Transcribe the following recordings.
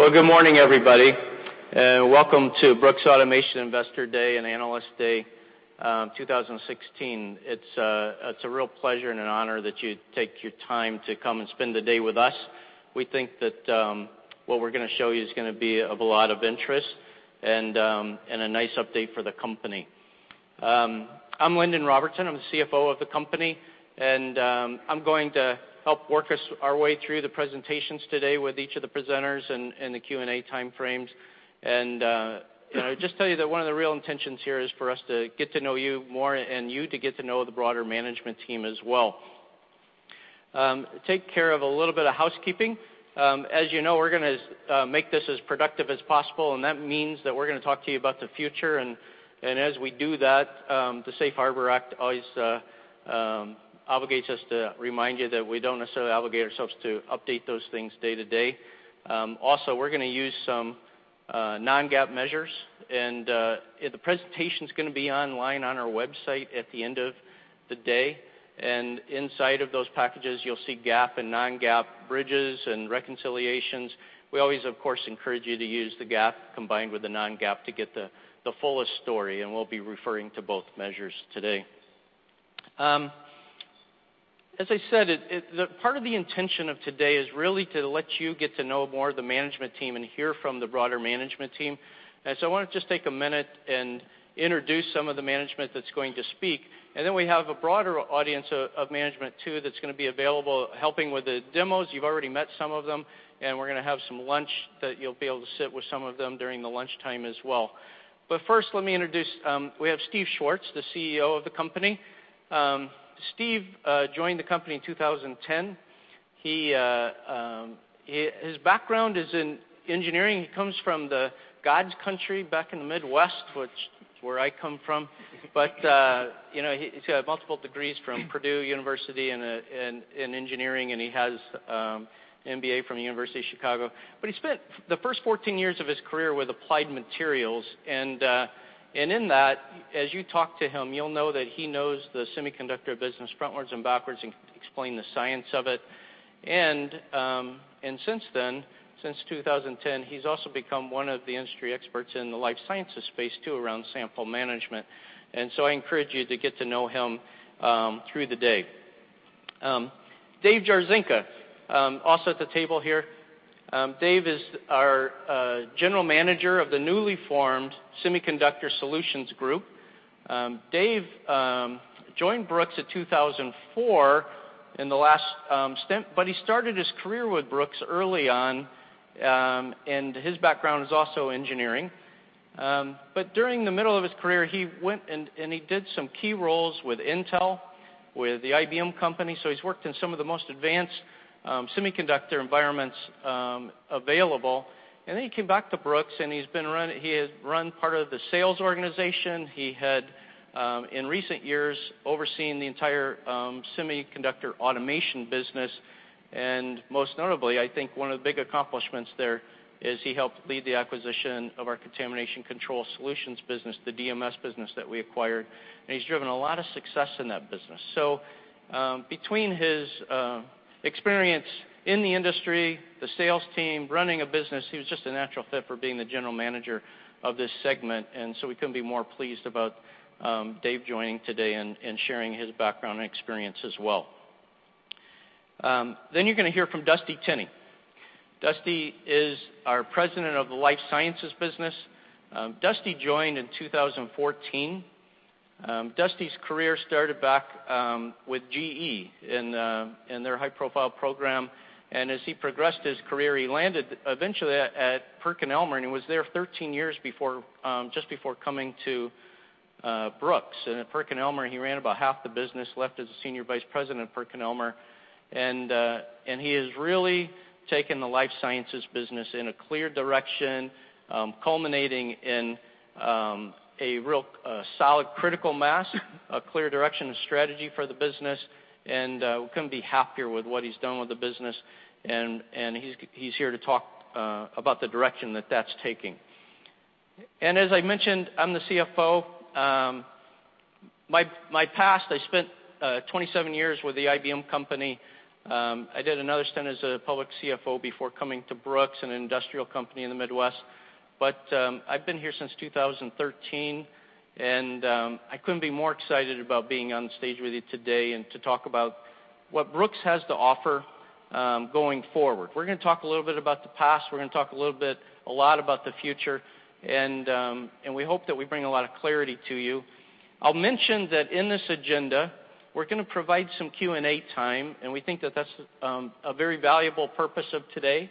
Well, good morning, everybody. Welcome to Brooks Automation Investor Day and Analyst Day 2016. It is a real pleasure and an honor that you take your time to come and spend the day with us. We think that what we are going to show you is going to be of a lot of interest and a nice update for the company. I am Lindon Robertson. I am the CFO of the company, and I am going to help work us our way through the presentations today with each of the presenters and the Q&A timeframes. Just tell you that one of the real intentions here is for us to get to know you more and you to get to know the broader management team as well. Take care of a little bit of housekeeping. As you know, we are going to make this as productive as possible, that means that we are going to talk to you about the future. As we do that, the Safe Harbor Act always obligates us to remind you that we do not necessarily obligate ourselves to update those things day to day. Also, we are going to use some non-GAAP measures, the presentation is going to be online on our website at the end of the day. Inside of those packages, you will see GAAP and non-GAAP bridges and reconciliations. We always, of course, encourage you to use the GAAP combined with the non-GAAP to get the fullest story, we will be referring to both measures today. As I said, part of the intention of today is really to let you get to know more of the management team and hear from the broader management team. I want to just take a minute and introduce some of the management that is going to speak. Then we have a broader audience of management too that is going to be available, helping with the demos. You have already met some of them, we are going to have some lunch that you will be able to sit with some of them during the lunchtime as well. First, let me introduce, we have Steve Schwartz, the CEO of the company. Steve joined the company in 2010. His background is in engineering. He comes from God's country back in the Midwest, which is where I come from. He has got multiple degrees from Purdue University in engineering, and he has an MBA from the University of Chicago. He spent the first 14 years of his career with Applied Materials, and in that, as you talk to him, you will know that he knows the semiconductor business frontwards and backwards and can explain the science of it. Since then, since 2010, he has also become one of the industry experts in the life sciences space too, around sample management. I encourage you to get to know him through the day. Dave Jarzynka, also at the table here. Dave is our General Manager of the newly formed Semiconductor Solutions Group. Dave joined Brooks in 2004 in the last stint, he started his career with Brooks early on. His background is also engineering. During the middle of his career, he went, and he did some key roles with Intel, with the IBM company. He has worked in some of the most advanced semiconductor environments available. He came back to Brooks, he has run part of the sales organization. He had, in recent years, overseen the entire semiconductor automation business. Most notably, I think one of the big accomplishments there is he helped lead the acquisition of our contamination control solutions business, the DMS business that we acquired. He's driven a lot of success in that business. Between his experience in the industry, the sales team, running a business, he was just a natural fit for being the General Manager of this segment. We couldn't be more pleased about Dave joining today and sharing his background and experience as well. You're going to hear from Dusty Tenney. Dusty is our President of the life sciences business. Dusty joined in 2014. Dusty's career started back with GE in their high-profile program. As he progressed his career, he landed eventually at PerkinElmer, he was there 13 years just before coming to Brooks. At PerkinElmer, he ran about half the business, left as a Senior Vice President at PerkinElmer. He has really taken the life sciences business in a clear direction, culminating in a real solid, critical mass, a clear direction of strategy for the business. We couldn't be happier with what he's done with the business. He's here to talk about the direction that that's taking. As I mentioned, I'm the CFO. My past, I spent 27 years with the IBM company. I did another stint as a public CFO before coming to Brooks, an industrial company in the Midwest. I've been here since 2013, and I couldn't be more excited about being on stage with you today and to talk about what Brooks has to offer going forward. We're going to talk a little bit about the past. We're going to talk a lot about the future, and we hope that we bring a lot of clarity to you. I'll mention that in this agenda, we're going to provide some Q&A time, and we think that that's a very valuable purpose of today.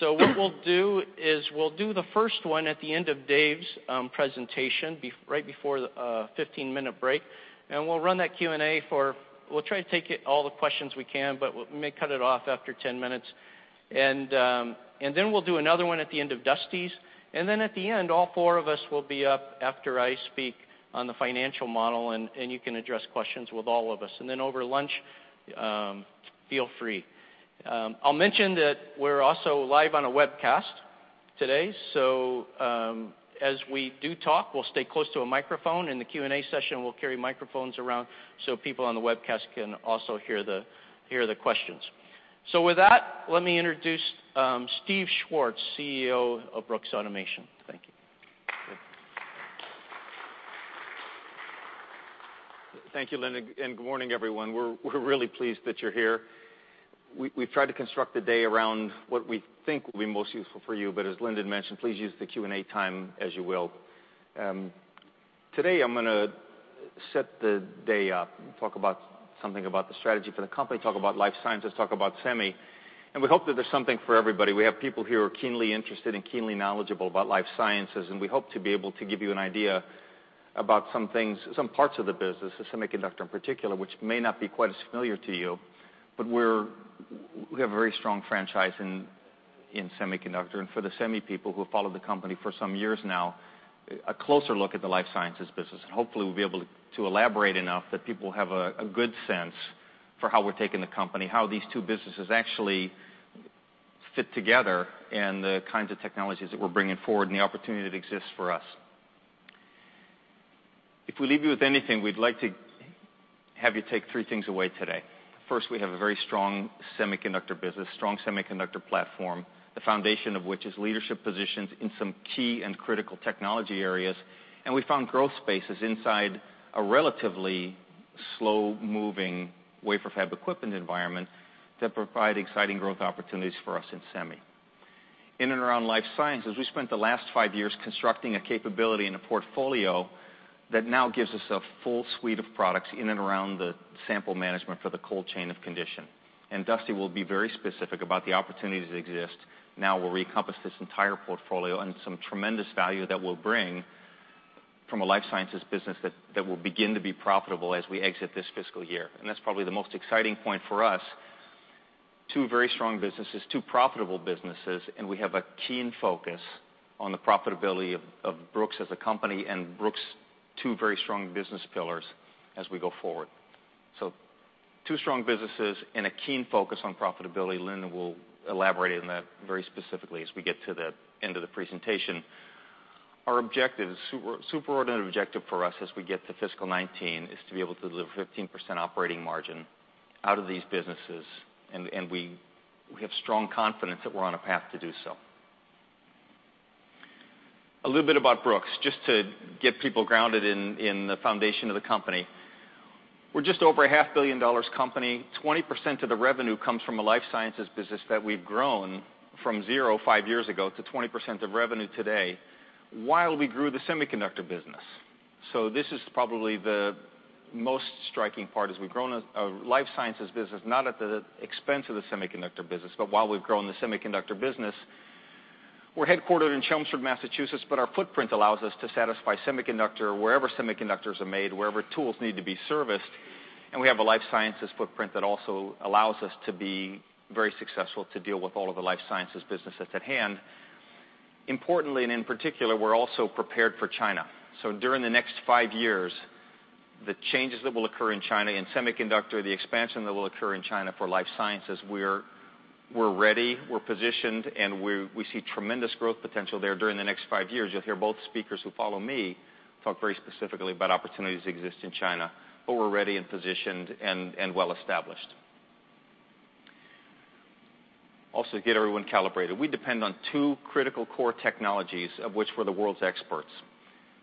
What we'll do is we'll do the first one at the end of Dave's presentation, right before the 15-minute break. We'll run that Q&A for, we'll try to take all the questions we can, but we may cut it off after 10 minutes. We'll do another one at the end of Dusty's. At the end, all four of us will be up after I speak on the financial model, and you can address questions with all of us. Over lunch, feel free. I'll mention that we're also live on a webcast. Today, so as we do talk, we'll stay close to a microphone. In the Q&A session, we'll carry microphones around so people on the webcast can also hear the questions. With that, let me introduce Steve Schwartz, CEO of Brooks Automation. Thank you. Thank you, Lindon, and good morning, everyone. We're really pleased that you're here. We've tried to construct the day around what we think will be most useful for you, but as Lindon mentioned, please use the Q&A time as you will. Today, I'm going to set the day up and talk about something about the strategy for the company, talk about life sciences, talk about semi, and we hope that there's something for everybody. We have people here who are keenly interested and keenly knowledgeable about life sciences, and we hope to be able to give you an idea about some things, some parts of the business, the Semiconductor in particular, which may not be quite as familiar to you, but we have a very strong franchise in Semiconductor. For the semi people who have followed the company for some years now, a closer look at the life sciences business. Hopefully, we'll be able to elaborate enough that people have a good sense for how we're taking the company, how these two businesses actually fit together, and the kinds of technologies that we're bringing forward and the opportunity that exists for us. If we leave you with anything, we'd like to have you take three things away today. First, we have a very strong Semiconductor business, strong Semiconductor platform, the foundation of which is leadership positions in some key and critical technology areas. We found growth spaces inside a relatively slow-moving wafer fab equipment environment that provide exciting growth opportunities for us in semi. In and around life sciences, we spent the last five years constructing a capability and a portfolio that now gives us a full suite of products in and around the sample management for the cold chain of condition. Dusty will be very specific about the opportunities that exist now where we encompass this entire portfolio, and some tremendous value that we'll bring from a life sciences business that will begin to be profitable as we exit this fiscal year. That's probably the most exciting point for us. Two very strong businesses, two profitable businesses, and we have a keen focus on the profitability of Brooks as a company and Brooks' two very strong business pillars as we go forward. Two strong businesses and a keen focus on profitability. Lindon will elaborate on that very specifically as we get to the end of the presentation. Our objective, superordinate objective for us as we get to fiscal 2019, is to be able to deliver 15% operating margin out of these businesses, and we have strong confidence that we're on a path to do so. A little bit about Brooks, just to get people grounded in the foundation of the company. We're just over a half billion dollars company. 20% of the revenue comes from a life sciences business that we've grown from zero five years ago to 20% of revenue today while we grew the Semiconductor business. This is probably the most striking part, is we've grown a life sciences business, not at the expense of the Semiconductor business. While we've grown the Semiconductor business, we're headquartered in Chelmsford, Massachusetts, but our footprint allows us to satisfy Semiconductor wherever semiconductors are made, wherever tools need to be serviced. We have a life sciences footprint that also allows us to be very successful to deal with all of the life sciences businesses at hand. Importantly, and in particular, we're also prepared for China. During the next five years, the changes that will occur in China in semiconductor, the expansion that will occur in China for life sciences, we're ready, we're positioned, and we see tremendous growth potential there during the next five years. You'll hear both speakers who follow me talk very specifically about opportunities that exist in China, but we're ready and positioned and well-established. To get everyone calibrated, we depend on two critical core technologies, of which we're the world's experts.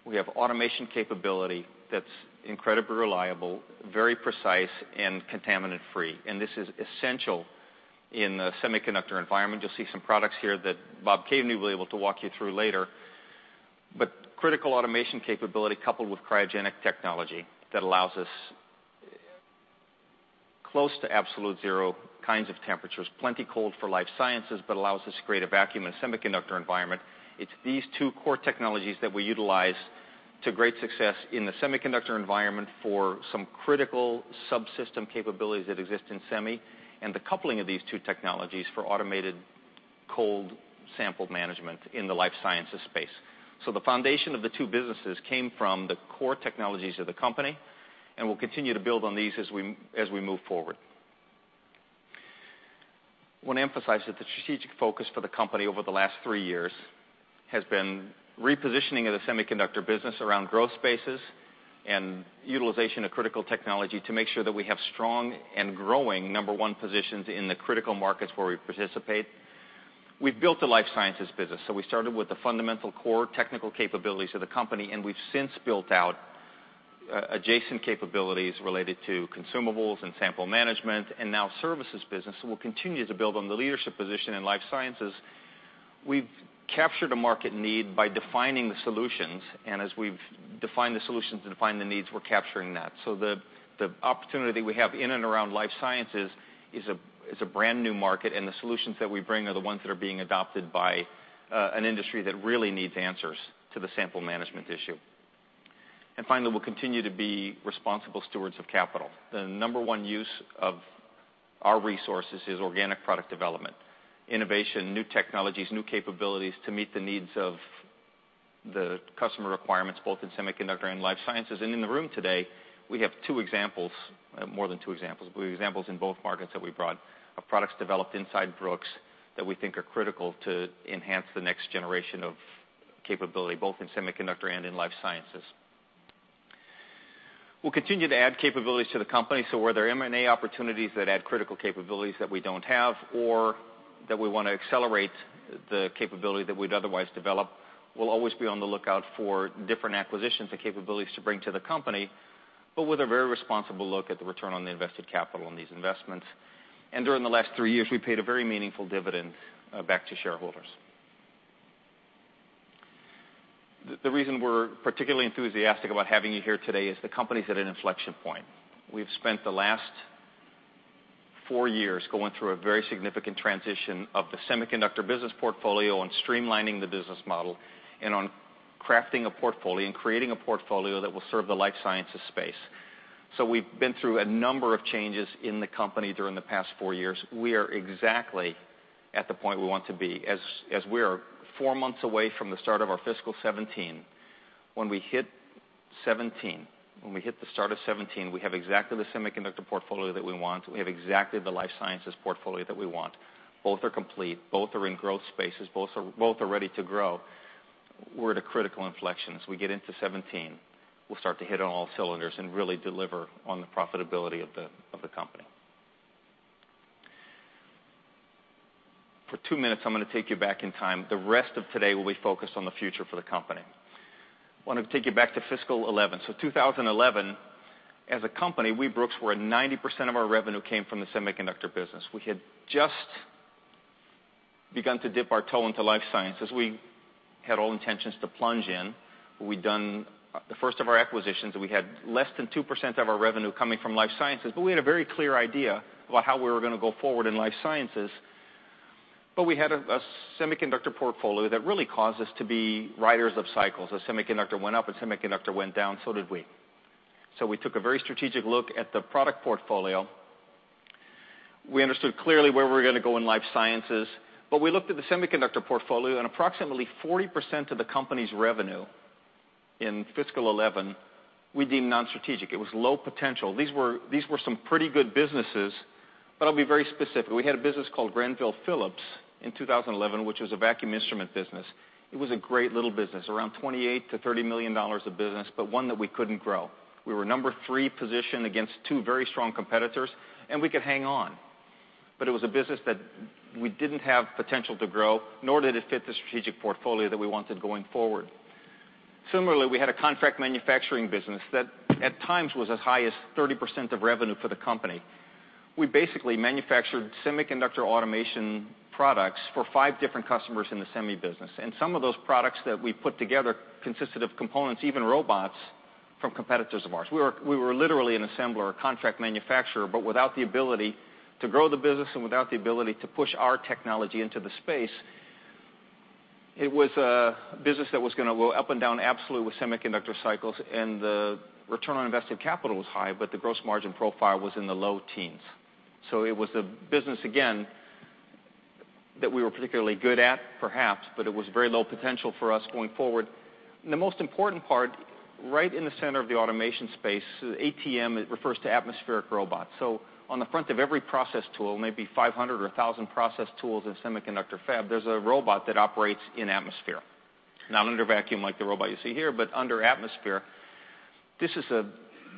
We have automation capability that's incredibly reliable, very precise, and contaminant-free, and this is essential in the semiconductor environment. You'll see some products here that Bob Caveney will be able to walk you through later, critical automation capability coupled with cryogenic technology that allows us close to absolute zero kinds of temperatures, plenty cold for life sciences, but allows us to create a vacuum in a semiconductor environment. It's these two core technologies that we utilize to great success in the semiconductor environment for some critical subsystem capabilities that exist in semi, and the coupling of these two technologies for automated cold sample management in the life sciences space. The foundation of the two businesses came from the core technologies of the company, and we'll continue to build on these as we move forward. I want to emphasize that the strategic focus for the company over the last three years has been repositioning of the semiconductor business around growth spaces and utilization of critical technology to make sure that we have strong and growing number one positions in the critical markets where we participate. We've built a life sciences business. We started with the fundamental core technical capabilities of the company, and we've since built out adjacent capabilities related to consumables and sample management and now services business. We'll continue to build on the leadership position in life sciences. We've captured a market need by defining the solutions, and as we've defined the solutions and defined the needs, we're capturing that. The opportunity we have in and around life sciences is a brand-new market, and the solutions that we bring are the ones that are being adopted by an industry that really needs answers to the sample management issue. Finally, we'll continue to be responsible stewards of capital. The number one use of our resources is organic product development, innovation, new technologies, new capabilities to meet the needs of the customer requirements, both in semiconductor and life sciences. In the room today, we have two examples, more than two examples, but examples in both markets that we brought, of products developed inside Brooks that we think are critical to enhance the next generation of capability, both in semiconductor and in life sciences. We'll continue to add capabilities to the company. Where there are M&A opportunities that add critical capabilities that we don't have or that we want to accelerate the capability that we'd otherwise develop, we'll always be on the lookout for different acquisitions and capabilities to bring to the company, but with a very responsible look at the return on the invested capital on these investments. During the last three years, we paid a very meaningful dividend back to shareholders. The reason we're particularly enthusiastic about having you here today is the company's at an inflection point. We've spent the last four years going through a very significant transition of the semiconductor business portfolio and streamlining the business model, and on crafting a portfolio and creating a portfolio that will serve the life sciences space. We've been through a number of changes in the company during the past four years. We are exactly at the point we want to be, as we are four months away from the start of our fiscal 2017. When we hit 2017, when we hit the start of 2017, we have exactly the semiconductor portfolio that we want. We have exactly the life sciences portfolio that we want. Both are complete. Both are in growth spaces. Both are ready to grow. We're at a critical inflection. As we get into 2017, we'll start to hit on all cylinders and really deliver on the profitability of the company. For two minutes, I'm going to take you back in time. The rest of today will be focused on the future for the company. I want to take you back to fiscal 2011. 2011, as a company, we, Brooks, where 90% of our revenue came from the semiconductor business. We had just begun to dip our toe into life sciences. We had all intentions to plunge in. We'd done the first of our acquisitions. We had less than 2% of our revenue coming from life sciences, but we had a very clear idea about how we were going to go forward in life sciences. We had a semiconductor portfolio that really caused us to be riders of cycles. As semiconductor went up and semiconductor went down, so did we. We took a very strategic look at the product portfolio. We understood clearly where we were going to go in life sciences, but we looked at the semiconductor portfolio and approximately 40% of the company's revenue in fiscal 2011, we deemed non-strategic. It was low potential. These were some pretty good businesses, but I'll be very specific. We had a business called Granville-Phillips in 2011, which was a vacuum instrument business. It was a great little business, around $28 million-$30 million of business, but one that we couldn't grow. We were number three position against two very strong competitors, and we could hang on. It was a business that we didn't have potential to grow, nor did it fit the strategic portfolio that we wanted going forward. Similarly, we had a contract manufacturing business that at times was as high as 30% of revenue for the company. We basically manufactured semiconductor automation products for five different customers in the semi business. Some of those products that we put together consisted of components, even robots, from competitors of ours. We were literally an assembler, a contract manufacturer, but without the ability to grow the business and without the ability to push our technology into the space. It was a business that was going to go up and down absolutely with semiconductor cycles, and the return on invested capital was high, but the gross margin profile was in the low teens. It was a business, again, that we were particularly good at, perhaps, but it was very low potential for us going forward. The most important part, right in the center of the automation space, ATM, it refers to atmospheric robots. On the front of every process tool, maybe 500 or 1,000 process tools in semiconductor fab, there's a robot that operates in atmosphere. Not under vacuum like the robot you see here, but under atmosphere. This is a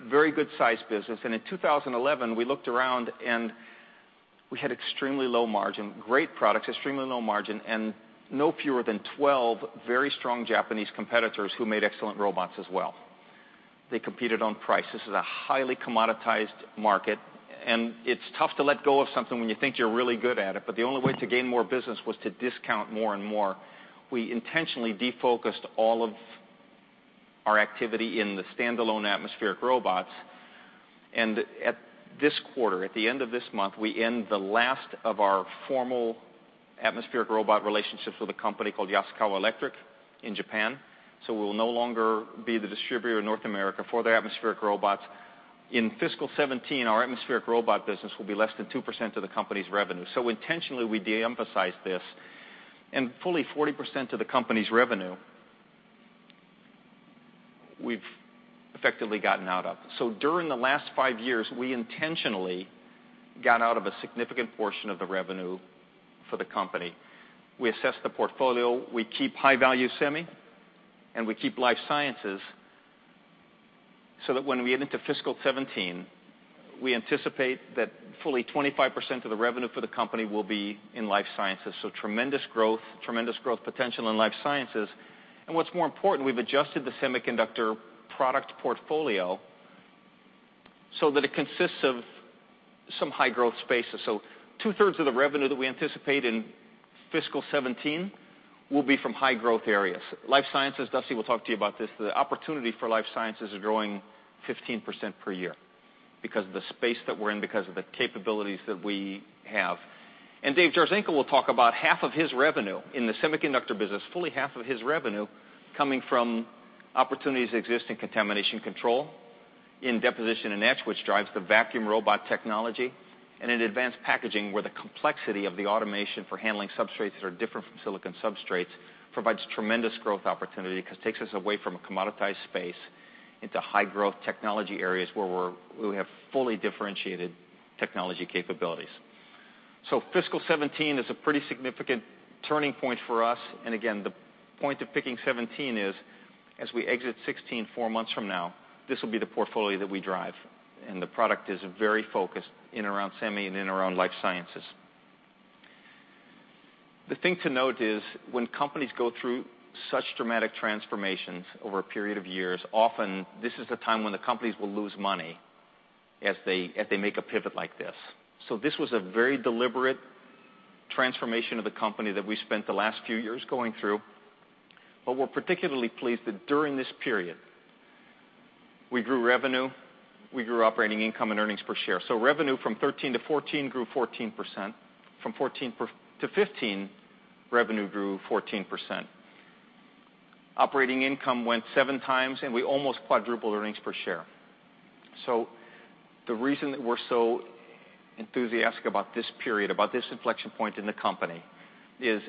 very good size business, and in 2011, we looked around, and we had extremely low margin, great products, extremely low margin, and no fewer than 12 very strong Japanese competitors who made excellent robots as well. They competed on price. This is a highly commoditized market, and it's tough to let go of something when you think you're really good at it, but the only way to gain more business was to discount more and more. We intentionally defocused all of our activity in the standalone atmospheric robots, and at this quarter, at the end of this month, we end the last of our formal atmospheric robot relationships with a company called Yaskawa Electric in Japan. We will no longer be the distributor in North America for their atmospheric robots. In fiscal 2017, our atmospheric robot business will be less than 2% of the company's revenue. Intentionally, we de-emphasized this and fully 40% of the company's revenue we've effectively gotten out of. During the last five years, we intentionally got out of a significant portion of the revenue for the company. We assessed the portfolio. We keep high-value semi, and we keep life sciences, so that when we get into fiscal 2017, we anticipate that fully 25% of the revenue for the company will be in life sciences. Tremendous growth potential in life sciences. What's more important, we've adjusted the semiconductor product portfolio so that it consists of some high-growth spaces. Two-thirds of the revenue that we anticipate in fiscal 2017 will be from high-growth areas. Life sciences, Dusty will talk to you about this. The opportunity for life sciences is growing 15% per year because of the space that we're in, because of the capabilities that we have. Dave Jarzynka will talk about half of his revenue in the semiconductor business, fully half of his revenue coming from opportunities that exist in contamination control in deposition and etch, which drives the vacuum robot technology, and in advanced packaging, where the complexity of the automation for handling substrates that are different from silicon substrates provides tremendous growth opportunity because it takes us away from a commoditized space into high-growth technology areas where we have fully differentiated technology capabilities. Fiscal 2017 is a pretty significant turning point for us. Again, the point of picking 2017 is, as we exit 2016 four months from now, this will be the portfolio that we drive, and the product is very focused in and around semi and in and around life sciences. The thing to note is when companies go through such dramatic transformations over a period of years, often this is the time when the companies will lose money as they make a pivot like this. This was a very deliberate transformation of the company that we spent the last few years going through. We're particularly pleased that during this period, we grew revenue, we grew operating income and earnings per share. Revenue from 2013 to 2014 grew 14%. From 2014 to 2015, revenue grew 14%. Operating income went 7 times, and we almost quadrupled earnings per share. The reason that we're so enthusiastic about this period, about this inflection point in the company, is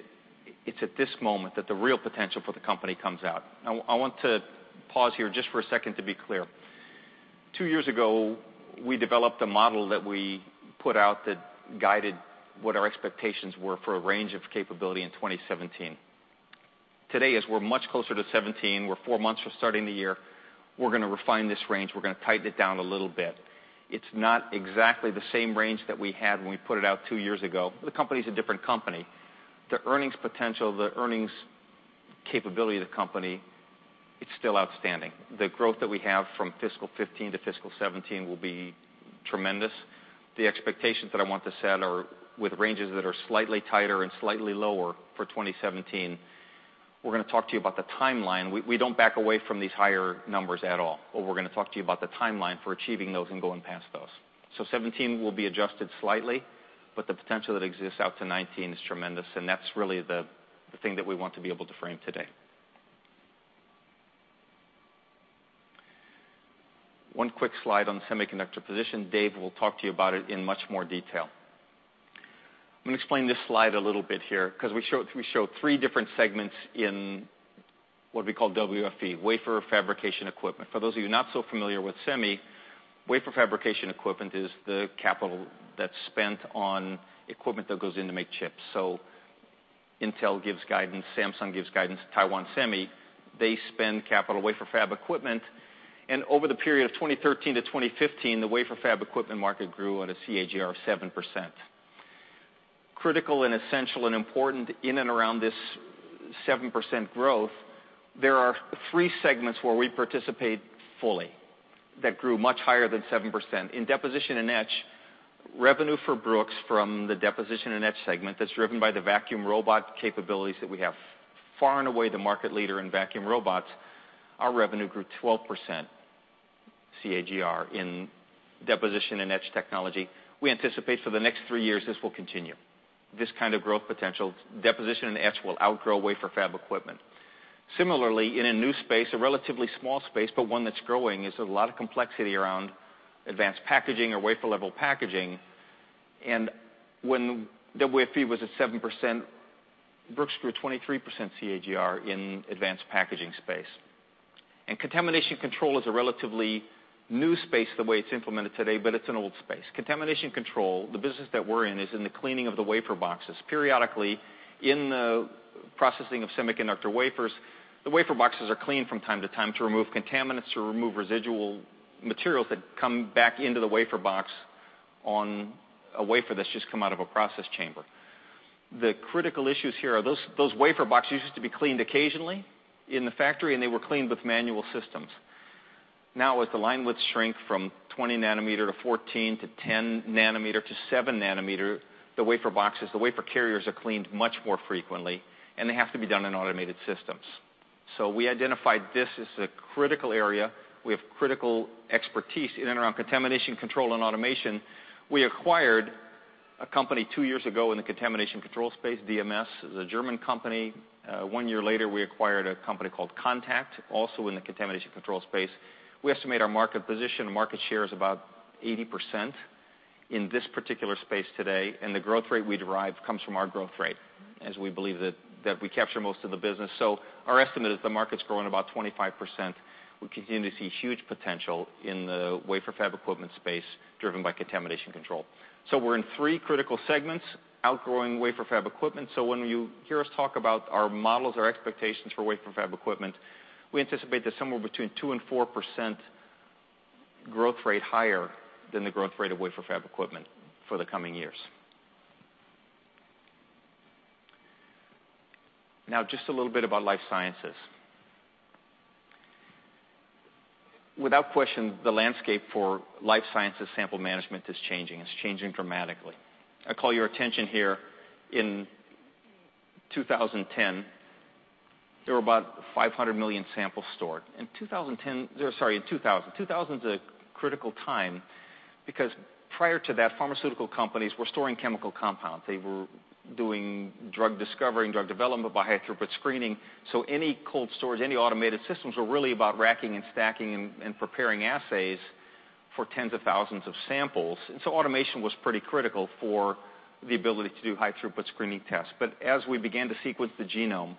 it's at this moment that the real potential for the company comes out. I want to pause here just for a second to be clear. Two years ago, we developed a model that we put out that guided what our expectations were for a range of capability in 2017. Today, as we're much closer to 2017, we're four months from starting the year, we're going to refine this range. We're going to tighten it down a little bit. It's not exactly the same range that we had when we put it out two years ago. The company's a different company. The earnings potential, the earnings capability of the company, it's still outstanding. The growth that we have from fiscal 2015 to fiscal 2017 will be tremendous. The expectations that I want to set are with ranges that are slightly tighter and slightly lower for 2017. We're going to talk to you about the timeline. We don't back away from these higher numbers at all, we're going to talk to you about the timeline for achieving those and going past those. 2017 will be adjusted slightly, but the potential that exists out to 2019 is tremendous, and that's really the thing that we want to be able to frame today. One quick slide on semiconductor position. Dave will talk to you about it in much more detail. I'm going to explain this slide a little bit here, because we show three different segments in what we call WFE, wafer fabrication equipment. For those of you not so familiar with semi, wafer fabrication equipment is the capital that's spent on equipment that goes in to make chips. Intel gives guidance, Samsung gives guidance, Taiwan Semi, they spend capital wafer fab equipment. Over the period of 2013 to 2015, the wafer fab equipment market grew at a CAGR of 7%. Critical and essential and important in and around this 7% growth, there are three segments where we participate fully that grew much higher than 7%. In deposition and etch, revenue for Brooks from the deposition and etch segment that's driven by the vacuum robot capabilities that we have, far and away the market leader in vacuum robots, our revenue grew 12% CAGR in deposition and etch technology. We anticipate for the next three years, this will continue. This kind of growth potential, deposition and etch will outgrow wafer fab equipment. Similarly, in a new space, a relatively small space, but one that's growing, is there's a lot of complexity around advanced packaging or wafer-level packaging. When WFE was at 7%, Brooks grew 23% CAGR in advanced packaging space. Contamination control is a relatively new space the way it's implemented today, but it's an old space. Contamination control, the business that we're in, is in the cleaning of the wafer boxes. Periodically, in the processing of semiconductor wafers, the wafer boxes are cleaned from time to time to remove contaminants, to remove residual materials that come back into the wafer box on a wafer that's just come out of a process chamber. The critical issues here are those wafer boxes used to be cleaned occasionally in the factory, and they were cleaned with manual systems. With the line width shrink from 20 nanometer to 14 to 10 nanometer to seven nanometer, the wafer boxes, the wafer carriers are cleaned much more frequently, and they have to be done in automated systems. We identified this as a critical area. We have critical expertise in and around contamination control and automation. We acquired a company two years ago in the contamination control space, DMS. It was a German company. One year later, we acquired a company called Contact, also in the contamination control space. We estimate our market position and market share is about 80% in this particular space today, and the growth rate we derive comes from our growth rate, as we believe that we capture most of the business. Our estimate is the market's growing about 25%. We continue to see huge potential in the wafer fab equipment space driven by contamination control. We're in three critical segments, outgrowing wafer fab equipment. When you hear us talk about our models, our expectations for wafer fab equipment, we anticipate that somewhere between 2% and 4% growth rate higher than the growth rate of wafer fab equipment for the coming years. Just a little bit about life sciences. Without question, the landscape for life sciences sample management is changing. It's changing dramatically. I call your attention here. In 2010, there were about 500 million samples stored. In 2010. Sorry, in 2000. 2000's a critical time because prior to that, pharmaceutical companies were storing chemical compounds. They were doing drug discovery and drug development by high-throughput screening. Any cold storage, any automated systems, were really about racking and stacking and preparing assays for tens of thousands of samples. Automation was pretty critical for the ability to do high-throughput screening tests. As we began to sequence the genome,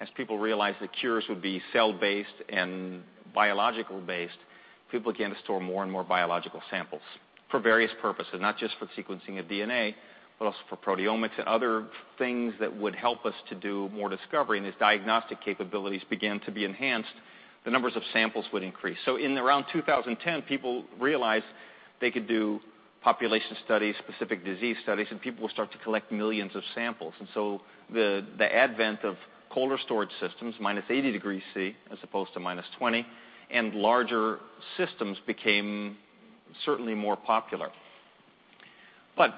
as people realized that cures would be cell-based and biological-based, people began to store more and more biological samples for various purposes, not just for sequencing of DNA, but also for proteomics and other things that would help us to do more discovery. As diagnostic capabilities began to be enhanced, the numbers of samples would increase. In around 2010, people realized they could do population studies, specific disease studies, and people would start to collect millions of samples. The advent of colder storage systems, minus 80 degrees Celsius as opposed to minus 20, and larger systems became certainly more popular.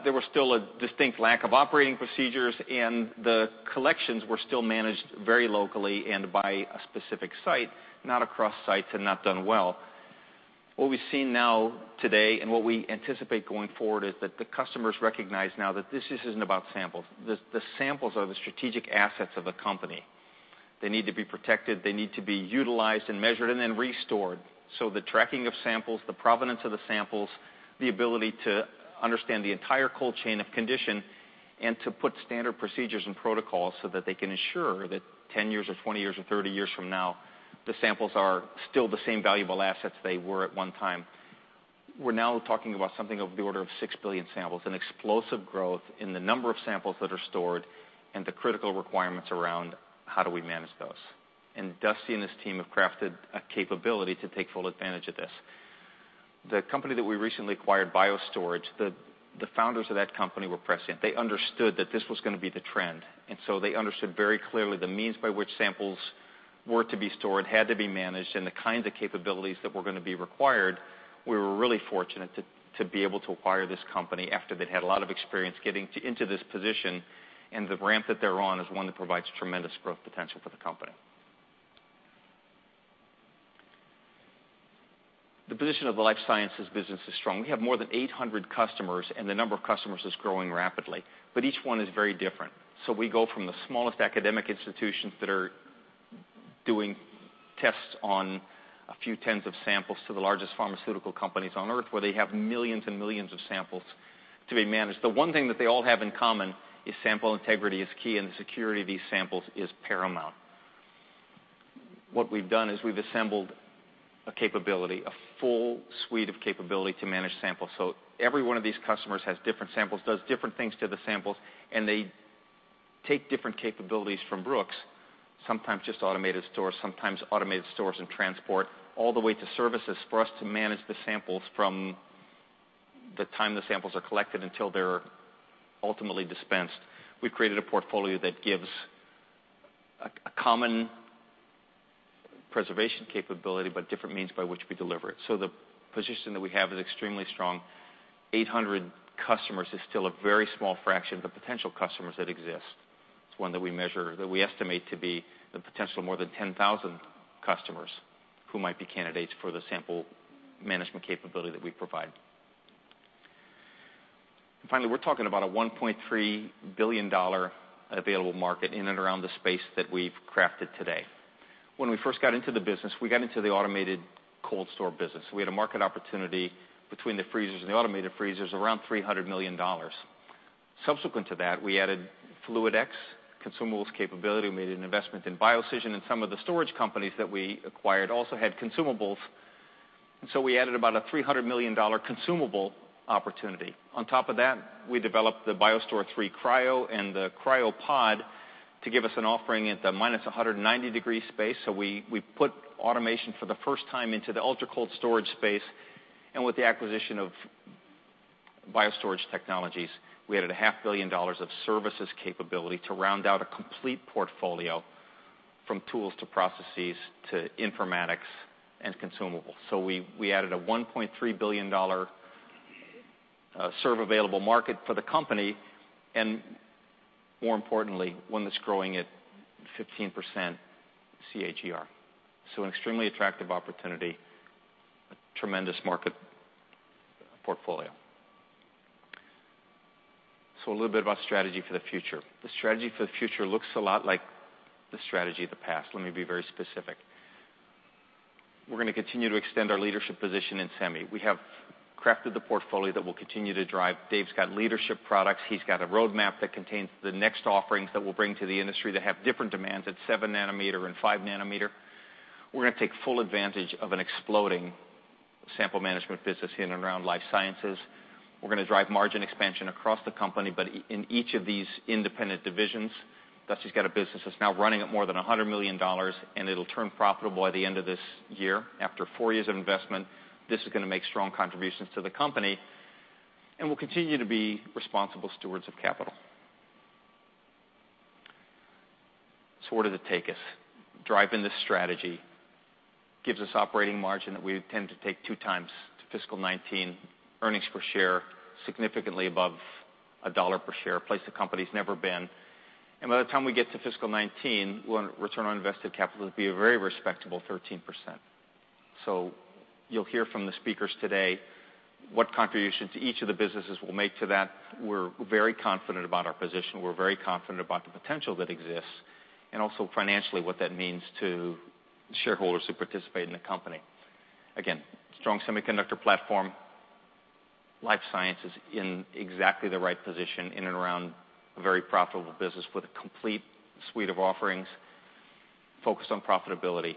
There was still a distinct lack of operating procedures, and the collections were still managed very locally and by a specific site, not across sites and not done well. What we've seen now today and what we anticipate going forward is that the customers recognize now that this isn't about samples. The samples are the strategic assets of a company. They need to be protected, they need to be utilized and measured, and then restored. The tracking of samples, the provenance of the samples, the ability to understand the entire cold chain of condition, and to put standard procedures and protocols so that they can ensure that 10 years or 20 years or 30 years from now, the samples are still the same valuable assets they were at one time. We're now talking about something of the order of 6 billion samples, an explosive growth in the number of samples that are stored, and the critical requirements around how do we manage those. Dusty and his team have crafted a capability to take full advantage of this. The company that we recently acquired, BioStorage, the founders of that company were prescient. They understood that this was going to be the trend. They understood very clearly the means by which samples were to be stored, had to be managed, and the kinds of capabilities that were going to be required. We were really fortunate to be able to acquire this company after they'd had a lot of experience getting into this position, and the ramp that they're on is one that provides tremendous growth potential for the company. The position of the life sciences business is strong. We have more than 800 customers, the number of customers is growing rapidly, but each one is very different. We go from the smallest academic institutions that are doing tests on a few tens of samples to the largest pharmaceutical companies on Earth, where they have millions and millions of samples to be managed. The one thing that they all have in common is sample integrity is key. The security of these samples is paramount. What we've done is we've assembled a capability, a full suite of capability to manage samples. Every one of these customers has different samples, does different things to the samples, and they take different capabilities from Brooks, sometimes just automated storage, sometimes automated storage and transport, all the way to services for us to manage the samples from the time the samples are collected until they're ultimately dispensed. We've created a portfolio that gives a common preservation capability, but different means by which we deliver it. The position that we have is extremely strong. 800 customers is still a very small fraction of the potential customers that exist. It's one that we measure, that we estimate to be the potential more than 10,000 customers who might be candidates for the sample management capability that we provide. Finally, we're talking about a $1.3 billion available market in and around the space that we've crafted today. When we first got into the business, we got into the automated cold store business. We had a market opportunity between the freezers and the automated freezers, around $300 million. Subsequent to that, we added FluidX consumables capability. We made an investment in BioCision, some of the storage companies that we acquired also had consumables, and we added about a $300 million consumable opportunity. On top of that, we developed the BioStore III Cryo and the CryoPod to give us an offering at the minus 190 degree space. We put automation for the first time into the ultra-cold storage space. With the acquisition of BioStorage Technologies, we added a half billion dollars of services capability to round out a complete portfolio from tools to processes to informatics and consumables. We added a $1.3 billion serve available market for the company, and more importantly, one that's growing at 15% CAGR. An extremely attractive opportunity, a tremendous market portfolio. A little bit about strategy for the future. The strategy for the future looks a lot like the strategy of the past. Let me be very specific. We're going to continue to extend our leadership position in semi. We have crafted the portfolio that we'll continue to drive. Dave's got leadership products. He's got a roadmap that contains the next offerings that we'll bring to the industry that have different demands at seven nanometer and five nanometer. We're going to take full advantage of an exploding sample management business in and around life sciences. We're going to drive margin expansion across the company, but in each of these independent divisions. Dusty's got a business that's now running at more than $100 million, and it'll turn profitable by the end of this year. After four years of investment, this is going to make strong contributions to the company, and we'll continue to be responsible stewards of capital. Where does it take us? Driving this strategy gives us operating margin that we intend to take two times to fiscal 2019. Earnings per share significantly above $1 per share, a place the company's never been. By the time we get to fiscal 2019, return on invested capital will be a very respectable 13%. You'll hear from the speakers today what contribution to each of the businesses will make to that. We're very confident about our position. We're very confident about the potential that exists, and also financially, what that means to shareholders who participate in the company. Again, strong semiconductor platform, life sciences in exactly the right position, in and around a very profitable business with a complete suite of offerings focused on profitability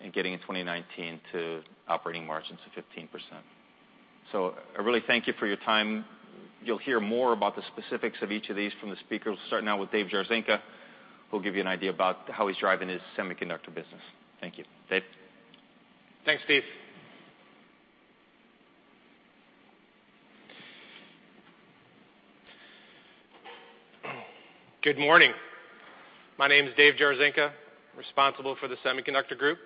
and getting in 2019 to operating margins of 15%. I really thank you for your time. You'll hear more about the specifics of each of these from the speakers, starting out with Dave Jarzynka, who'll give you an idea about how he's driving his semiconductor business. Thank you. Dave? Thanks, Steve. Good morning. My name is Dave Jarzynka, responsible for the Semiconductor Group,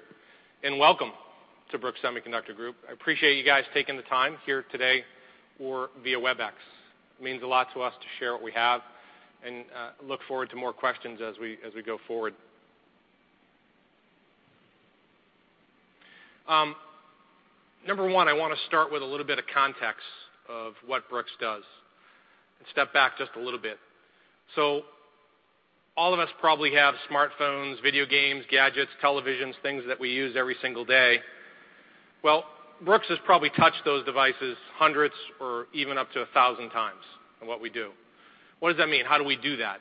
and welcome to Brooks Semiconductor Group. I appreciate you guys taking the time here today or via WebEx. It means a lot to us to share what we have, and I look forward to more questions as we go forward. Number one, I want to start with a little bit of context of what Brooks does, and step back just a little bit. All of us probably have smartphones, video games, gadgets, televisions, things that we use every single day. Well, Brooks has probably touched those devices hundreds or even up to 1,000 times in what we do. What does that mean? How do we do that?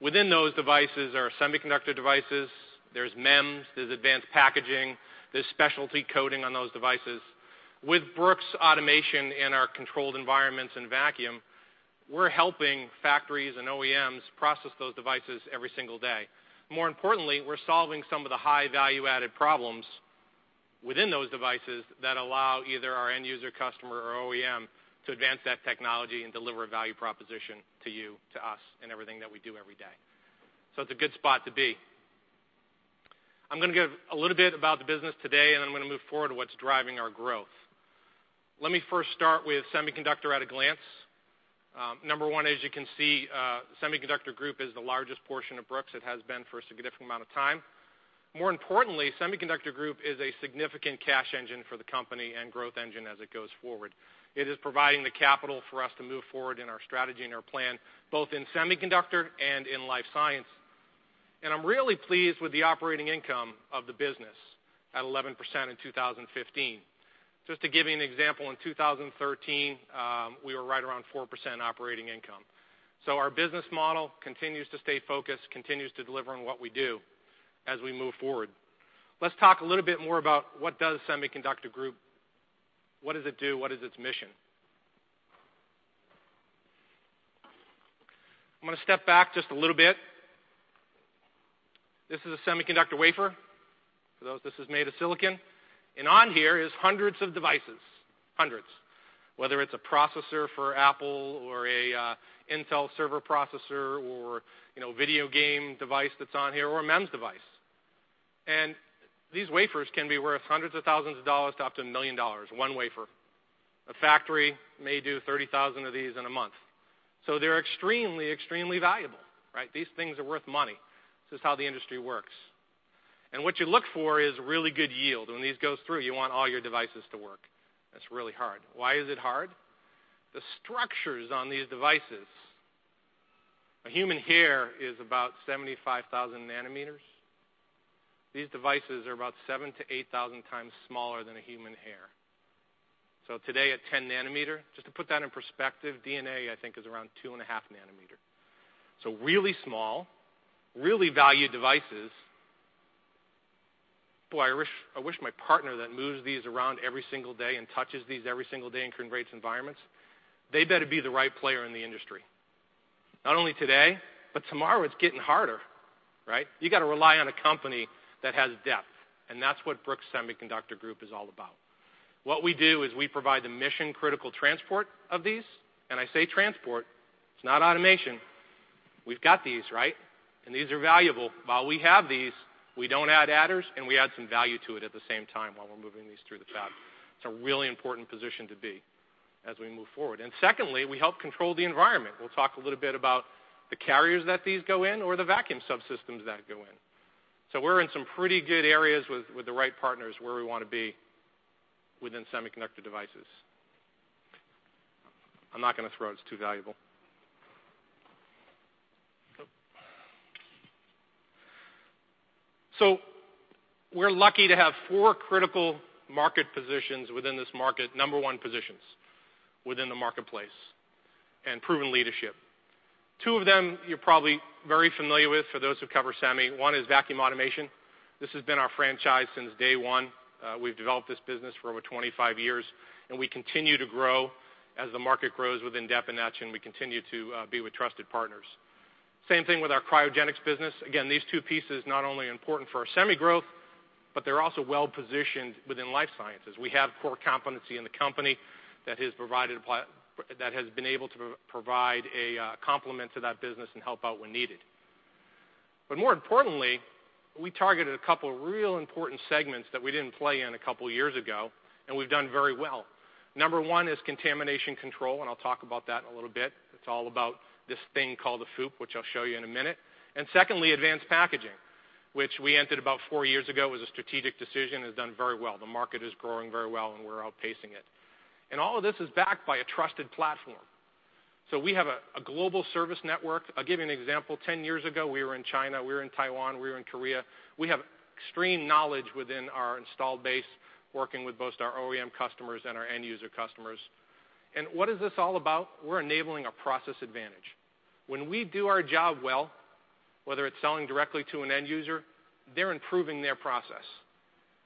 Within those devices are semiconductor devices, there's MEMS, there's advanced packaging, there's specialty coating on those devices. With Brooks Automation in our controlled environments and vacuum, we're helping factories and OEMs process those devices every single day. More importantly, we're solving some of the high value-added problems within those devices that allow either our end user customer or OEM to advance that technology and deliver a value proposition to you, to us, in everything that we do every day. It's a good spot to be. I'm going to give a little bit about the business today, then I'm going to move forward to what's driving our growth. Let me first start with semiconductor at a glance. Number 1, as you can see, Semiconductor Group is the largest portion of Brooks. It has been for a significant amount of time. More importantly, Semiconductor Group is a significant cash engine for the company and growth engine as it goes forward. It is providing the capital for us to move forward in our strategy and our plan, both in semiconductor and in life science. I'm really pleased with the operating income of the business at 11% in 2015. Just to give you an example, in 2013, we were right around 4% operating income. Our business model continues to stay focused, continues to deliver on what we do as we move forward. Let's talk a little bit more about what does Semiconductor Group do? What is its mission? I'm going to step back just a little bit. This is a semiconductor wafer. For those, this is made of silicon. On here is hundreds of devices. Hundreds. Whether it's a processor for Apple or an Intel server processor or video game device that's on here or a MEMS device. These wafers can be worth hundreds of thousands of dollars to up to $1 million, one wafer. A factory may do 30,000 of these in a month. They're extremely valuable, right? These things are worth money. This is how the industry works. What you look for is really good yield. When these go through, you want all your devices to work. That's really hard. Why is it hard? The structures on these devices. A human hair is about 75,000 nanometers. These devices are about 7,000 to 8,000 times smaller than a human hair. Today, a 10 nanometer, just to put that in perspective, DNA, I think, is around two and a half nanometer. Really small, really valued devices. Boy, I wish my partner that moves these around every single day and touches these every single day in (current rates environments), they better be the right player in the industry. Not only today, but tomorrow, it's getting harder, right? You got to rely on a company that has depth, and that's what Brooks Semiconductor Group is all about. What we do is we provide the mission-critical transport of these, I say transport, it's not automation. We've got these, right? These are valuable. While we have these, we don't add adders, we add some value to it at the same time while we're moving these through the fab. It's a really important position to be as we move forward. Secondly, we help control the environment. We'll talk a little bit about the carriers that these go in or the vacuum subsystems that go in. We're in some pretty good areas with the right partners where we want to be within semiconductor devices. I'm not going to throw it. It's too valuable. We're lucky to have four critical market positions within this market. Number 1 positions within the marketplace and proven leadership. Two of them you're probably very familiar with for those who cover semi. One is vacuum automation. This has been our franchise since day 1. We've developed this business for over 25 years, and we continue to grow as the market grows within depth and breadth, and we continue to be with trusted partners. Same thing with our cryogenics business. These two pieces not only are important for our semi growth, but they're also well-positioned within life sciences. We have core competency in the company that has been able to provide a complement to that business and help out when needed. More importantly, we targeted a couple of real important segments that we didn't play in a couple years ago, and we've done very well. Number 1 is contamination control, and I'll talk about that in a little bit. It's all about this thing called a FOUP, which I'll show you in a minute. Secondly, advanced packaging, which we entered about four years ago. It was a strategic decision, and has done very well. The market is growing very well, and we're outpacing it. All of this is backed by a trusted platform. We have a global service network. I'll give you an example. 10 years ago, we were in China, we were in Taiwan, we were in Korea. We have extreme knowledge within our installed base, working with both our OEM customers and our end user customers. What is this all about? We're enabling a process advantage. When we do our job well, whether it's selling directly to an end user, they're improving their process.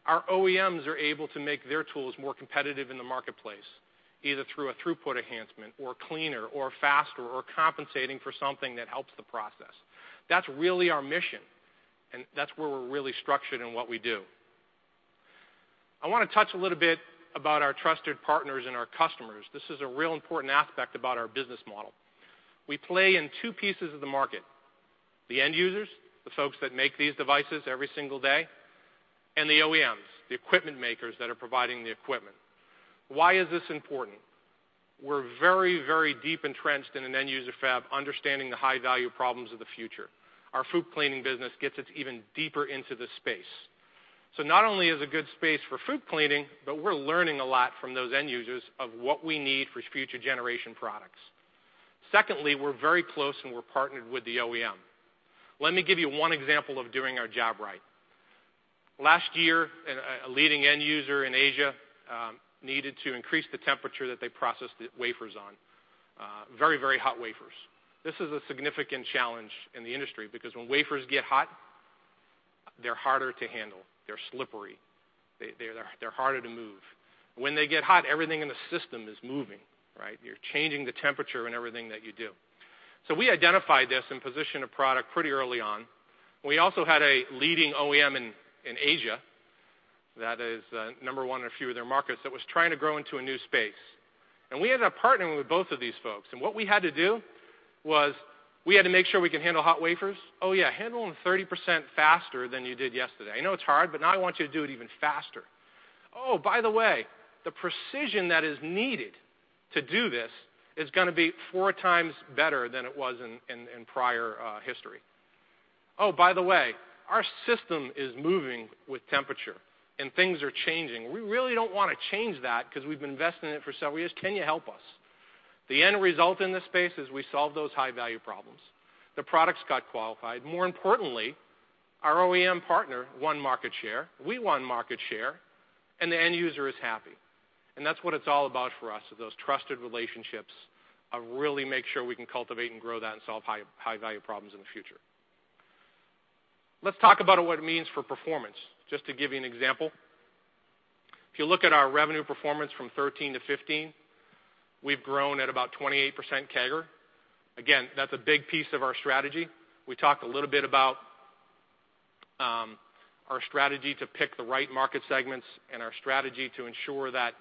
Our OEMs are able to make their tools more competitive in the marketplace, either through a throughput enhancement or cleaner or faster, or compensating for something that helps the process. That's really our mission, and that's where we're really structured in what we do. I want to touch a little bit about our trusted partners and our customers. This is a real important aspect about our business model. We play in two pieces of the market, the end users, the folks that make these devices every single day, and the OEMs, the equipment makers that are providing the equipment. Why is this important? We're very, very deep entrenched in an end user fab, understanding the high-value problems of the future. Our FOUP cleaning business gets us even deeper into this space. Not only is it a good space for FOUP cleaning, but we're learning a lot from those end users of what we need for future generation products. Secondly, we're very close and we're partnered with the OEM. Let me give you one example of doing our job right. Last year, a leading end user in Asia, needed to increase the temperature that they processed the wafers on. Very, very hot wafers. This is a significant challenge in the industry because when wafers get hot, they're harder to handle. They're slippery. They're harder to move. When they get hot, everything in the system is moving, right? You're changing the temperature in everything that you do. We identified this and positioned a product pretty early on. We also had a leading OEM in Asia, that is number one in a few of their markets, that was trying to grow into a new space. We ended up partnering with both of these folks, and what we had to do was, we had to make sure we could handle hot wafers. Oh, yeah, handle them 30% faster than you did yesterday. I know it's hard, but now I want you to do it even faster. Oh, by the way, the precision that is needed to do this is going to be 4 times better than it was in prior history. Oh, by the way, our system is moving with temperature and things are changing. We really don't want to change that because we've been investing in it for so Can you help us? The end result in this space is we solved those high-value problems. The products got qualified. More importantly, our OEM partner won market share, we won market share, and the end user is happy. That's what it's all about for us, are those trusted relationships, really make sure we can cultivate and grow that and solve high-value problems in the future. Let's talk about what it means for performance, just to give you an example. If you look at our revenue performance from 2013 to 2015, we've grown at about 28% CAGR. Again, that's a big piece of our strategy. We talked a little bit about our strategy to pick the right market segments and our strategy to ensure that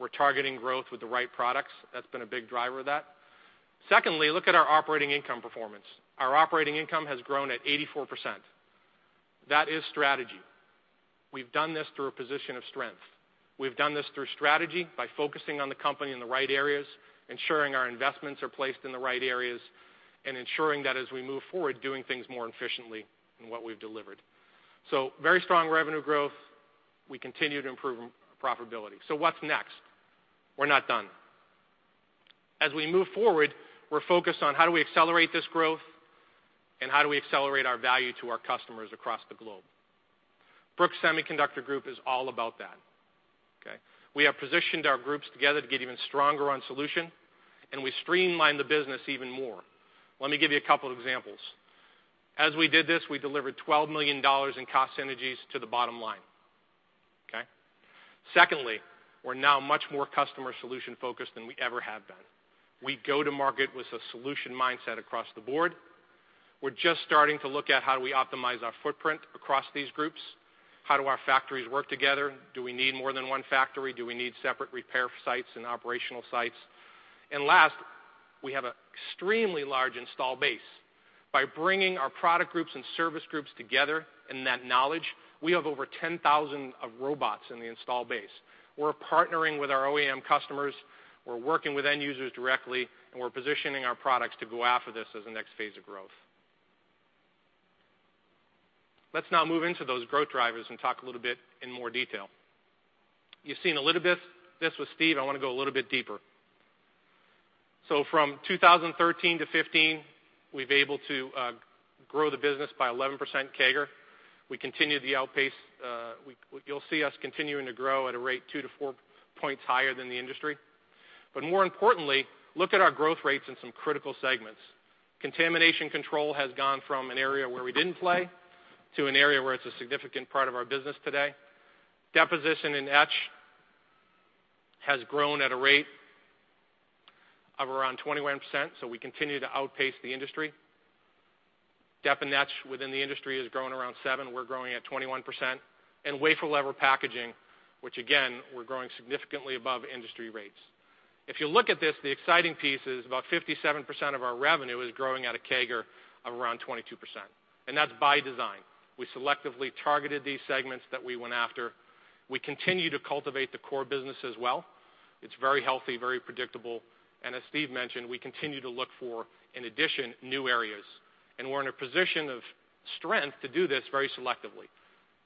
we're targeting growth with the right products. That's been a big driver of that. Secondly, look at our operating income performance. Our operating income has grown at 84%. That is strategy. We've done this through a position of strength. We've done this through strategy by focusing on the company in the right areas, ensuring our investments are placed in the right areas, and ensuring that as we move forward, doing things more efficiently in what we've delivered. Very strong revenue growth. We continue to improve profitability. What's next? We're not done. As we move forward, we're focused on: how do we accelerate this growth, and how do we accelerate our value to our customers across the globe? Brooks Semiconductor Group is all about that, okay? We have positioned our groups together to get even stronger on solution. We streamlined the business even more. Let me give you a couple examples. As we did this, we delivered $12 million in cost synergies to the bottom line, okay? Secondly, we're now much more customer solution-focused than we ever have been. We go to market with a solution mindset across the board. We're just starting to look at how do we optimize our footprint across these groups. How do our factories work together? Do we need more than one factory? Do we need separate repair sites and operational sites? Last, we have an extremely large install base. By bringing our product groups and service groups together and that knowledge, we have over 10,000 of robots in the install base. We're partnering with our OEM customers, we're working with end users directly. We're positioning our products to go after this as the next phase of growth. Let's now move into those growth drivers and talk a little bit in more detail. You've seen a little bit of this with Steve. I want to go a little bit deeper. From 2013 to 2015, we've been able to grow the business by 11% CAGR. We continue to outpace. You'll see us continuing to grow at a rate two to four points higher than the industry. More importantly, look at our growth rates in some critical segments. Contamination control has gone from an area where we didn't play to an area where it's a significant part of our business today. Deposition and etch has grown at a rate of around 21%, we continue to outpace the industry. Dep and etch within the industry is growing around 7%, we're growing at 21%. Wafer level packaging, which again, we're growing significantly above industry rates. If you look at this, the exciting piece is about 57% of our revenue is growing at a CAGR of around 22%. That's by design. We selectively targeted these segments that we went after. We continue to cultivate the core business as well. It's very healthy, very predictable. As Steve mentioned, we continue to look for, in addition, new areas. We're in a position of strength to do this very selectively.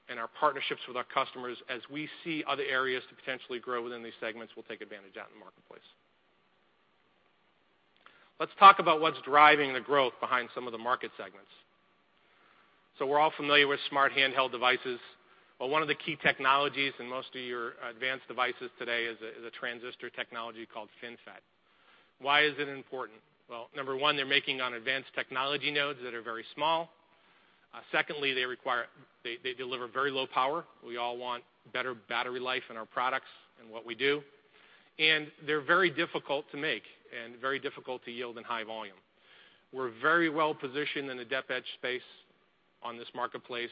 Our partnerships with our customers, as we see other areas to potentially grow within these segments, we'll take advantage out in the marketplace. Let's talk about what's driving the growth behind some of the market segments. One of the key technologies in most of your advanced devices today is a transistor technology called FinFET. Why is it important? Number one, they're making on advanced technology nodes that are very small. Secondly, they deliver very low power. We all want better battery life in our products and what we do. They're very difficult to make and very difficult to yield in high volume. We're very well-positioned in the DepEtch space on this marketplace,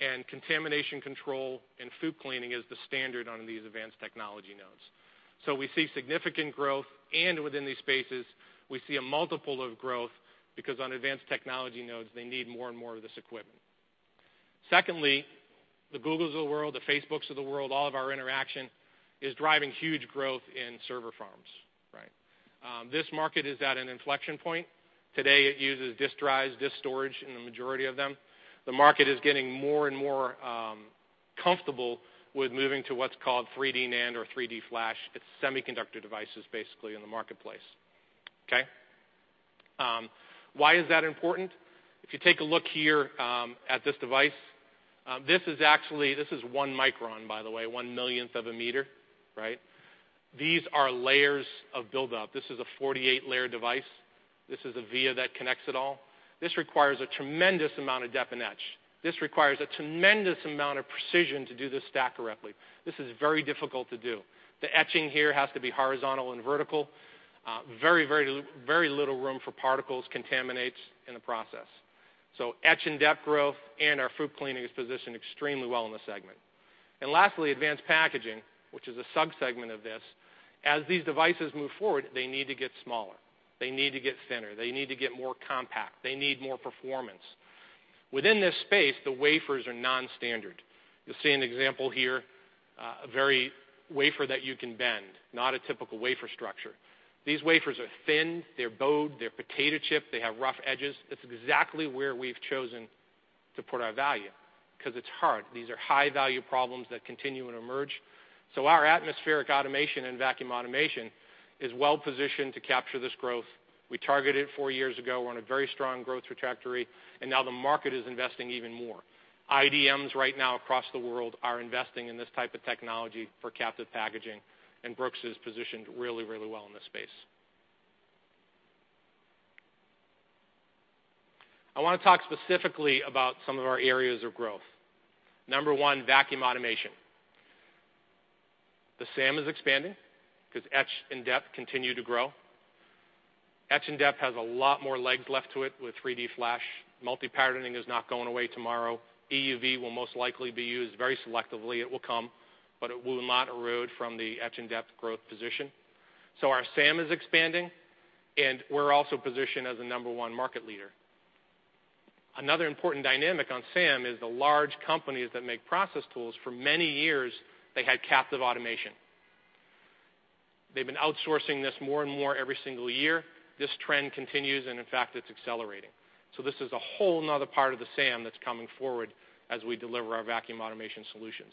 and contamination control and FOUP cleaning is the standard on these advanced technology nodes. We see significant growth. Within these spaces, we see a multiple of growth because on advanced technology nodes, they need more and more of this equipment. Secondly, the Googles of the world, the Facebooks of the world, all of our interaction is driving huge growth in server farms. This market is at an inflection point. Today, it uses disk drives, disk storage in the majority of them. The market is getting more and more comfortable with moving to what's called 3D NAND or 3D Flash. It's semiconductor devices, basically, in the marketplace. Okay? Why is that important? If you take a look here at this device, this is one micron, by the way, one millionth of a meter. These are layers of buildup. This is a 48-layer device. This is a via that connects it all. This requires a tremendous amount of Dep and Etch. This requires a tremendous amount of precision to do this stack correctly. This is very difficult to do. The etching here has to be horizontal and vertical. Very little room for particles, contaminants in the process. Etch and dep growth and our FOUP cleaning is positioned extremely well in the segment. Lastly, advanced packaging, which is a sub-segment of this. As these devices move forward, they need to get smaller. They need to get thinner. They need to get more compact. They need more performance. Within this space, the wafers are non-standard. You'll see an example here, a wafer that you can bend, not a typical wafer structure. These wafers are thin, they're bowed, they're potato chipped, they have rough edges. That's exactly where we've chosen to put our value, because it's hard. These are high-value problems that continue and emerge. Our atmospheric automation and vacuum automation is well-positioned to capture this growth. We targeted it four years ago. We're on a very strong growth trajectory, now the market is investing even more. IDMs right now across the world are investing in this type of technology for captive packaging, Brooks is positioned really well in this space. I want to talk specifically about some of our areas of growth. Number 1, vacuum automation. The SAM is expanding because etch and dep continue to grow. Etch and dep has a lot more legs left to it with 3D Flash. Multi-patterning is not going away tomorrow. EUV will most likely be used very selectively. It will come, it will not erode from the etch and dep growth position. Our SAM is expanding, we're also positioned as a number 1 market leader. Another important dynamic on SAM is the large companies that make process tools, for many years, they had captive automation. They've been outsourcing this more and more every single year. This trend continues, in fact, it's accelerating. This is a whole another part of the SAM that's coming forward as we deliver our vacuum automation solutions.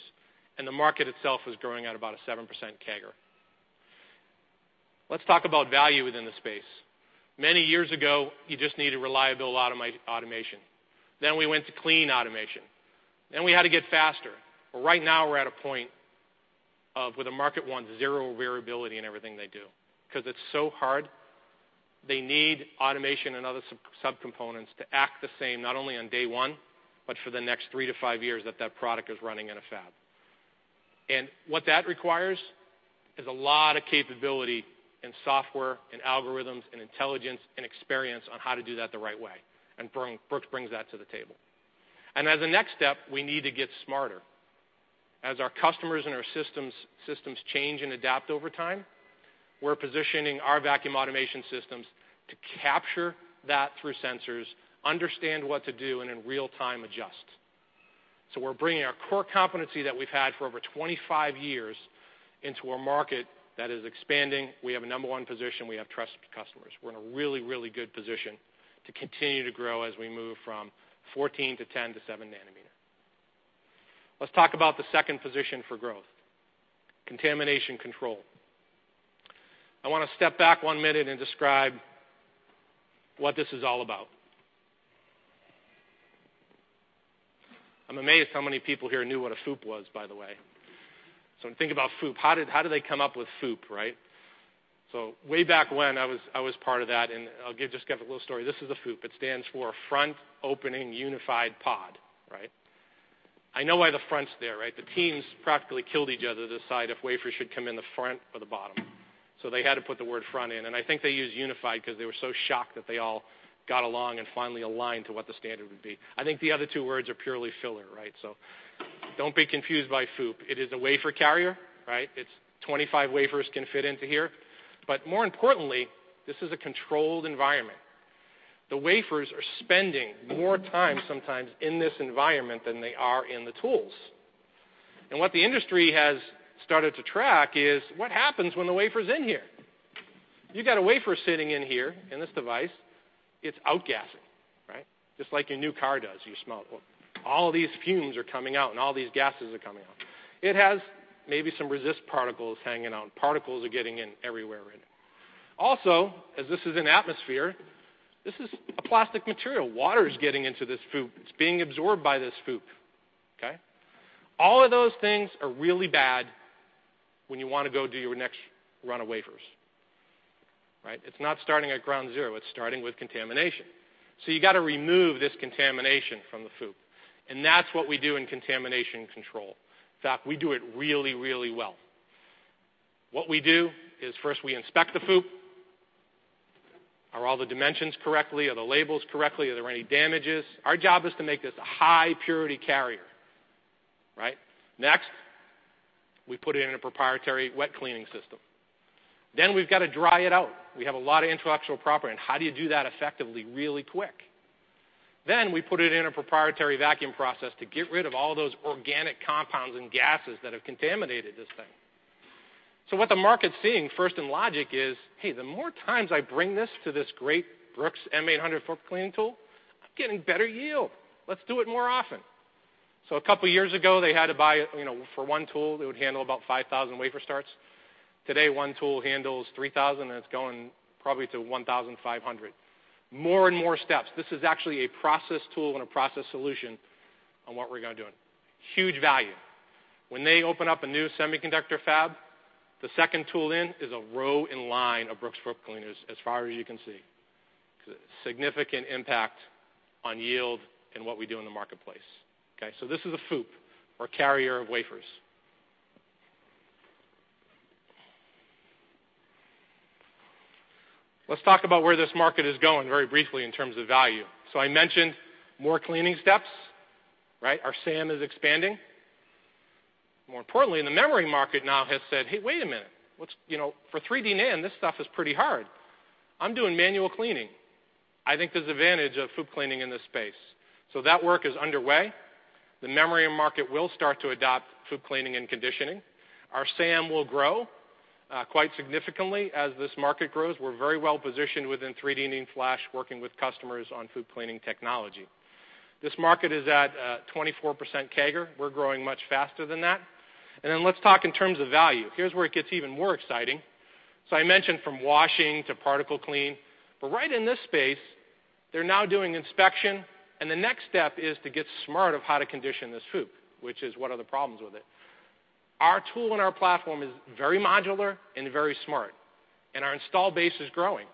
The market itself is growing at about a 7% CAGR. Let's talk about value within the space. Many years ago, you just needed reliable automation. We went to clean automation. We had to get faster. Right now we're at a point of where the market wants zero variability in everything they do. Because it's so hard, they need automation and other subcomponents to act the same, not only on day one, but for the next three to five years that that product is running in a fab. What that requires is a lot of capability in software, in algorithms, in intelligence, and experience on how to do that the right way. Brooks brings that to the table. As a next step, we need to get smarter. As our customers and our systems change and adapt over time, we're positioning our vacuum automation systems to capture that through sensors, understand what to do, and in real time adjust. We're bringing our core competency that we've had for over 25 years into a market that is expanding. We have a number 1 position. We have trusted customers. We're in a really good position to continue to grow as we move from 14 to 10 to seven nanometer. Let's talk about the second position for growth, contamination control. I want to step back one minute and describe what this is all about. I'm amazed how many people here knew what a FOUP was, by the way. When you think about FOUP, how did they come up with FOUP, right? Way back when, I was part of that, I'll just give a little story. This is a FOUP. It stands for Front Opening Unified Pod. I know why the front's there, right? The teams practically killed each other to decide if wafers should come in the front or the bottom. They had to put the word front in, and I think they used unified because they were so shocked that they all got along and finally aligned to what the standard would be. I think the other two words are purely filler, right? Don't be confused by FOUP. It is a wafer carrier. 25 wafers can fit into here. More importantly, this is a controlled environment. The wafers are spending more time sometimes in this environment than they are in the tools. What the industry has started to track is what happens when the wafer's in here. You got a wafer sitting in here, in this device, it's outgassing. Just like your new car does, you smell it. All these fumes are coming out, and all these gases are coming out. It has maybe some resist particles hanging on. Particles are getting in everywhere in here. As this is an atmosphere, this is a plastic material. Water is getting into this FOUP. It's being absorbed by this FOUP. All of those things are really bad when you want to go do your next run of wafers. It's not starting at ground zero, it's starting with contamination. You got to remove this contamination from the FOUP, and that's what we do in contamination control. In fact, we do it really, really well. What we do is first we inspect the FOUP. Are all the dimensions correctly? Are the labels correctly? Are there any damages? Our job is to make this a high purity carrier. Next, we put it in a proprietary wet cleaning system. We've got to dry it out. We have a lot of intellectual property, and how do you do that effectively really quick? We put it in a proprietary vacuum process to get rid of all those organic compounds and gases that have contaminated this thing. What the market's seeing first in Logic is, hey, the more times I bring this to this great Brooks M800 FOUP cleaning tool, I'm getting better yield. Let's do it more often. A couple of years ago, they had to buy for one tool that would handle about 5,000 wafer starts. Today, one tool handles 3,000, and it's going probably to 1,500. More and more steps. This is actually a process tool and a process solution on what we're going to doing. Huge value. When they open up a new semiconductor fab, the second tool in is a row in line of Brooks FOUP cleaners as far as you can see. Significant impact on yield in what we do in the marketplace. This is a FOUP, or carrier of wafers. Let's talk about where this market is going very briefly in terms of value. I mentioned more cleaning steps. Our SAM is expanding. More importantly, the memory market now has said, "Hey, wait a minute. For 3D NAND, this stuff is pretty hard. I'm doing manual cleaning. I think there's advantage of FOUP cleaning in this space." That work is underway. The memory market will start to adopt FOUP cleaning and conditioning. Our SAM will grow, quite significantly as this market grows. We're very well-positioned within 3D NAND flash, working with customers on FOUP cleaning technology. This market is at 24% CAGR. We're growing much faster than that. Let's talk in terms of value. Here's where it gets even more exciting. I mentioned from washing to particle clean, but right in this space, they're now doing inspection, and the next step is to get smart of how to condition this FOUP, which is what are the problems with it. Our tool and our platform is very modular and very smart, and our install base is growing.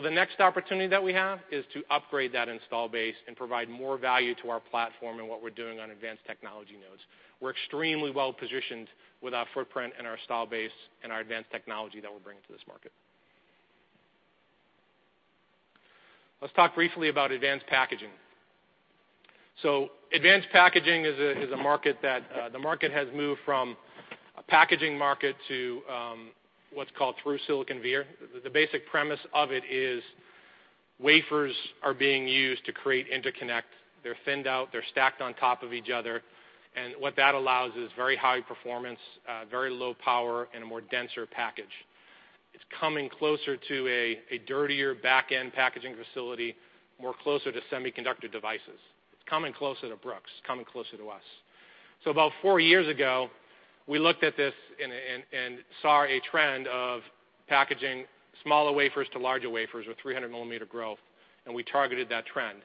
The next opportunity that we have is to upgrade that install base and provide more value to our platform and what we're doing on advanced technology nodes. We're extremely well-positioned with our footprint and our install base and our advanced technology that we're bringing to this market. Let's talk briefly about advanced packaging. Advanced packaging is a market that the market has moved from a packaging market to what's called through-silicon via. The basic premise of it is wafers are being used to create interconnect. They're thinned out, they're stacked on top of each other, and what that allows is very high performance, very low power, and a more denser package. It's coming closer to a dirtier back-end packaging facility, more closer to semiconductor devices. It's coming closer to Brooks. It's coming closer to us. About four years ago, we looked at this and saw a trend of packaging smaller wafers to larger wafers with 300-millimeter growth, and we targeted that trend.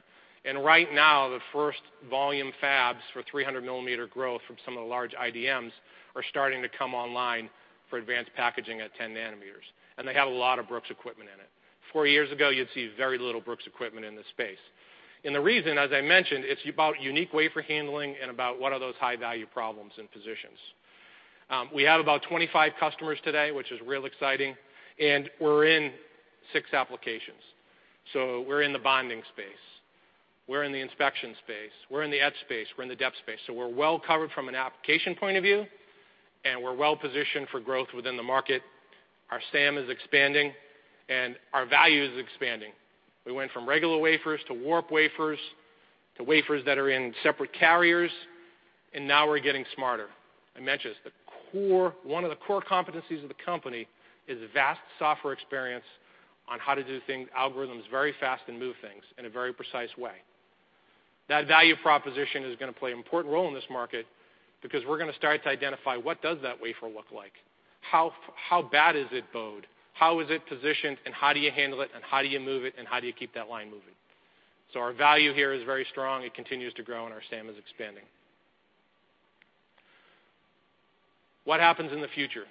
And right now, the first volume fabs for 300-millimeter growth from some of the large IDMs are starting to come online for advanced packaging at 10 nanometers, and they have a lot of Brooks equipment in it. Four years ago, you'd see very little Brooks equipment in this space. The reason, as I mentioned, it's about unique wafer handling and about what are those high-value problems and positions. We have about 25 customers today, which is real exciting, and we're in 6 applications. We're in the bonding space, we're in the inspection space, we're in the etch space, we're in the dep space. We're well-covered from an application point of view, and we're well-positioned for growth within the market. Our SAM is expanding, and our value is expanding. We went from regular wafers to warp wafers, to wafers that are in separate carriers, and now we're getting smarter. I mentioned, one of the core competencies of the company is vast software experience on how to do algorithms very fast and move things in a very precise way. That value proposition is going to play an important role in this market because we're going to start to identify what does that wafer look like? How bad is it bowed? How is it positioned, and how do you handle it, and how do you move it, and how do you keep that line moving? Our value here is very strong. It continues to grow, and our SAM is expanding. What happens in the future?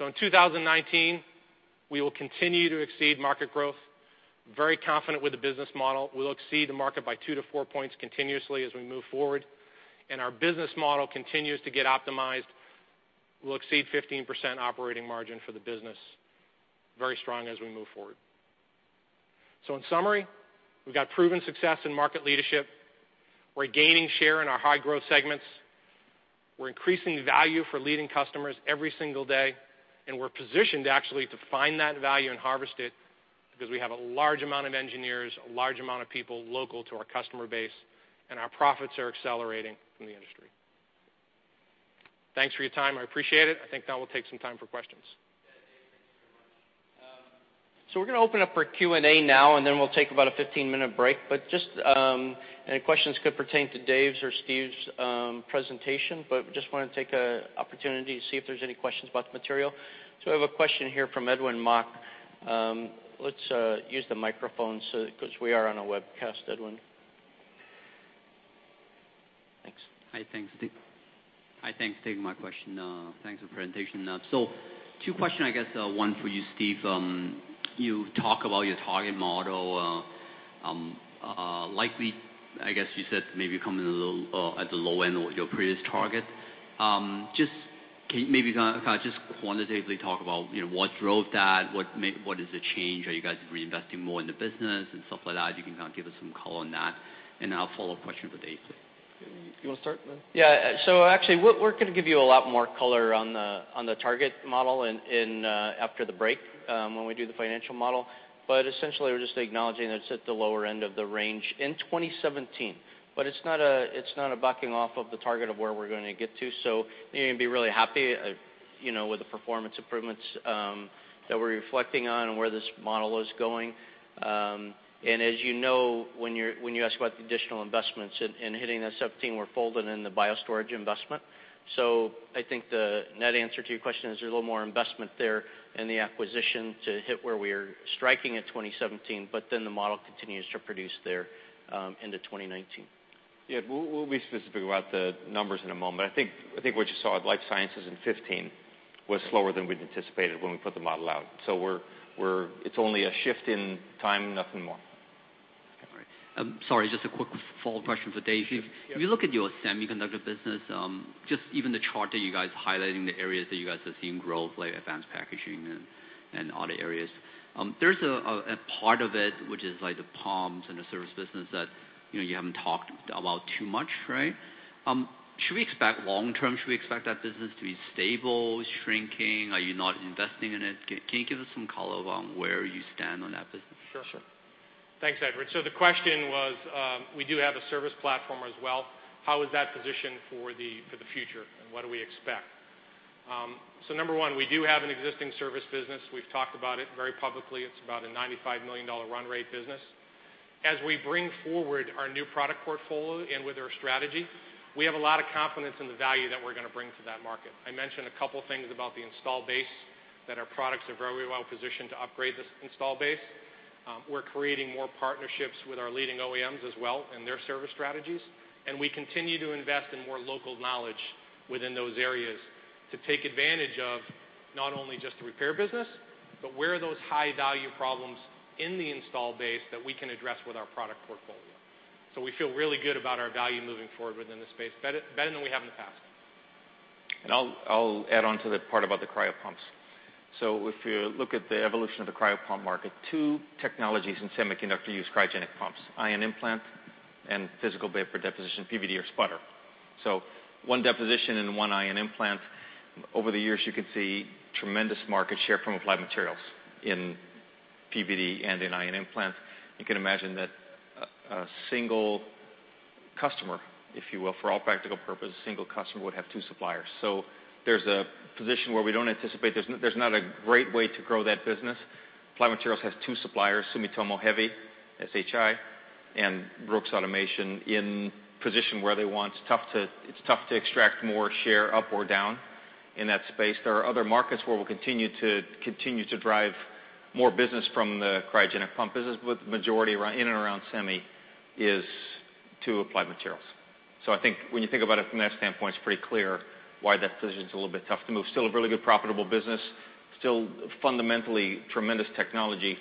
In 2019, we will continue to exceed market growth. Very confident with the business model. We will exceed the market by two to four points continuously as we move forward, and our business model continues to get optimized. We'll exceed 15% operating margin for the business. Very strong as we move forward. In summary, we've got proven success in market leadership. We're gaining share in our high-growth segments. We're increasing value for leading customers every single day, and we're positioned actually to find that value and harvest it, because we have a large amount of engineers, a large amount of people local to our customer base, and our profits are accelerating in the industry. Thanks for your time. I appreciate it. I think now we'll take some time for questions. Yeah, Dave, thanks very much. We're going to open up for Q&A now, and then we'll take about a 15-minute break. Just any questions could pertain to Dave's or Steve's presentation, but just want to take an opportunity to see if there's any questions about the material. I have a question here from Edwin Mau. Let's use the microphone, because we are on a webcast, Edwin. Thanks. Hi. Thanks for taking my question. Thanks for the presentation. Two questions, I guess one for you, Steve. You talk about your target model, likely, I guess you said maybe coming in a little at the low end of your previous target. Just can maybe, if I just quantitatively talk about what drove that, what is the change? Are you guys reinvesting more in the business and stuff like that? If you can give us some color on that, and I'll follow up question with Dave. You want to start, man? Yeah. Actually, we're going to give you a lot more color on the target model after the break when we do the financial model. Essentially, we're just acknowledging that it's at the lower end of the range in 2017. It's not a backing off of the target of where we're going to get to. You're going to be really happy with the performance improvements that we're reflecting on and where this model is going. As you know, when you ask about the additional investments in hitting that 2017, we're folding in the BioStorage investment. I think the net answer to your question is there's a little more investment there in the acquisition to hit where we are striking at 2017, but then the model continues to produce there into 2019. Yeah. We'll be specific about the numbers in a moment. I think what you saw at Life Sciences in 2015 was slower than we'd anticipated when we put the model out. It's only a shift in time, nothing more. Okay, great. Sorry, just a quick follow-up question for Dave. Yeah. If you look at your semiconductor business, just even the chart that you guys highlighting the areas that you guys are seeing growth, like advanced packaging and other areas, there's a part of it which is like the pumps and the service business that you haven't talked about too much, right? Long-term, should we expect that business to be stable, shrinking? Are you not investing in it? Can you give us some color on where you stand on that business? Sure. Thanks, Edwin. The question was, we do have a service platform as well. How is that positioned for the future, and what do we expect? Number one, we do have an existing service business. We've talked about it very publicly. It's about a $95 million run rate business. As we bring forward our new product portfolio and with our strategy, we have a lot of confidence in the value that we're going to bring to that market. I mentioned a couple of things about the install base, that our products are very well positioned to upgrade this install base. We're creating more partnerships with our leading OEMs as well and their service strategies, and we continue to invest in more local knowledge within those areas to take advantage of not only just the repair business, but where are those high-value problems in the install base that we can address with our product portfolio. We feel really good about our value moving forward within the space, better than we have in the past. I'll add on to the part about the cryo pumps. If you look at the evolution of the cryo pump market, two technologies in semiconductor use cryogenic pumps, ion implant and physical vapor deposition, PVD or sputter. One deposition and one ion implant. Over the years, you can see tremendous market share from Applied Materials in PVD and in ion implants. You can imagine that a single customer, if you will, for all practical purposes, a single customer would have two suppliers. There's a position where we don't anticipate there's not a great way to grow that business. Applied Materials has two suppliers, Sumitomo Heavy, SHI, and Brooks Automation in a position where they want. It's tough to extract more share up or down in that space. There are other markets where we'll continue to drive more business from the cryogenic pump business, but the majority in and around semi is to Applied Materials. I think when you think about it from that standpoint, it's pretty clear why that position's a little bit tough to move. Still a really good profitable business, still fundamentally tremendous technology.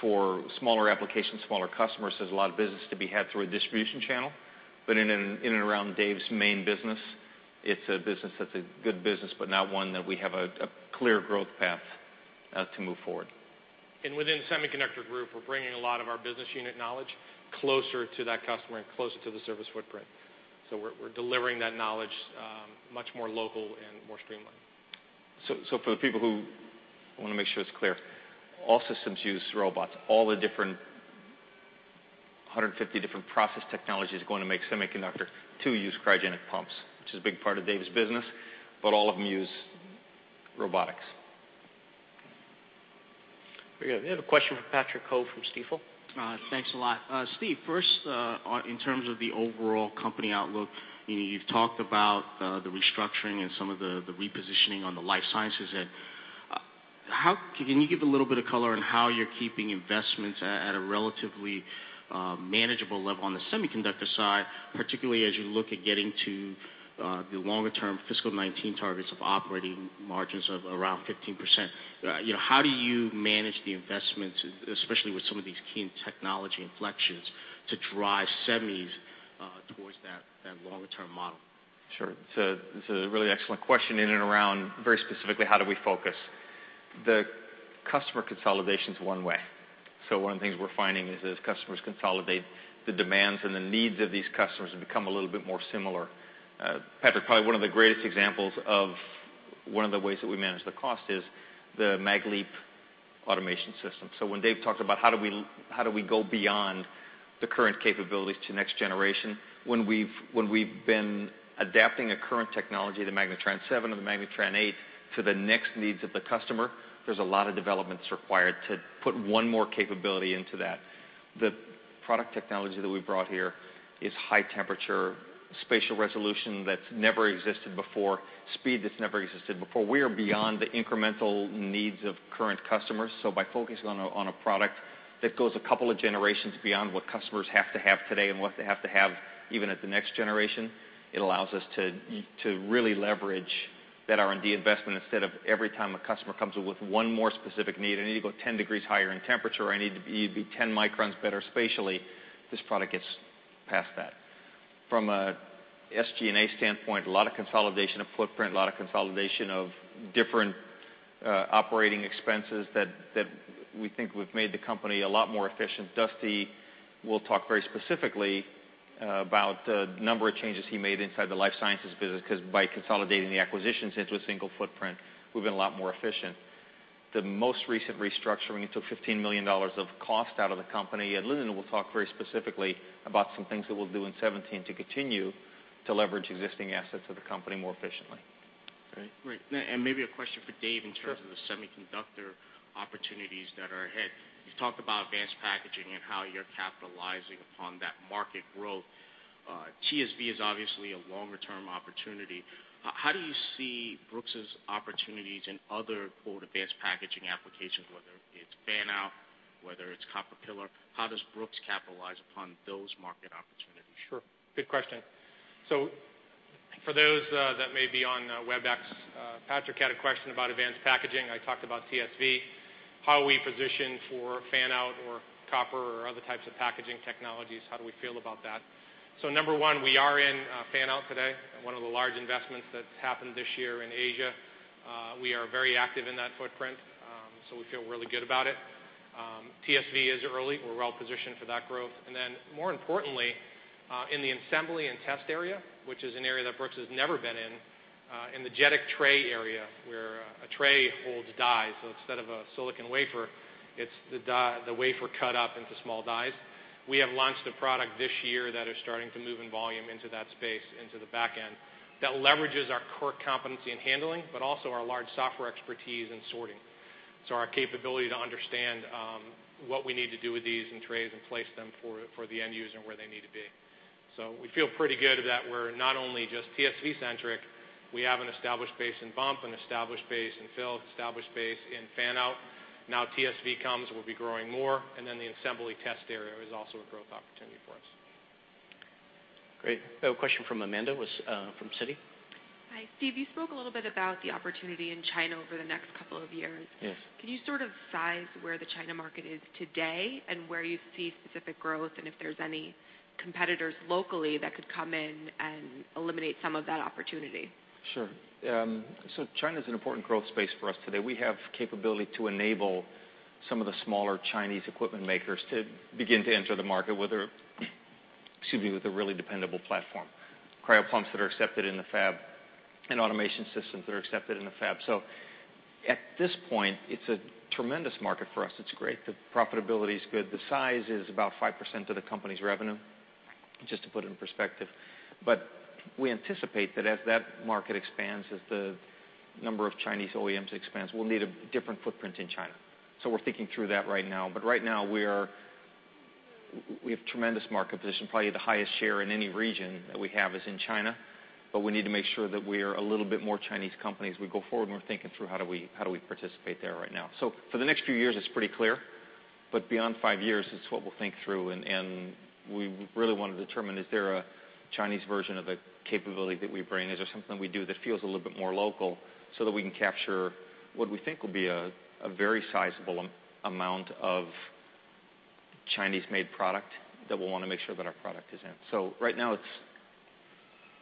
For smaller applications, smaller customers, there's a lot of business to be had through a distribution channel. In and around Dave's main business, it's a business that's a good business but not one that we have a clear growth path to move forward. Within the Semiconductor Solutions Group, we're bringing a lot of our business unit knowledge closer to that customer and closer to the service footprint. We're delivering that knowledge much more local and more streamlined. For the people who want to make sure it's clear, all systems use robots. All the different 150 different process technologies going to make semiconductors, two use cryogenic pumps, which is a big part of Dave's business, but all of them use robotics. Very good. We have a question from Patrick Ho from Stifel. Thanks a lot. Steve, first, in terms of the overall company outlook, you've talked about the restructuring and some of the repositioning on the life sciences. Can you give a little bit of color on how you're keeping investments at a relatively manageable level on the semiconductor side, particularly as you look at getting to the longer-term fiscal 2019 targets of operating margins of around 15%? How do you manage the investments, especially with some of these key technology inflections to drive semis towards that longer-term model? Sure. It's a really excellent question in and around very specifically, how do we focus? The customer consolidation is one way. One of the things we're finding is, as customers consolidate, the demands and the needs of these customers have become a little bit more similar. Patrick, probably one of the greatest examples of one of the ways that we manage the cost is the MagnaTran LEAP automation system. When Dave talked about how do we go beyond the current capabilities to next generation, when we've been adapting a current technology, the Magnatran 7 or the Magnatran 8, to the next needs of the customer, there's a lot of developments required to put one more capability into that. The product technology that we've brought here is high temperature, spatial resolution that's never existed before, speed that's never existed before. We are beyond the incremental needs of current customers. By focusing on a product that goes a couple of generations beyond what customers have to have today and what they have to have even at the next generation, it allows us to really leverage that R&D investment, instead of every time a customer comes with one more specific need, "I need to go 10 degrees higher in temperature," or, "I need it to be 10 microns better spatially," this product gets past that. From a SG&A standpoint, a lot of consolidation of footprint, a lot of consolidation of different operating expenses that we think we've made the company a lot more efficient. Dusty will talk very specifically about the number of changes he made inside the life sciences business, because by consolidating the acquisitions into a single footprint, we've been a lot more efficient. The most recent restructuring, it took $15 million of cost out of the company. Lindon will talk very specifically about some things that we'll do in 2017 to continue to leverage existing assets of the company more efficiently. Great. Maybe a question for Dave in terms. Sure Of the semiconductor opportunities that are ahead. You've talked about advanced packaging and how you're capitalizing upon that market growth. TSV is obviously a longer-term opportunity. How do you see Brooks's opportunities in other "advanced packaging applications," whether it's fan-out, whether it's copper pillar? How does Brooks capitalize upon those market opportunities? Sure. Good question. For those that may be on Webex, Patrick had a question about advanced packaging. I talked about TSV, how we position for fan-out or copper or other types of packaging technologies, how do we feel about that? Number one, we are in fan-out today, one of the large investments that's happened this year in Asia. We are very active in that footprint, so we feel really good about it. TSV is early. We're well-positioned for that growth. More importantly, in the assembly and test area, which is an area that Brooks has never been in the JEDEC tray area, where a tray holds dies, instead of a silicon wafer, it's the wafer cut up into small dies. We have launched a product this year that is starting to move in volume into that space, into the back end, that leverages our core competency in handling, but also our large software expertise in sorting. Our capability to understand what we need to do with these in trays and place them for the end user and where they need to be. We feel pretty good that we're not only just TSV centric, we have an established base in bump, an established base in fill, established base in fan-out. TSV comes, we'll be growing more, the assembly test area is also a growth opportunity for us. Great. We have a question from Amanda, from Citi. Hi. Steve, you spoke a little bit about the opportunity in China over the next couple of years. Yes. Can you sort of size where the China market is today and where you see specific growth, and if there's any competitors locally that could come in and eliminate some of that opportunity? Sure. China's an important growth space for us today. We have capability to enable some of the smaller Chinese equipment makers to begin to enter the market with a really dependable platform. Cryo pumps that are accepted in the fab and automation systems that are accepted in the fab. At this point, it's a tremendous market for us. It's great. The profitability is good. The size is about 5% of the company's revenue, just to put it in perspective. We anticipate that as that market expands, as the number of Chinese OEMs expands, we'll need a different footprint in China. We're thinking through that right now. Right now, we have tremendous market position, probably the highest share in any region that we have is in China. We need to make sure that we are a little bit more Chinese company as we go forward, and we're thinking through how do we participate there right now. For the next few years, it's pretty clear, beyond five years, it's what we'll think through, and we really want to determine, is there a Chinese version of the capability that we bring? Is there something we do that feels a little bit more local so that we can capture what we think will be a very sizable amount of Chinese-made product that we'll want to make sure that our product is in? Right now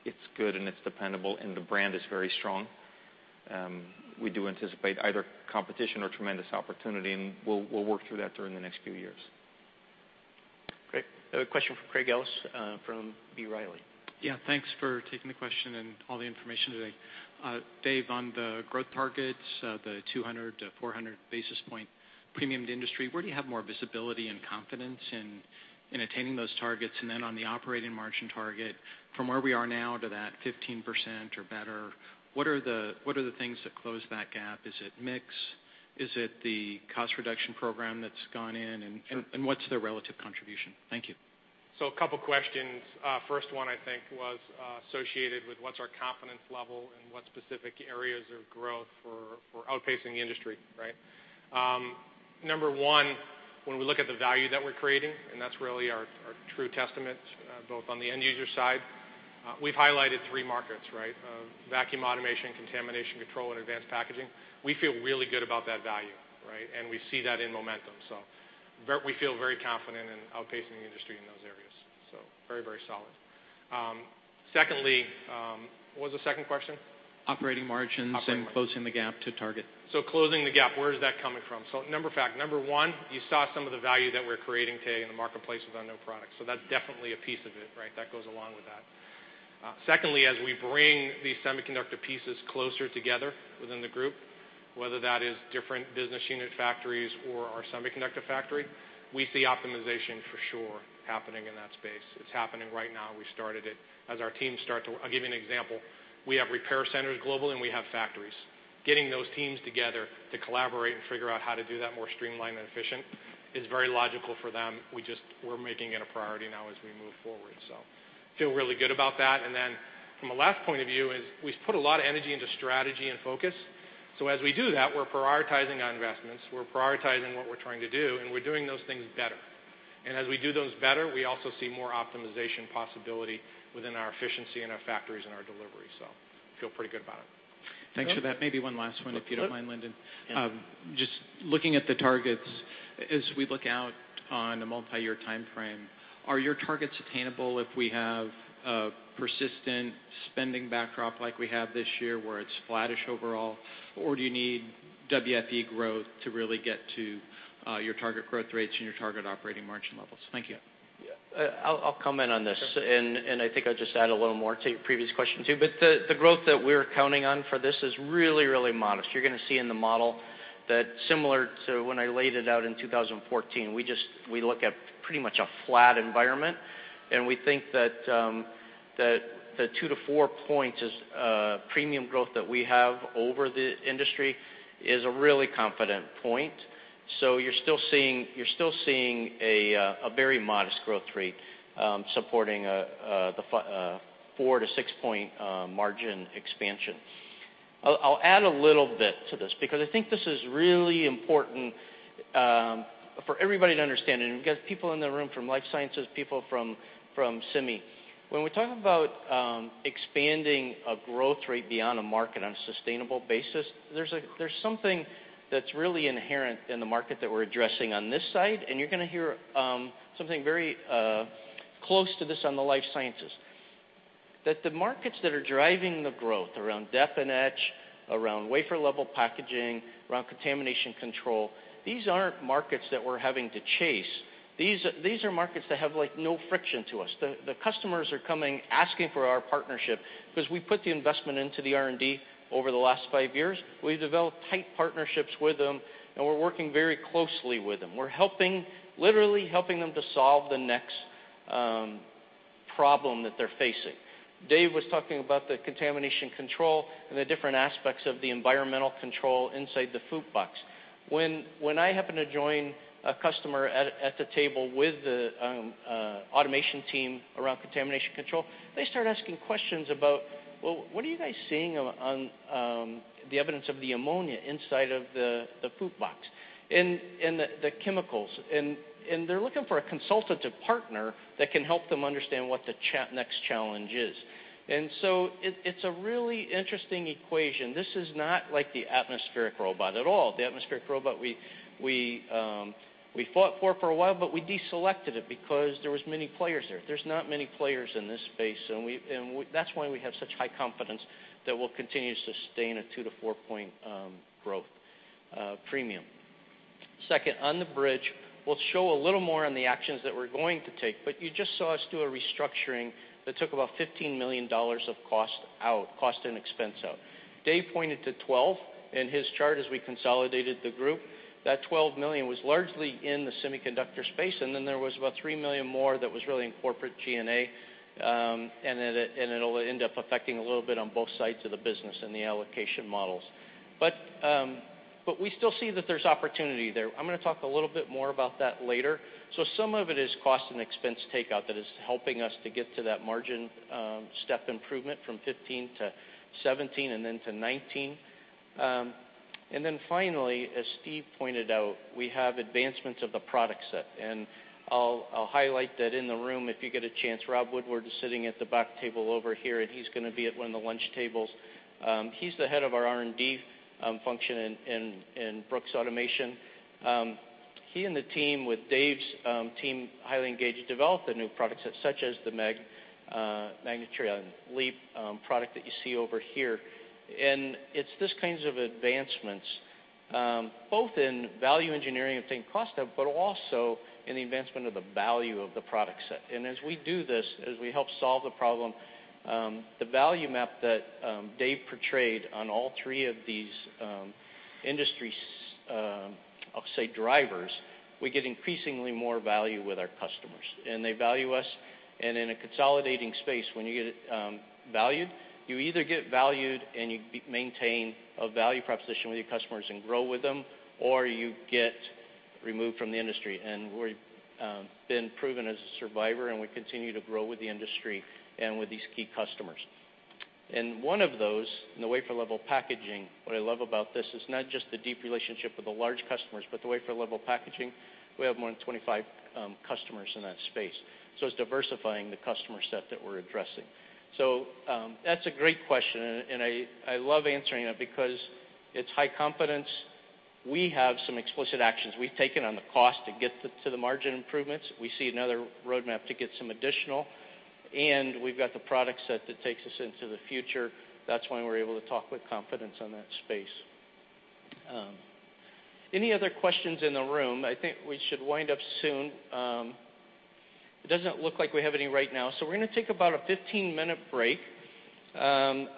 it's good and it's dependable, and the brand is very strong. We do anticipate either competition or tremendous opportunity, and we'll work through that during the next few years. Great. A question from Craig Ellis, from B. Riley. Yeah. Thanks for taking the question and all the information today. Dave, on the growth targets, the 200 to 400 basis point premium to industry, where do you have more visibility and confidence in attaining those targets? On the operating margin target, from where we are now to that 15% or better, what are the things that close that gap? Is it mix? Is it the cost reduction program that's gone in? Sure. What's their relative contribution? Thank you. A couple of questions. First one, I think, was associated with what's our confidence level and what specific areas of growth for outpacing the industry, right? Number 1, when we look at the value that we're creating, and that's really our true testament, both on the end user side, we've highlighted three markets, right? Vacuum automation, contamination control, and advanced packaging, we feel really good about that value, right? We see that in momentum. We feel very confident in outpacing the industry in those areas. Very solid. Secondly, what was the second question? Operating margins- Operating margin Closing the gap to target. Closing the gap, where is that coming from? Number fact, number 1, you saw some of the value that we're creating today in the marketplace with our new products. That's definitely a piece of it, right? That goes along with that. Secondly, as we bring these semiconductor pieces closer together within the group, whether that is different business unit factories or our semiconductor factory, we see optimization for sure happening in that space. It's happening right now. We started it. I'll give you an example. We have repair centers global and we have factories. Getting those teams together to collaborate and figure out how to do that more streamlined and efficient is very logical for them. We're making it a priority now as we move forward. Feel really good about that. From a last point of view is we've put a lot of energy into strategy and focus. As we do that, we're prioritizing our investments, we're prioritizing what we're trying to do, and we're doing those things better. As we do those better, we also see more optimization possibility within our efficiency in our factories and our delivery. Feel pretty good about it. Thanks for that. Maybe one last one if you don't mind, Lyndon. Yeah. Just looking at the targets as we look out on a multi-year timeframe, are your targets attainable if we have a persistent spending backdrop like we have this year, where it's flattish overall? Do you need WFE growth to really get to your target growth rates and your target operating margin levels? Thank you. I'll comment on this. Sure. I think I'll just add a little more to your previous question, too. The growth that we're counting on for this is really modest. You're going to see in the model that similar to when I laid it out in 2014, we look at pretty much a flat environment. We think that the 2-4 points is a premium growth that we have over the industry is a really confident point. You're still seeing a very modest growth rate, supporting the 4-6 point margin expansion. I'll add a little bit to this because I think this is really important for everybody to understand, and we've got people in the room from life sciences, people from semi. When we talk about expanding a growth rate beyond a market on a sustainable basis, there's something that's really inherent in the market that we're addressing on this side. You're going to hear something very close to this on the life sciences. The markets that are driving the growth around dep and etch, around wafer level packaging, around contamination control, these aren't markets that we're having to chase. These are markets that have no friction to us. The customers are coming, asking for our partnership because we put the investment into the R&D over the last 5 years. We've developed tight partnerships with them, and we're working very closely with them. We're literally helping them to solve the next problem that they're facing. Dave was talking about the contamination control and the different aspects of the environmental control inside the FOUP box. When I happen to join a customer at the table with the automation team around contamination control, they start asking questions about, "Well, what are you guys seeing on the evidence of the ammonia inside of the FOUP box and the chemicals?" They're looking for a consultative partner that can help them understand what the next challenge is. It's a really interesting equation. This is not like the atmospheric robot at all. The atmospheric robot, we fought for for a while, but we deselected it because there was many players there. There's not many players in this space. That's why we have such high confidence that we'll continue to sustain a 2-4 point growth premium. Second, on the bridge, we'll show a little more on the actions that we're going to take, but you just saw us do a restructuring that took about $15 million of cost and expense out. Dave pointed to 12 in his chart as we consolidated the group. That $12 million was largely in the semiconductor space, and then there was about $3 million more that was really in corporate G&A. It'll end up affecting a little bit on both sides of the business and the allocation models. But we still see that there's opportunity there. I'm going to talk a little bit more about that later. So some of it is cost and expense takeout that is helping us to get to that margin step improvement from 15% to 17% and then to 19%. Finally, as Steve pointed out, we have advancements of the product set. I'll highlight that in the room if you get a chance, Rob Woodward is sitting at the back table over here, and he's going to be at one of the lunch tables. He's the head of our R&D function in Brooks Automation. He and the team with Dave's team, highly engaged, developed a new product set such as the MagnaTran LEAP product that you see over here. It's these kinds of advancements, both in value engineering and taking cost out, but also in the advancement of the value of the product set. As we do this, as we help solve the problem, the value map that Dave portrayed on all three of these industry, I'll say drivers, we get increasingly more value with our customers, and they value us. In a consolidating space, when you get valued, you either get valued and you maintain a value proposition with your customers and grow with them, or you get removed from the industry. We've been proven as a survivor, and we continue to grow with the industry and with these key customers. One of those, in the wafer level packaging, what I love about this is not just the deep relationship with the large customers, but the wafer level packaging, we have more than 25 customers in that space. It's diversifying the customer set that we're addressing. That's a great question, and I love answering it because it's high confidence. We have some explicit actions we've taken on the cost to get to the margin improvements. We see another roadmap to get some additional, and we've got the product set that takes us into the future. That's why we're able to talk with confidence in that space. Any other questions in the room? I think we should wind up soon. It doesn't look like we have any right now, so we're going to take about a 15-minute break. That'll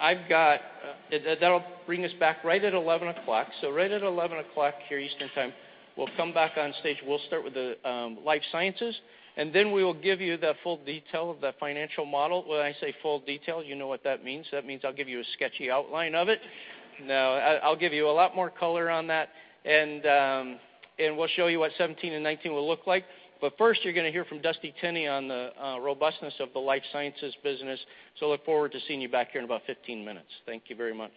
bring us back right at 11 o'clock. Right at 11 o'clock here Eastern Time, we'll come back on stage. We'll start with the Life Sciences, and then we will give you the full detail of the financial model. When I say full detail, you know what that means. That means I'll give you a sketchy outline of it. No, I'll give you a lot more color on that, and we'll show you what 2017 and 2019 will look like. First, you're going to hear from Dusty Tenney on the robustness of the Life Sciences business. Look forward to seeing you back here in about 15 minutes. Thank you very much.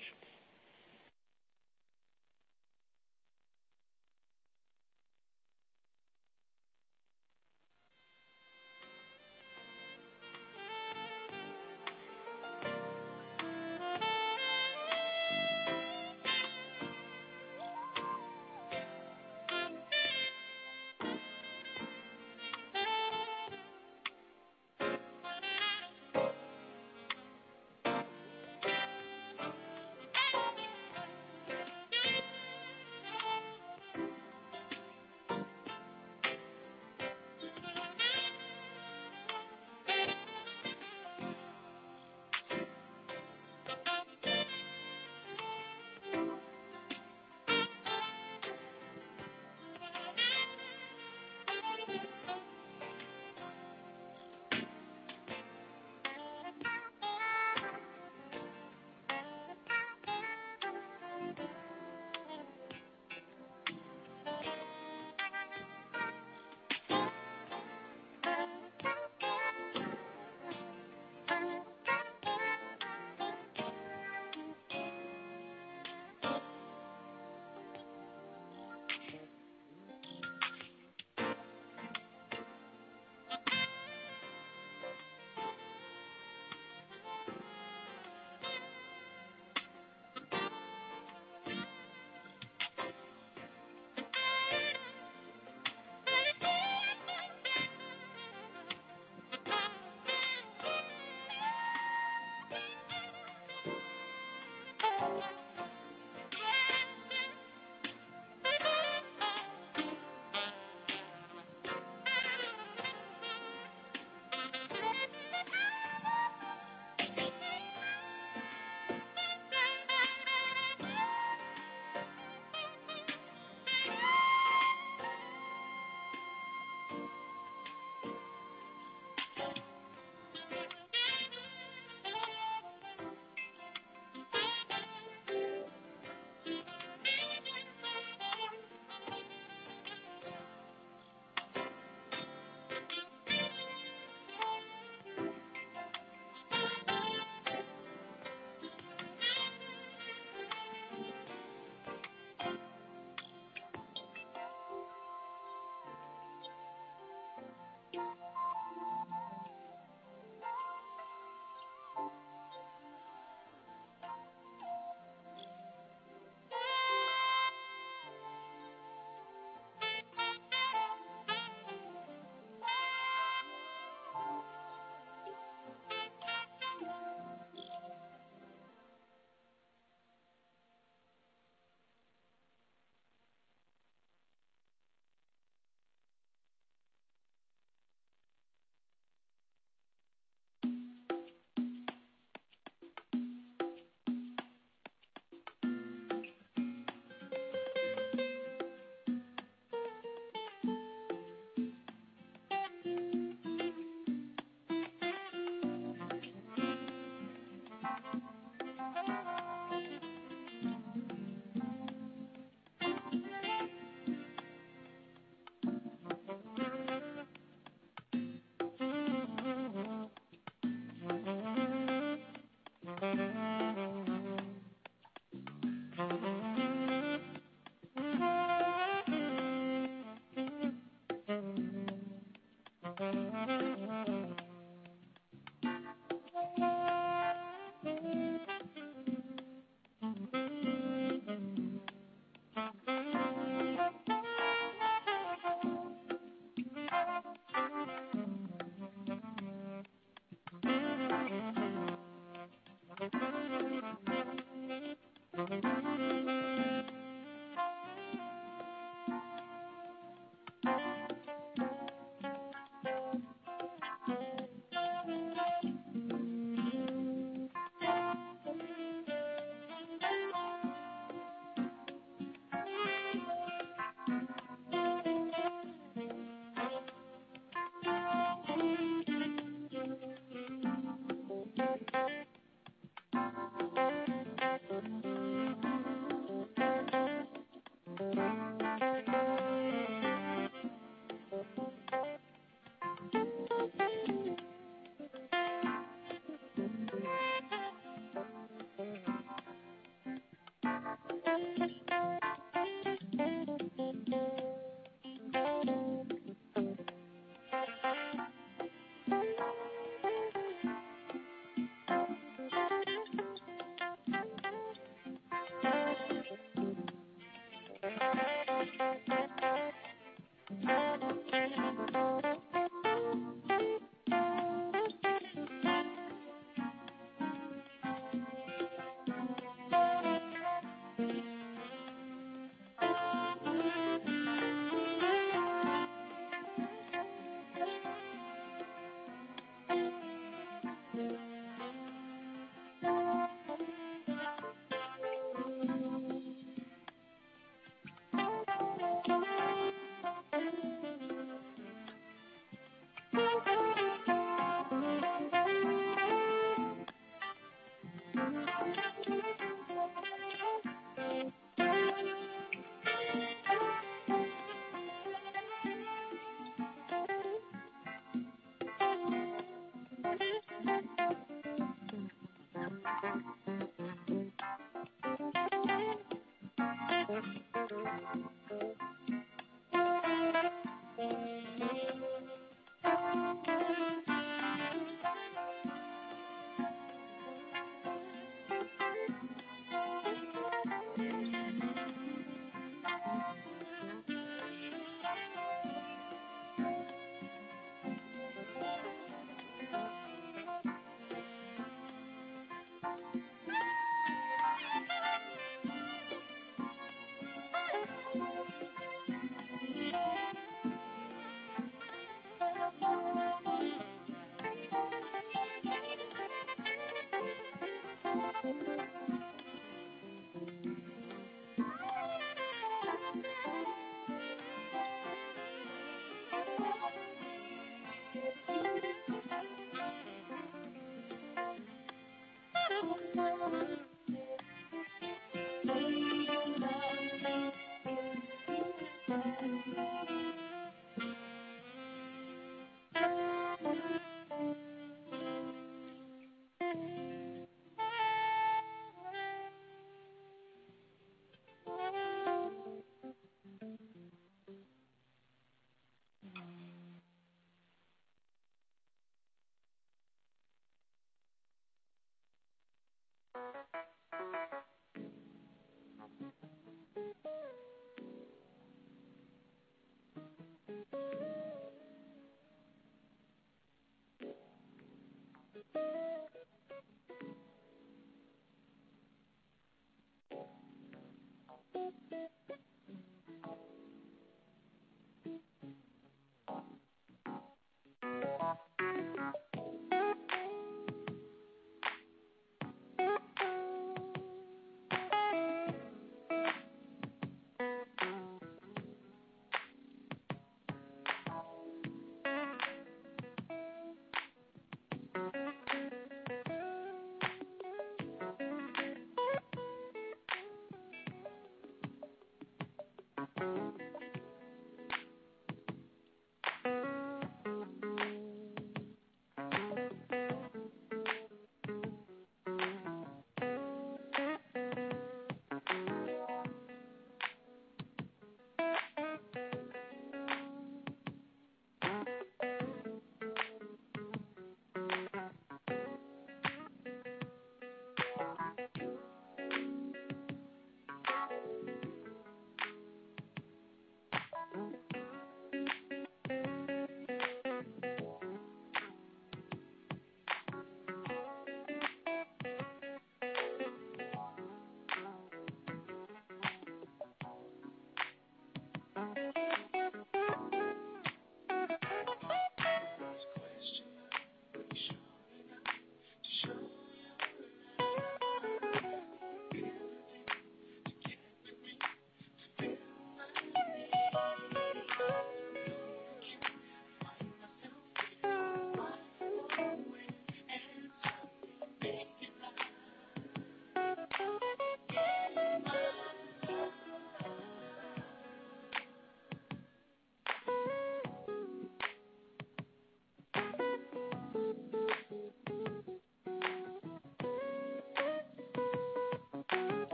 Right.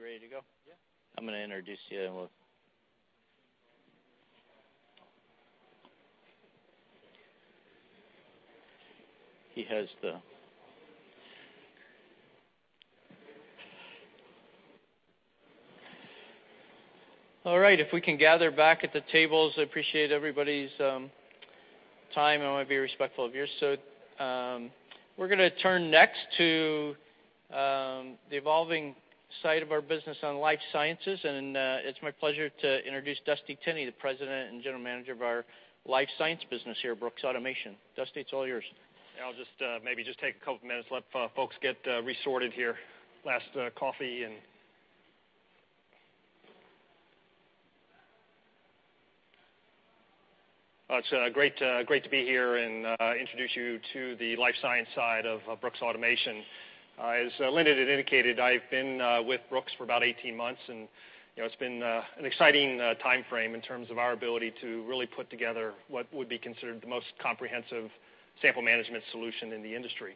You ready to go? Yeah. All right. If we can gather back at the tables, I appreciate everybody's time, and I want to be respectful of yours. We're going to turn next to the evolving side of our business on Life Sciences, and it's my pleasure to introduce Dusty Tenney, the President and General Manager of our Life Sciences business here at Brooks Automation. Dusty, it's all yours. I'll just maybe take a couple of minutes, let folks get resorted here. Last coffee. It's great to be here and introduce you to the life science side of Brooks Automation. As Lyndon had indicated, I've been with Brooks for about 18 months, and it's been an exciting timeframe in terms of our ability to really put together what would be considered the most comprehensive sample management solution in the industry.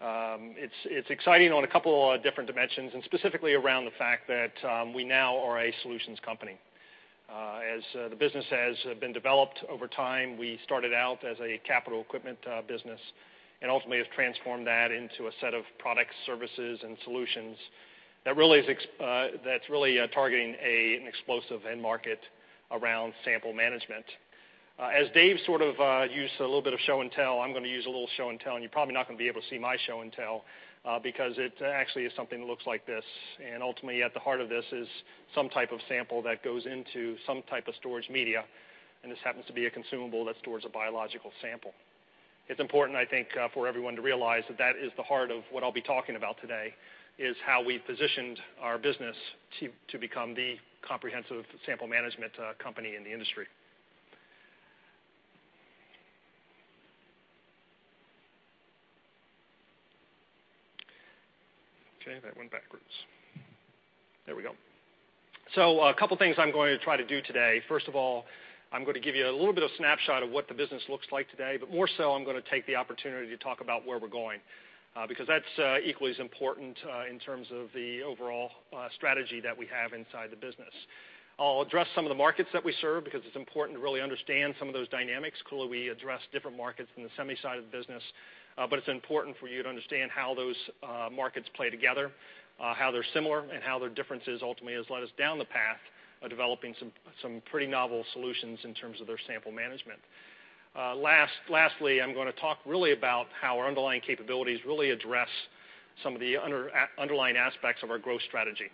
It's exciting on a couple different dimensions, specifically around the fact that we now are a solutions company. As the business has been developed over time, we started out as a capital equipment business and ultimately have transformed that into a set of products, services, and solutions that's really targeting an explosive end market around sample management. As Dave sort of used a little bit of show-and-tell, I'm going to use a little show-and-tell. You're probably not going to be able to see my show-and-tell because it actually is something that looks like this. Ultimately at the heart of this is some type of sample that goes into some type of storage media. This happens to be a consumable that stores a biological sample. It's important, I think, for everyone to realize that that is the heart of what I'll be talking about today, is how we positioned our business to become the comprehensive sample management company in the industry. That went backwards. There we go. A couple of things I'm going to try to do today. First of all, I'm going to give you a little bit of snapshot of what the business looks like today. More so, I'm going to take the opportunity to talk about where we're going because that's equally as important in terms of the overall strategy that we have inside the business. I'll address some of the markets that we serve because it's important to really understand some of those dynamics. Clearly, we address different markets than the semi side of the business. It's important for you to understand how those markets play together, how they're similar, and how their differences ultimately has led us down the path of developing some pretty novel solutions in terms of their sample management. Lastly, I'm going to talk really about how our underlying capabilities really address some of the underlying aspects of our growth strategy.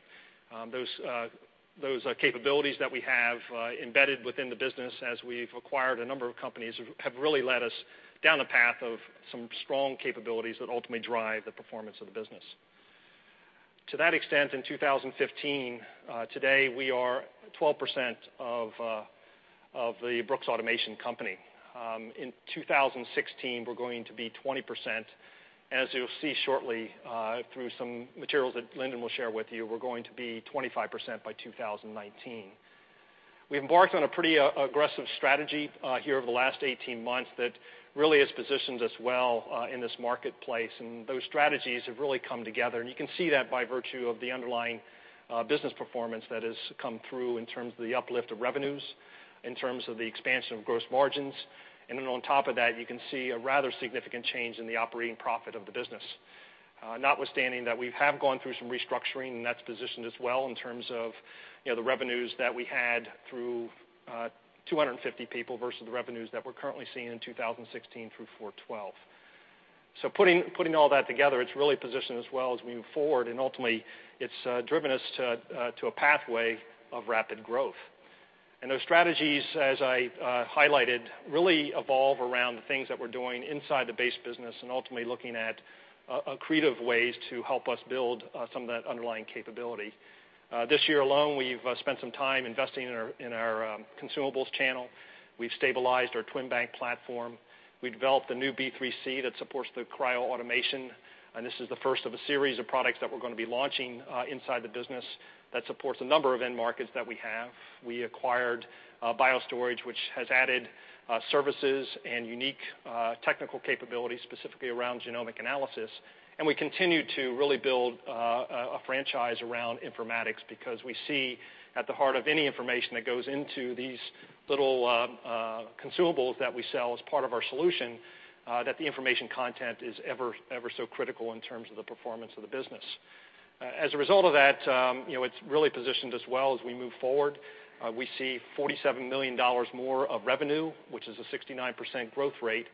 Those capabilities that we have embedded within the business as we've acquired a number of companies have really led us down a path of some strong capabilities that ultimately drive the performance of the business. To that extent, in 2015, today we are 12% of the Brooks Automation company. In 2016, we're going to be 20%. As you'll see shortly through some materials that Lyndon will share with you, we're going to be 25% by 2019. We've embarked on a pretty aggressive strategy here over the last 18 months that really has positioned us well in this marketplace. Those strategies have really come together. You can see that by virtue of the underlying business performance that has come through in terms of the uplift of revenues, in terms of the expansion of gross margins, then on top of that, you can see a rather significant change in the operating profit of the business. Notwithstanding that we have gone through some restructuring, that's positioned us well in terms of the revenues that we had through 250 people versus the revenues that we're currently seeing in 2016 through 412. Putting all that together, it's really positioned us well as we move forward, and ultimately, it's driven us to a pathway of rapid growth. Those strategies, as I highlighted, really evolve around the things that we're doing inside the base business and ultimately looking at accretive ways to help us build some of that underlying capability. This year alone, we've spent some time investing in our consumables channel. We've stabilized our TwinBank platform. We developed a new B3C that supports the cryo automation, and this is the first of a series of products that we're going to be launching inside the business that supports a number of end markets that we have. We acquired BioStorage, which has added services and unique technical capabilities, specifically around genomic analysis. We continue to really build a franchise around informatics because we see at the heart of any information that goes into these little consumables that we sell as part of our solution, that the information content is ever so critical in terms of the performance of the business. As a result of that, it's really positioned us well as we move forward. We see $47 million more of revenue, which is a 69% growth rate.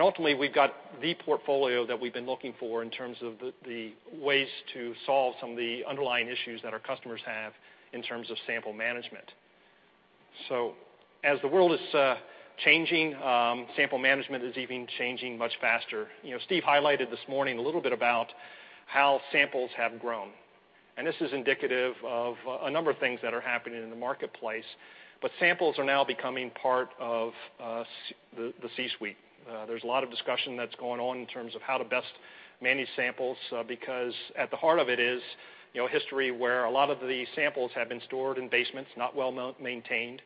Ultimately, we've got the portfolio that we've been looking for in terms of the ways to solve some of the underlying issues that our customers have in terms of sample management. As the world is changing, sample management is even changing much faster. Steve highlighted this morning a little bit about how samples have grown, and this is indicative of a number of things that are happening in the marketplace. Samples are now becoming part of the C-suite. There's a lot of discussion that's going on in terms of how to best manage samples, because at the heart of it is history where a lot of the samples have been stored in basements, not well-maintained,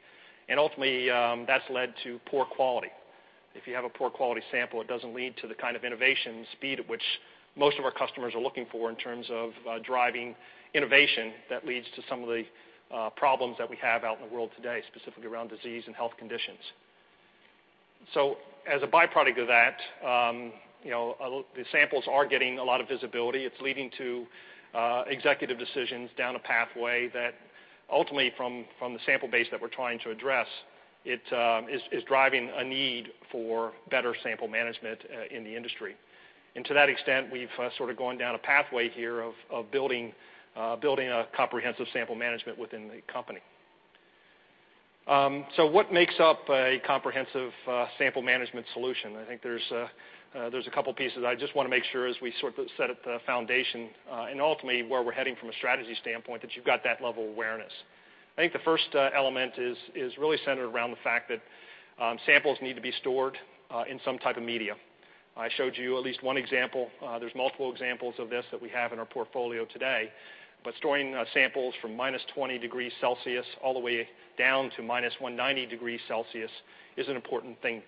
and ultimately, that's led to poor quality. If you have a poor quality sample, it doesn't lead to the kind of innovation speed at which most of our customers are looking for in terms of driving innovation that leads to some of the problems that we have out in the world today, specifically around disease and health conditions. As a byproduct of that, the samples are getting a lot of visibility. It's leading to executive decisions down a pathway that ultimately from the sample base that we're trying to address, is driving a need for better sample management in the industry. To that extent, we've sort of gone down a pathway here of building a comprehensive sample management within the company. What makes up a comprehensive sample management solution? I think there's a couple pieces. I just want to make sure as we set up the foundation and ultimately where we're heading from a strategy standpoint, that you've got that level of awareness. The first element is really centered around the fact that samples need to be stored in some type of media. I showed you at least one example. There's multiple examples of this that we have in our portfolio today, but storing samples from -20 degrees Celsius all the way down to -190 degrees Celsius is an important thing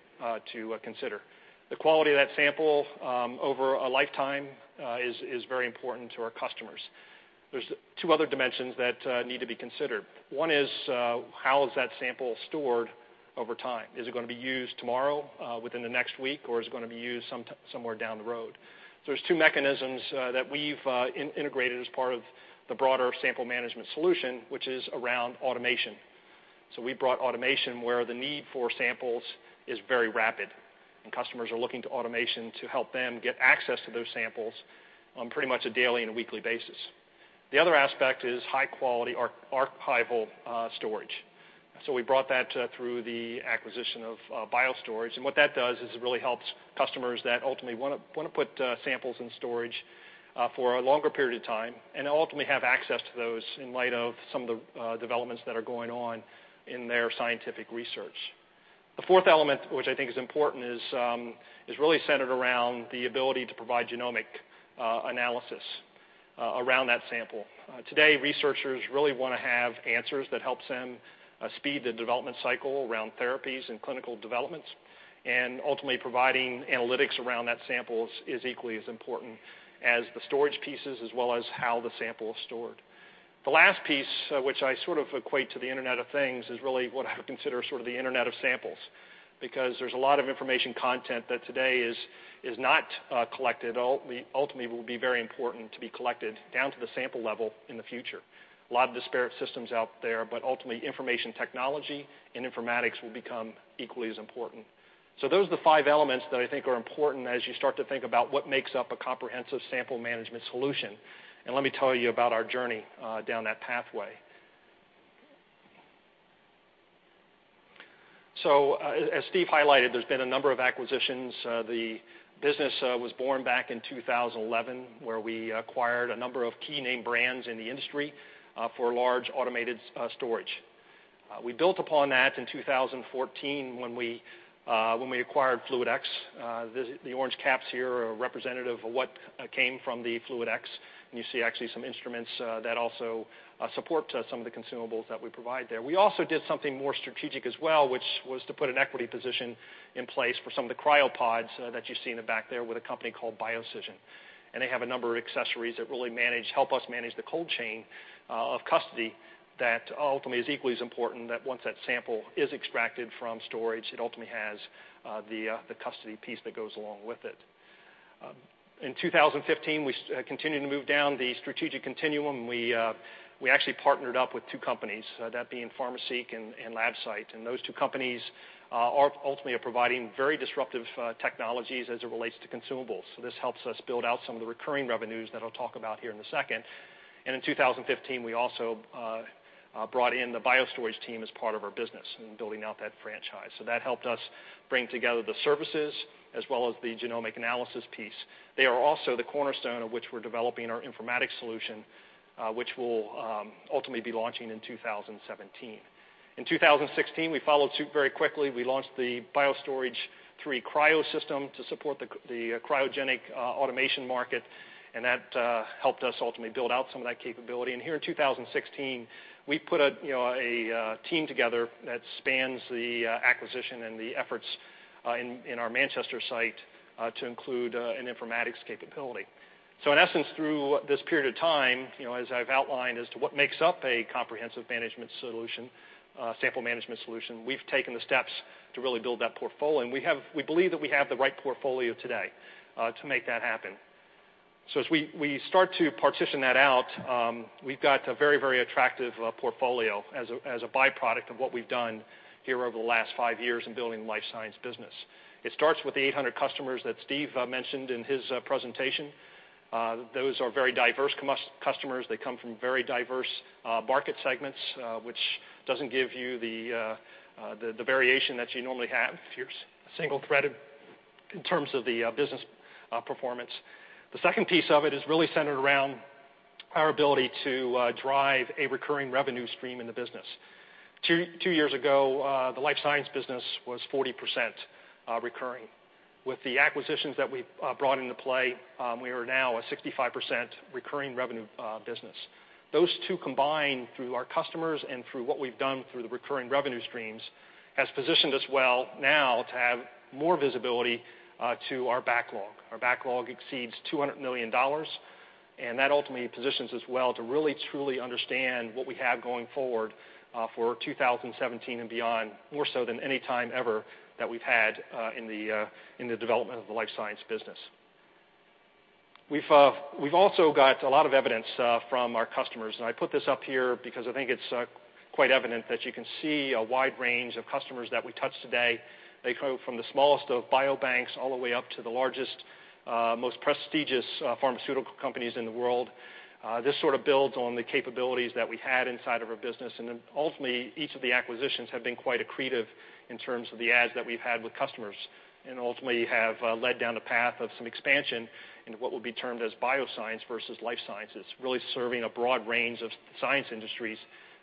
to consider. The quality of that sample over a lifetime is very important to our customers. There's two other dimensions that need to be considered. One is, how is that sample stored over time? Is it going to be used tomorrow, within the next week, or is it going to be used somewhere down the road? There's two mechanisms that we've integrated as part of the broader sample management solution, which is around automation. We brought automation where the need for samples is very rapid, and customers are looking to automation to help them get access to those samples on pretty much a daily and a weekly basis. The other aspect is high-quality archival storage. We brought that through the acquisition of BioStorage, and what that does is it really helps customers that ultimately want to put samples in storage for a longer period of time and ultimately have access to those in light of some of the developments that are going on in their scientific research. The fourth element, which I think is important, is really centered around the ability to provide genomic analysis around that sample. Today, researchers really want to have answers that helps them speed the development cycle around therapies and clinical developments, and ultimately providing analytics around that sample is equally as important as the storage pieces as well as how the sample is stored. The last piece, which I sort of equate to the Internet of Things, is really what I consider sort of the Internet of samples, because there's a lot of information content that today is not collected, ultimately will be very important to be collected down to the sample level in the future. A lot of disparate systems out there, but ultimately information technology and informatics will become equally as important. Those are the five elements that I think are important as you start to think about what makes up a comprehensive sample management solution, and let me tell you about our journey down that pathway. As Steve highlighted, there's been a number of acquisitions. The business was born back in 2011, where we acquired a number of key name brands in the industry for large automated storage. We built upon that in 2014 when we acquired FluidX. The orange caps here are representative of what came from the FluidX, and you see actually some instruments that also support some of the consumables that we provide there. We also did something more strategic as well, which was to put an equity position in place for some of the cryopods that you see in the back there with a company called BioCision. They have a number of accessories that really help us manage the cold chain of custody that ultimately is equally as important that once that sample is extracted from storage, it ultimately has the custody piece that goes along with it. In 2015, we continued to move down the strategic continuum. We actually partnered up with two companies, that being PharmaCyte and Labcyte. Those two companies are ultimately providing very disruptive technologies as it relates to consumables. This helps us build out some of the recurring revenues that I'll talk about here in a second. In 2015, we also brought in the BioStorage team as part of our business in building out that franchise. That helped us bring together the services as well as the genomic analysis piece. They are also the cornerstone of which we're developing our informatics solution, which we'll ultimately be launching in 2017. In 2016, we followed suit very quickly. We launched the BioStore III Cryo system to support the cryogenic automation market, that helped us ultimately build out some of that capability. Here in 2016, we put a team together that spans the acquisition and the efforts in our Manchester site to include an informatics capability. In essence, through this period of time, as I've outlined as to what makes up a comprehensive sample management solution, we've taken the steps to really build that portfolio. We believe that we have the right portfolio today to make that happen. As we start to partition that out, we've got a very attractive portfolio as a byproduct of what we've done here over the last five years in building the life science business. It starts with the 800 customers that Steve mentioned in his presentation. Those are very diverse customers. They come from very diverse market segments, which doesn't give you the variation that you normally have if you're single-threaded in terms of the business performance. The second piece of it is really centered around our ability to drive a recurring revenue stream in the business. Two years ago, the life science business was 40% recurring. With the acquisitions that we've brought into play, we are now a 65% recurring revenue business. Those two combined through our customers and through what we've done through the recurring revenue streams has positioned us well now to have more visibility to our backlog. Our backlog exceeds $200 million. That ultimately positions us well to really truly understand what we have going forward for 2017 and beyond, more so than any time ever that we've had in the development of the life science business. We've also got a lot of evidence from our customers. I put this up here because I think it's quite evident that you can see a wide range of customers that we touch today. They go from the smallest of biobanks all the way up to the largest, most prestigious pharmaceutical companies in the world. This sort of builds on the capabilities that we had inside of our business. Then ultimately, each of the acquisitions have been quite accretive in terms of the adds that we've had with customers. Ultimately have led down the path of some expansion into what will be termed as bioscience versus life sciences, really serving a broad range of science industries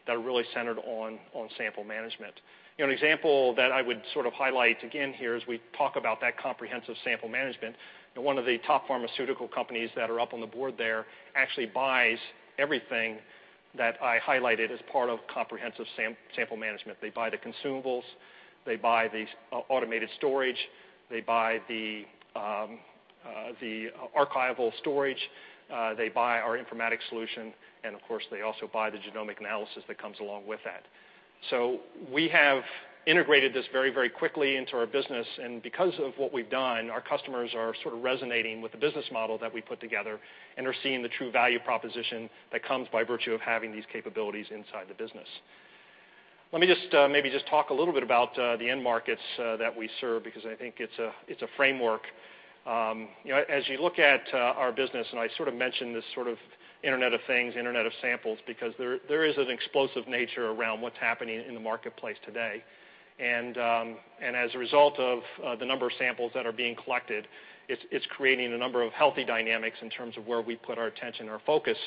that are really centered on sample management. An example that I would sort of highlight again here as we talk about that comprehensive sample management, one of the top pharmaceutical companies that are up on the board there actually buys everything that I highlighted as part of comprehensive sample management. They buy the consumables, they buy the automated storage, they buy the archival storage, they buy our informatics solution. Of course, they also buy the genomic analysis that comes along with that. We have integrated this very quickly into our business, and because of what we've done, our customers are sort of resonating with the business model that we put together and are seeing the true value proposition that comes by virtue of having these capabilities inside the business. Let me just maybe talk a little bit about the end markets that we serve, because I think it's a framework. As you look at our business, and I sort of mentioned this internet of things, internet of samples, because there is an explosive nature around what's happening in the marketplace today. As a result of the number of samples that are being collected, it's creating a number of healthy dynamics in terms of where we put our attention, our focus,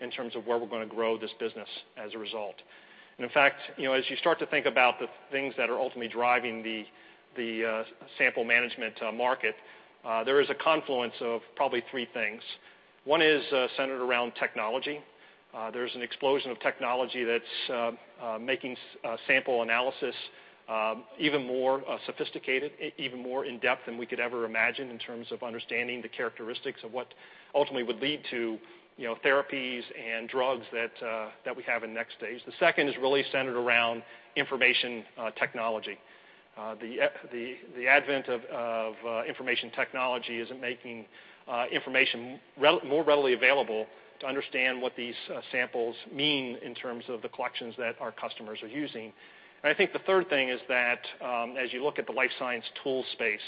in terms of where we're going to grow this business as a result. In fact, as you start to think about the things that are ultimately driving the sample management market, there is a confluence of probably three things. One is centered around technology. There's an explosion of technology that's making sample analysis even more sophisticated, even more in-depth than we could ever imagine in terms of understanding the characteristics of what ultimately would lead to therapies and drugs that we have in next stage. The second is really centered around information technology. The advent of information technology is making information more readily available to understand what these samples mean in terms of the collections that our customers are using. I think the third thing is that as you look at the life science tool space,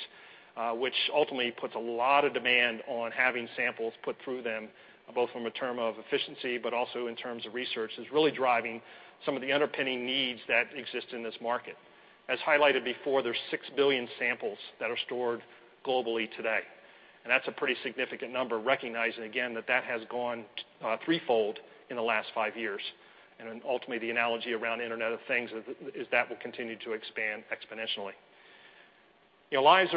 which ultimately puts a lot of demand on having samples put through them, both from a term of efficiency, but also in terms of research, is really driving some of the underpinning needs that exist in this market. As highlighted before, there's 6 billion samples that are stored globally today. That's a pretty significant number, recognizing again that has gone threefold in the last five years. Ultimately, the analogy around internet of things is that will continue to expand exponentially. Lives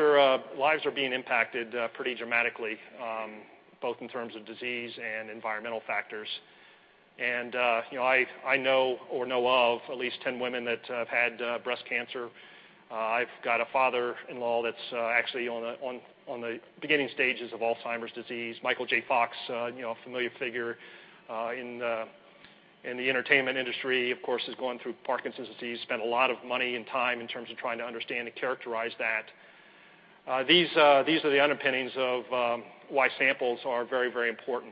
are being impacted pretty dramatically, both in terms of disease and environmental factors. I know or know of at least 10 women that have had breast cancer. I've got a father-in-law that's actually on the beginning stages of Alzheimer's disease. Michael J. Fox, a familiar figure in the entertainment industry, of course, is going through Parkinson's disease, spent a lot of money and time in terms of trying to understand and characterize that. These are the underpinnings of why samples are very important,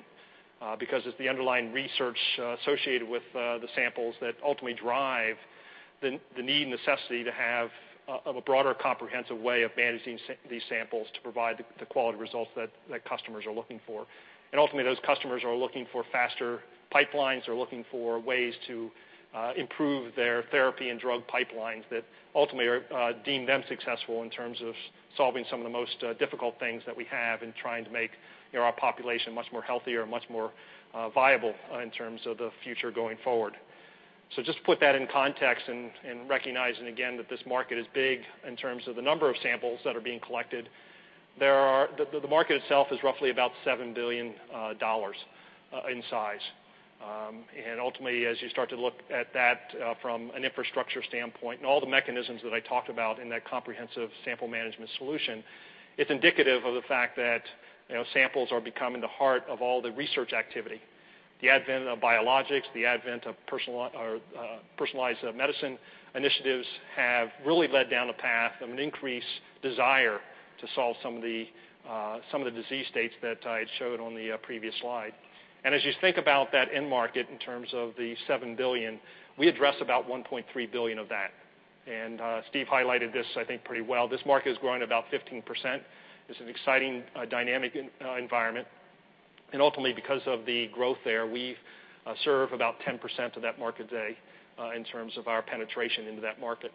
because it's the underlying research associated with the samples that ultimately drive the need and necessity to have a broader, comprehensive way of managing these samples to provide the quality results that customers are looking for. Ultimately, those customers are looking for faster pipelines, are looking for ways to improve their therapy and drug pipelines that ultimately deem them successful in terms of solving some of the most difficult things that we have in trying to make our population much more healthier and much more viable in terms of the future going forward. Just to put that in context and recognizing again that this market is big in terms of the number of samples that are being collected, the market itself is roughly about $7 billion in size. Ultimately, as you start to look at that from an infrastructure standpoint and all the mechanisms that I talked about in that comprehensive sample management solution, it's indicative of the fact that samples are becoming the heart of all the research activity. The advent of biologics, the advent of personalized medicine initiatives have really led down a path of an increased desire to solve some of the disease states that I had showed on the previous slide. As you think about that end market in terms of the $7 billion, we address about $1.3 billion of that. Steve highlighted this, I think, pretty well. This market is growing about 15%. It's an exciting dynamic environment. Ultimately, because of the growth there, we serve about 10% of that market today in terms of our penetration into that market.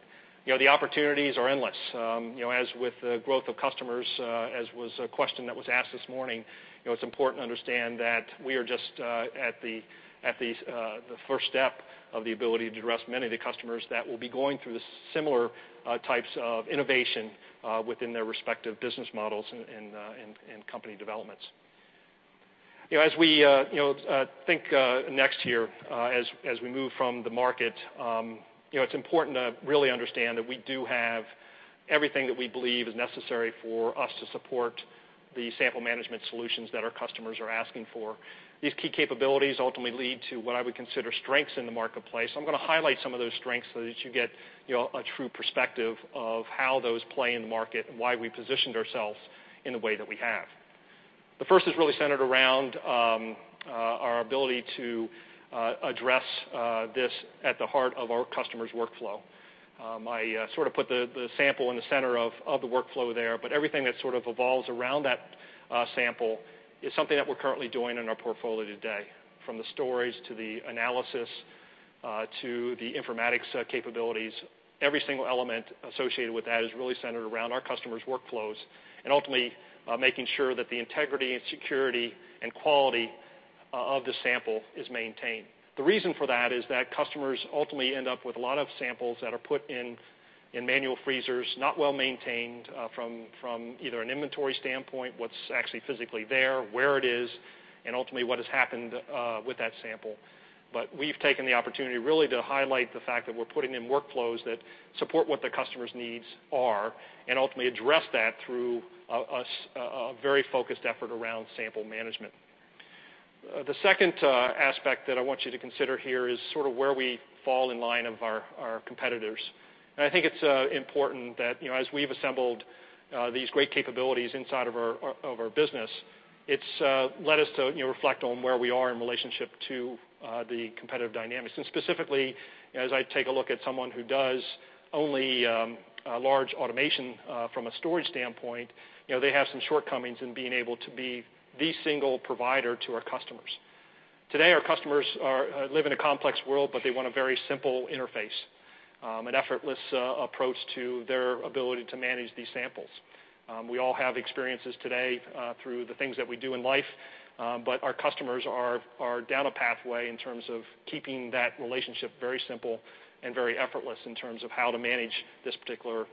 The opportunities are endless. As with the growth of customers, as was a question that was asked this morning, it's important to understand that we are just at the first step of the ability to address many of the customers that will be going through the similar types of innovation within their respective business models and company developments. We think next here as we move from the market, it's important to really understand that we do have everything that we believe is necessary for us to support the sample management solutions that our customers are asking for. These key capabilities ultimately lead to what I would consider strengths in the marketplace, so I'm going to highlight some of those strengths so that you get a true perspective of how those play in the market and why we positioned ourselves in the way that we have. The first is really centered around our ability to address this at the heart of our customer's workflow. I sort of put the sample in the center of the workflow there, but everything that sort of evolves around that sample is something that we're currently doing in our portfolio today, from the storage to the analysis, to the informatics capabilities. Every single element associated with that is really centered around our customers' workflows and ultimately making sure that the integrity and security and quality of the sample is maintained. The reason for that is that customers ultimately end up with a lot of samples that are put in manual freezers, not well-maintained from either an inventory standpoint, what's actually physically there, where it is, and ultimately what has happened with that sample. We've taken the opportunity really to highlight the fact that we're putting in workflows that support what the customer's needs are and ultimately address that through a very focused effort around sample management. The second aspect that I want you to consider here is sort of where we fall in line of our competitors. I think it's important that as we've assembled these great capabilities inside of our business, it's led us to reflect on where we are in relationship to the competitive dynamics. Specifically, as I take a look at someone who does only large automation from a storage standpoint, they have some shortcomings in being able to be the single provider to our customers. Today, our customers live in a complex world, but they want a very simple interface, an effortless approach to their ability to manage these samples. We all have experiences today through the things that we do in life, but our customers are down a pathway in terms of keeping that relationship very simple and very effortless in terms of how to manage this particular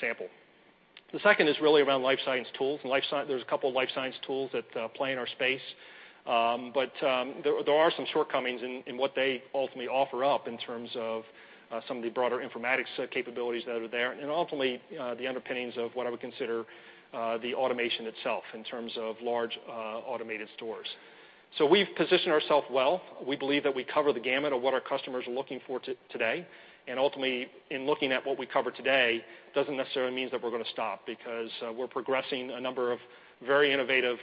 sample. The second is really around life science tools. There's a couple life science tools that play in our space. There are some shortcomings in what they ultimately offer up in terms of some of the broader informatics capabilities that are there and ultimately, the underpinnings of what I would consider the automation itself in terms of large automated stores. We've positioned ourself well. We believe that we cover the gamut of what our customers are looking for today, and ultimately, in looking at what we cover today, doesn't necessarily mean that we're going to stop because we're progressing a number of very innovative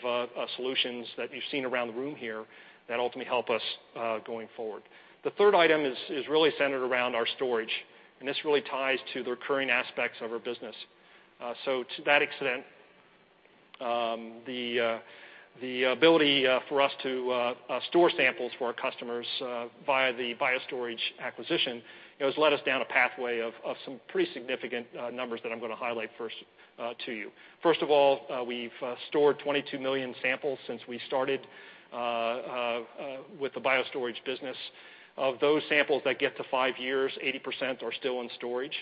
solutions that you've seen around the room here that ultimately help us going forward. The third item is really centered around our storage, and this really ties to the recurring aspects of our business. To that extent, the ability for us to store samples for our customers via the BioStorage acquisition has led us down a pathway of some pretty significant numbers that I'm going to highlight first to you. First of all, we've stored 22 million samples since we started with the BioStorage business. Of those samples that get to five years, 80% are still in storage.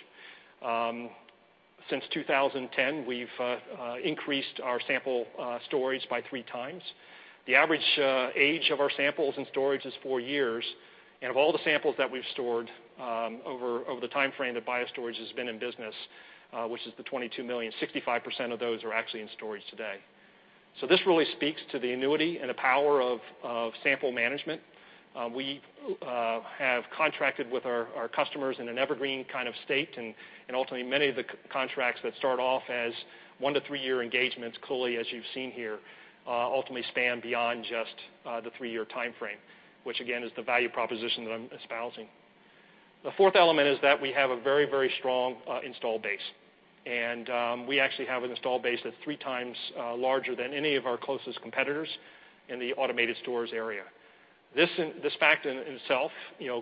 Since 2010, we've increased our sample storage by three times. The average age of our samples in storage is four years. Of all the samples that we've stored over the timeframe that BioStorage has been in business, which is the 22 million, 65% of those are actually in storage today. This really speaks to the annuity and the power of sample management. We have contracted with our customers in an evergreen state, and ultimately, many of the contracts that start off as one to three-year engagements, clearly, as you've seen here, ultimately span beyond just the three-year timeframe, which again, is the value proposition that I'm espousing. The fourth element is that we have a very, very strong install base, and we actually have an install base that's three times larger than any of our closest competitors in the automated stores area. This fact in itself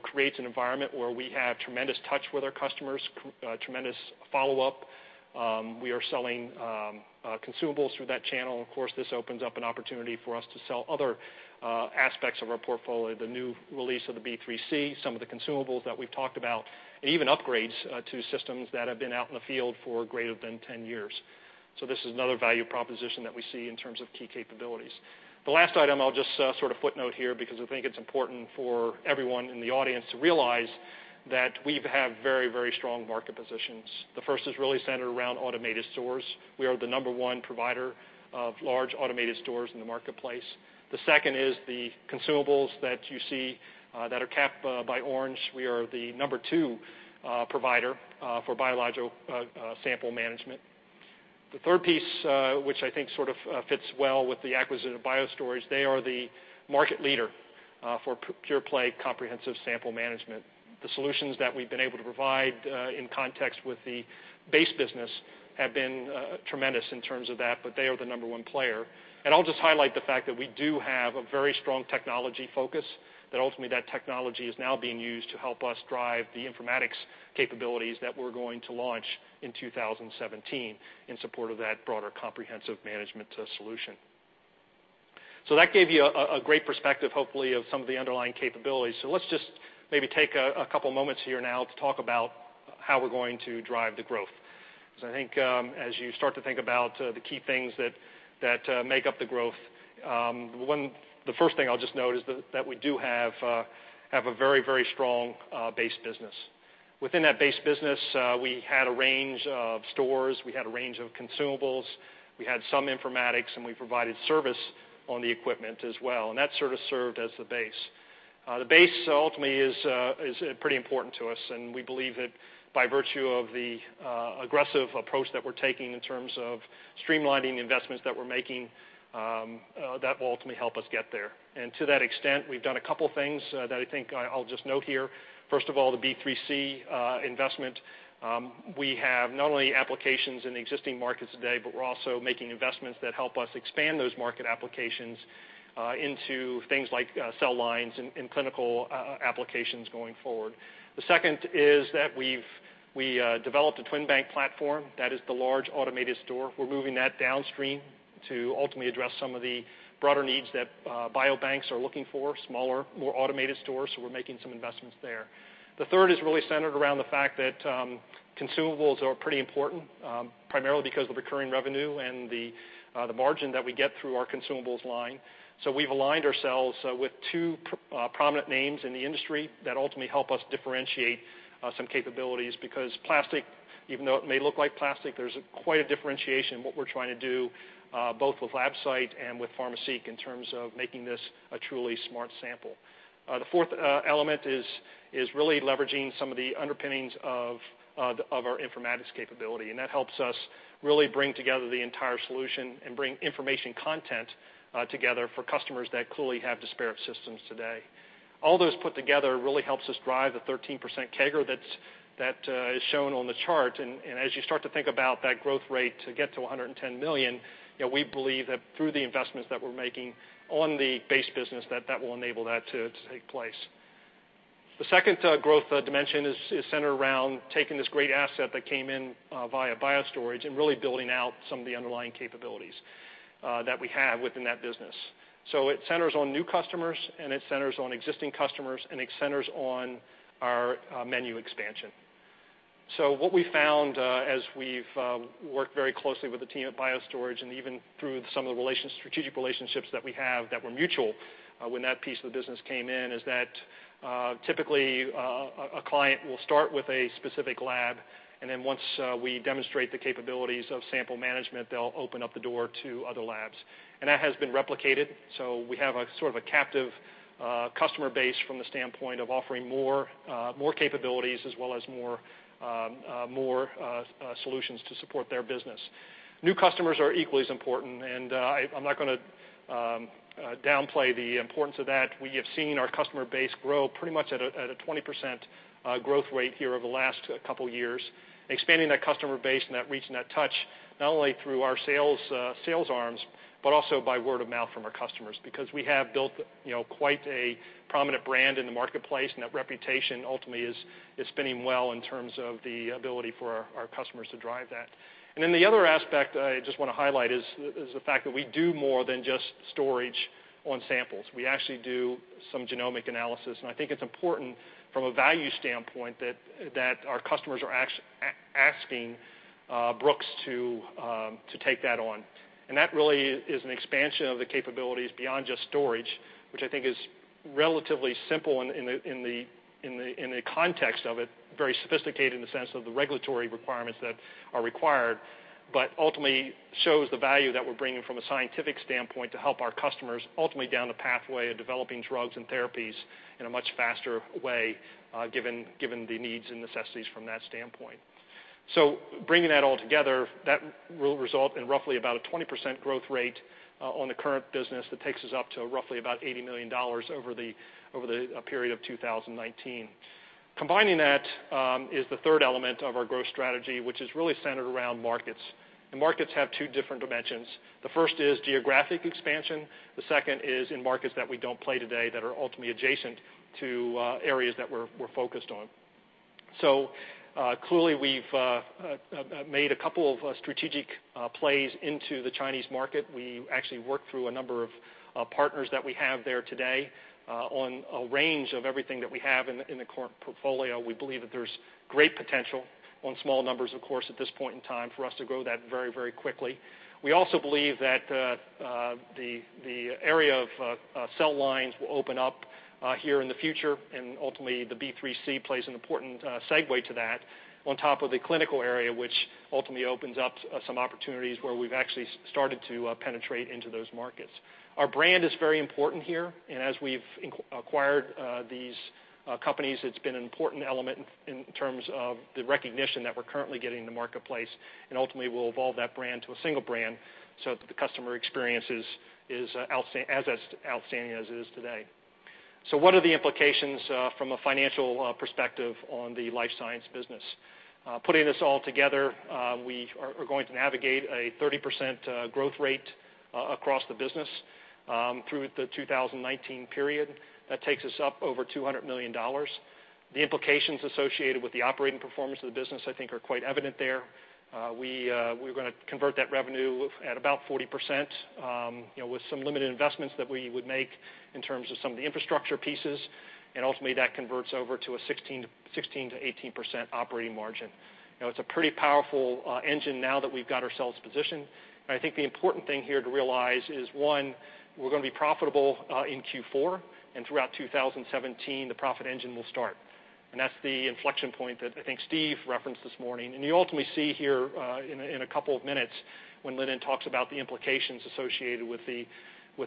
creates an environment where we have tremendous touch with our customers, tremendous follow-up. We are selling consumables through that channel, and of course, this opens up an opportunity for us to sell other aspects of our portfolio, the new release of the B3C, some of the consumables that we've talked about, and even upgrades to systems that have been out in the field for greater than 10 years. This is another value proposition that we see in terms of key capabilities. The last item I'll just sort of footnote here because I think it's important for everyone in the audience to realize that we have very, very strong market positions. The first is really centered around automated stores. We are the number 1 provider of large automated stores in the marketplace. The second is the consumables that you see that are capped by orange. We are the number 2 provider for biological sample management. The third piece, which I think sort of fits well with the acquisition of BioStorage, they are the market leader for pure-play comprehensive sample management. The solutions that we've been able to provide in context with the base business have been tremendous in terms of that, but they are the number 1 player. I'll just highlight the fact that we do have a very strong technology focus, that ultimately that technology is now being used to help us drive the informatics capabilities that we're going to launch in 2017 in support of that broader comprehensive management solution. That gave you a great perspective, hopefully, of some of the underlying capabilities. Let's just maybe take a couple moments here now to talk about how we're going to drive the growth. I think as you start to think about the key things that make up the growth, the first thing I'll just note is that we do have a very, very strong base business. Within that base business, we had a range of stores, we had a range of consumables, we had some informatics, and we provided service on the equipment as well, and that sort of served as the base. The base ultimately is pretty important to us, and we believe that by virtue of the aggressive approach that we're taking in terms of streamlining investments that we're making, that will ultimately help us get there. To that extent, we've done a couple of things that I think I'll just note here. First of all, the B3C investment. We have not only applications in the existing markets today, but we're also making investments that help us expand those market applications into things like cell lines and clinical applications going forward. The second is that we developed a TwinBank platform that is the large automated store. We're moving that downstream to ultimately address some of the broader needs that biobanks are looking for, smaller, more automated stores, so we're making some investments there. The third is really centered around the fact that consumables are pretty important, primarily because of recurring revenue and the margin that we get through our consumables line. We've aligned ourselves with two prominent names in the industry that ultimately help us differentiate some capabilities, because plastic, even though it may look like plastic, there's quite a differentiation in what we're trying to do, both with Labcyte and with PharmaCyte in terms of making this a truly smart sample. The fourth element is really leveraging some of the underpinnings of our informatics capability, and that helps us really bring together the entire solution and bring information content together for customers that clearly have disparate systems today. All those put together really helps us drive the 13% CAGR that is shown on the chart. As you start to think about that growth rate to get to $110 million, we believe that through the investments that we're making on the base business, that that will enable that to take place. The second growth dimension is centered around taking this great asset that came in via BioStorage and really building out some of the underlying capabilities that we have within that business. It centers on new customers, it centers on existing customers, and it centers on our menu expansion. What we found as we've worked very closely with the team at BioStorage, and even through some of the strategic relationships that we have that were mutual when that piece of the business came in, is that typically, a client will start with a specific lab, and then once we demonstrate the capabilities of sample management, they'll open up the door to other labs. That has been replicated, so we have a sort of a captive customer base from the standpoint of offering more capabilities as well as more solutions to support their business. New customers are equally as important, I'm not going to downplay the importance of that. We have seen our customer base grow pretty much at a 20% growth rate here over the last couple of years. Expanding that customer base and reaching that touch, not only through our sales arms, but also by word of mouth from our customers, because we have built quite a prominent brand in the marketplace, and that reputation ultimately is spinning well in terms of the ability for our customers to drive that. The other aspect I just want to highlight is the fact that we do more than just storage on samples. We actually do some genomic analysis. I think it's important from a value standpoint that our customers are asking Brooks to take that on. That really is an expansion of the capabilities beyond just storage, which I think is relatively simple in the context of it, very sophisticated in the sense of the regulatory requirements that are required, but ultimately shows the value that we're bringing from a scientific standpoint to help our customers ultimately down the pathway of developing drugs and therapies in a much faster way, given the needs and necessities from that standpoint. Bringing that all together, that will result in roughly about a 20% growth rate on the current business. That takes us up to roughly about $80 million over the period of 2019. Combining that is the third element of our growth strategy, which is really centered around markets. Markets have two different dimensions. The first is geographic expansion, the second is in markets that we don't play today that are ultimately adjacent to areas that we're focused on. Clearly, we've made a couple of strategic plays into the Chinese market. We actually work through a number of partners that we have there today on a range of everything that we have in the current portfolio. We believe that there's great potential on small numbers, of course, at this point in time for us to grow that very quickly. We also believe that the area of cell lines will open up here in the future, and ultimately the B3C plays an important segue to that on top of the clinical area, which ultimately opens up some opportunities where we've actually started to penetrate into those markets. Our brand is very important here, and as we've acquired these companies, it's been an important element in terms of the recognition that we're currently getting in the marketplace, and ultimately we'll evolve that brand to a single brand so that the customer experience is as outstanding as it is today. What are the implications from a financial perspective on the life science business? Putting this all together, we are going to navigate a 30% growth rate across the business through the 2019 period. That takes us up over $200 million. The implications associated with the operating performance of the business, I think, are quite evident there. We're going to convert that revenue at about 40% with some limited investments that we would make in terms of some of the infrastructure pieces, and ultimately that converts over to a 16%-18% operating margin. It's a pretty powerful engine now that we've got ourselves positioned. I think the important thing here to realize is, one, we're going to be profitable in Q4, and throughout 2017, the profit engine will start. That's the inflection point that I think Steve referenced this morning. You ultimately see here in a couple of minutes when Lyndon talks about the implications associated with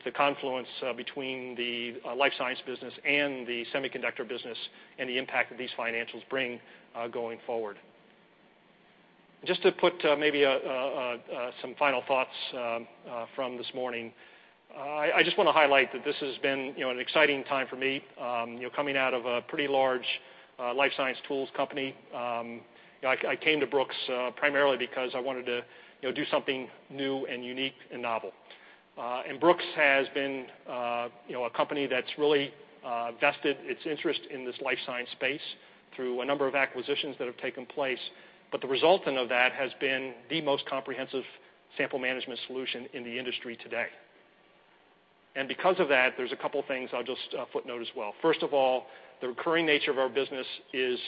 the confluence between the life science business and the semiconductor business and the impact that these financials bring going forward. Just to put maybe some final thoughts from this morning. I just want to highlight that this has been an exciting time for me, coming out of a pretty large life science tools company. I came to Brooks primarily because I wanted to do something new and unique and novel. Brooks has been a company that's really vested its interest in this life science space through a number of acquisitions that have taken place. The resultant of that has been the most comprehensive sample management solution in the industry today. Because of that, there's a couple things I'll just footnote as well. First of all, the recurring nature of our business is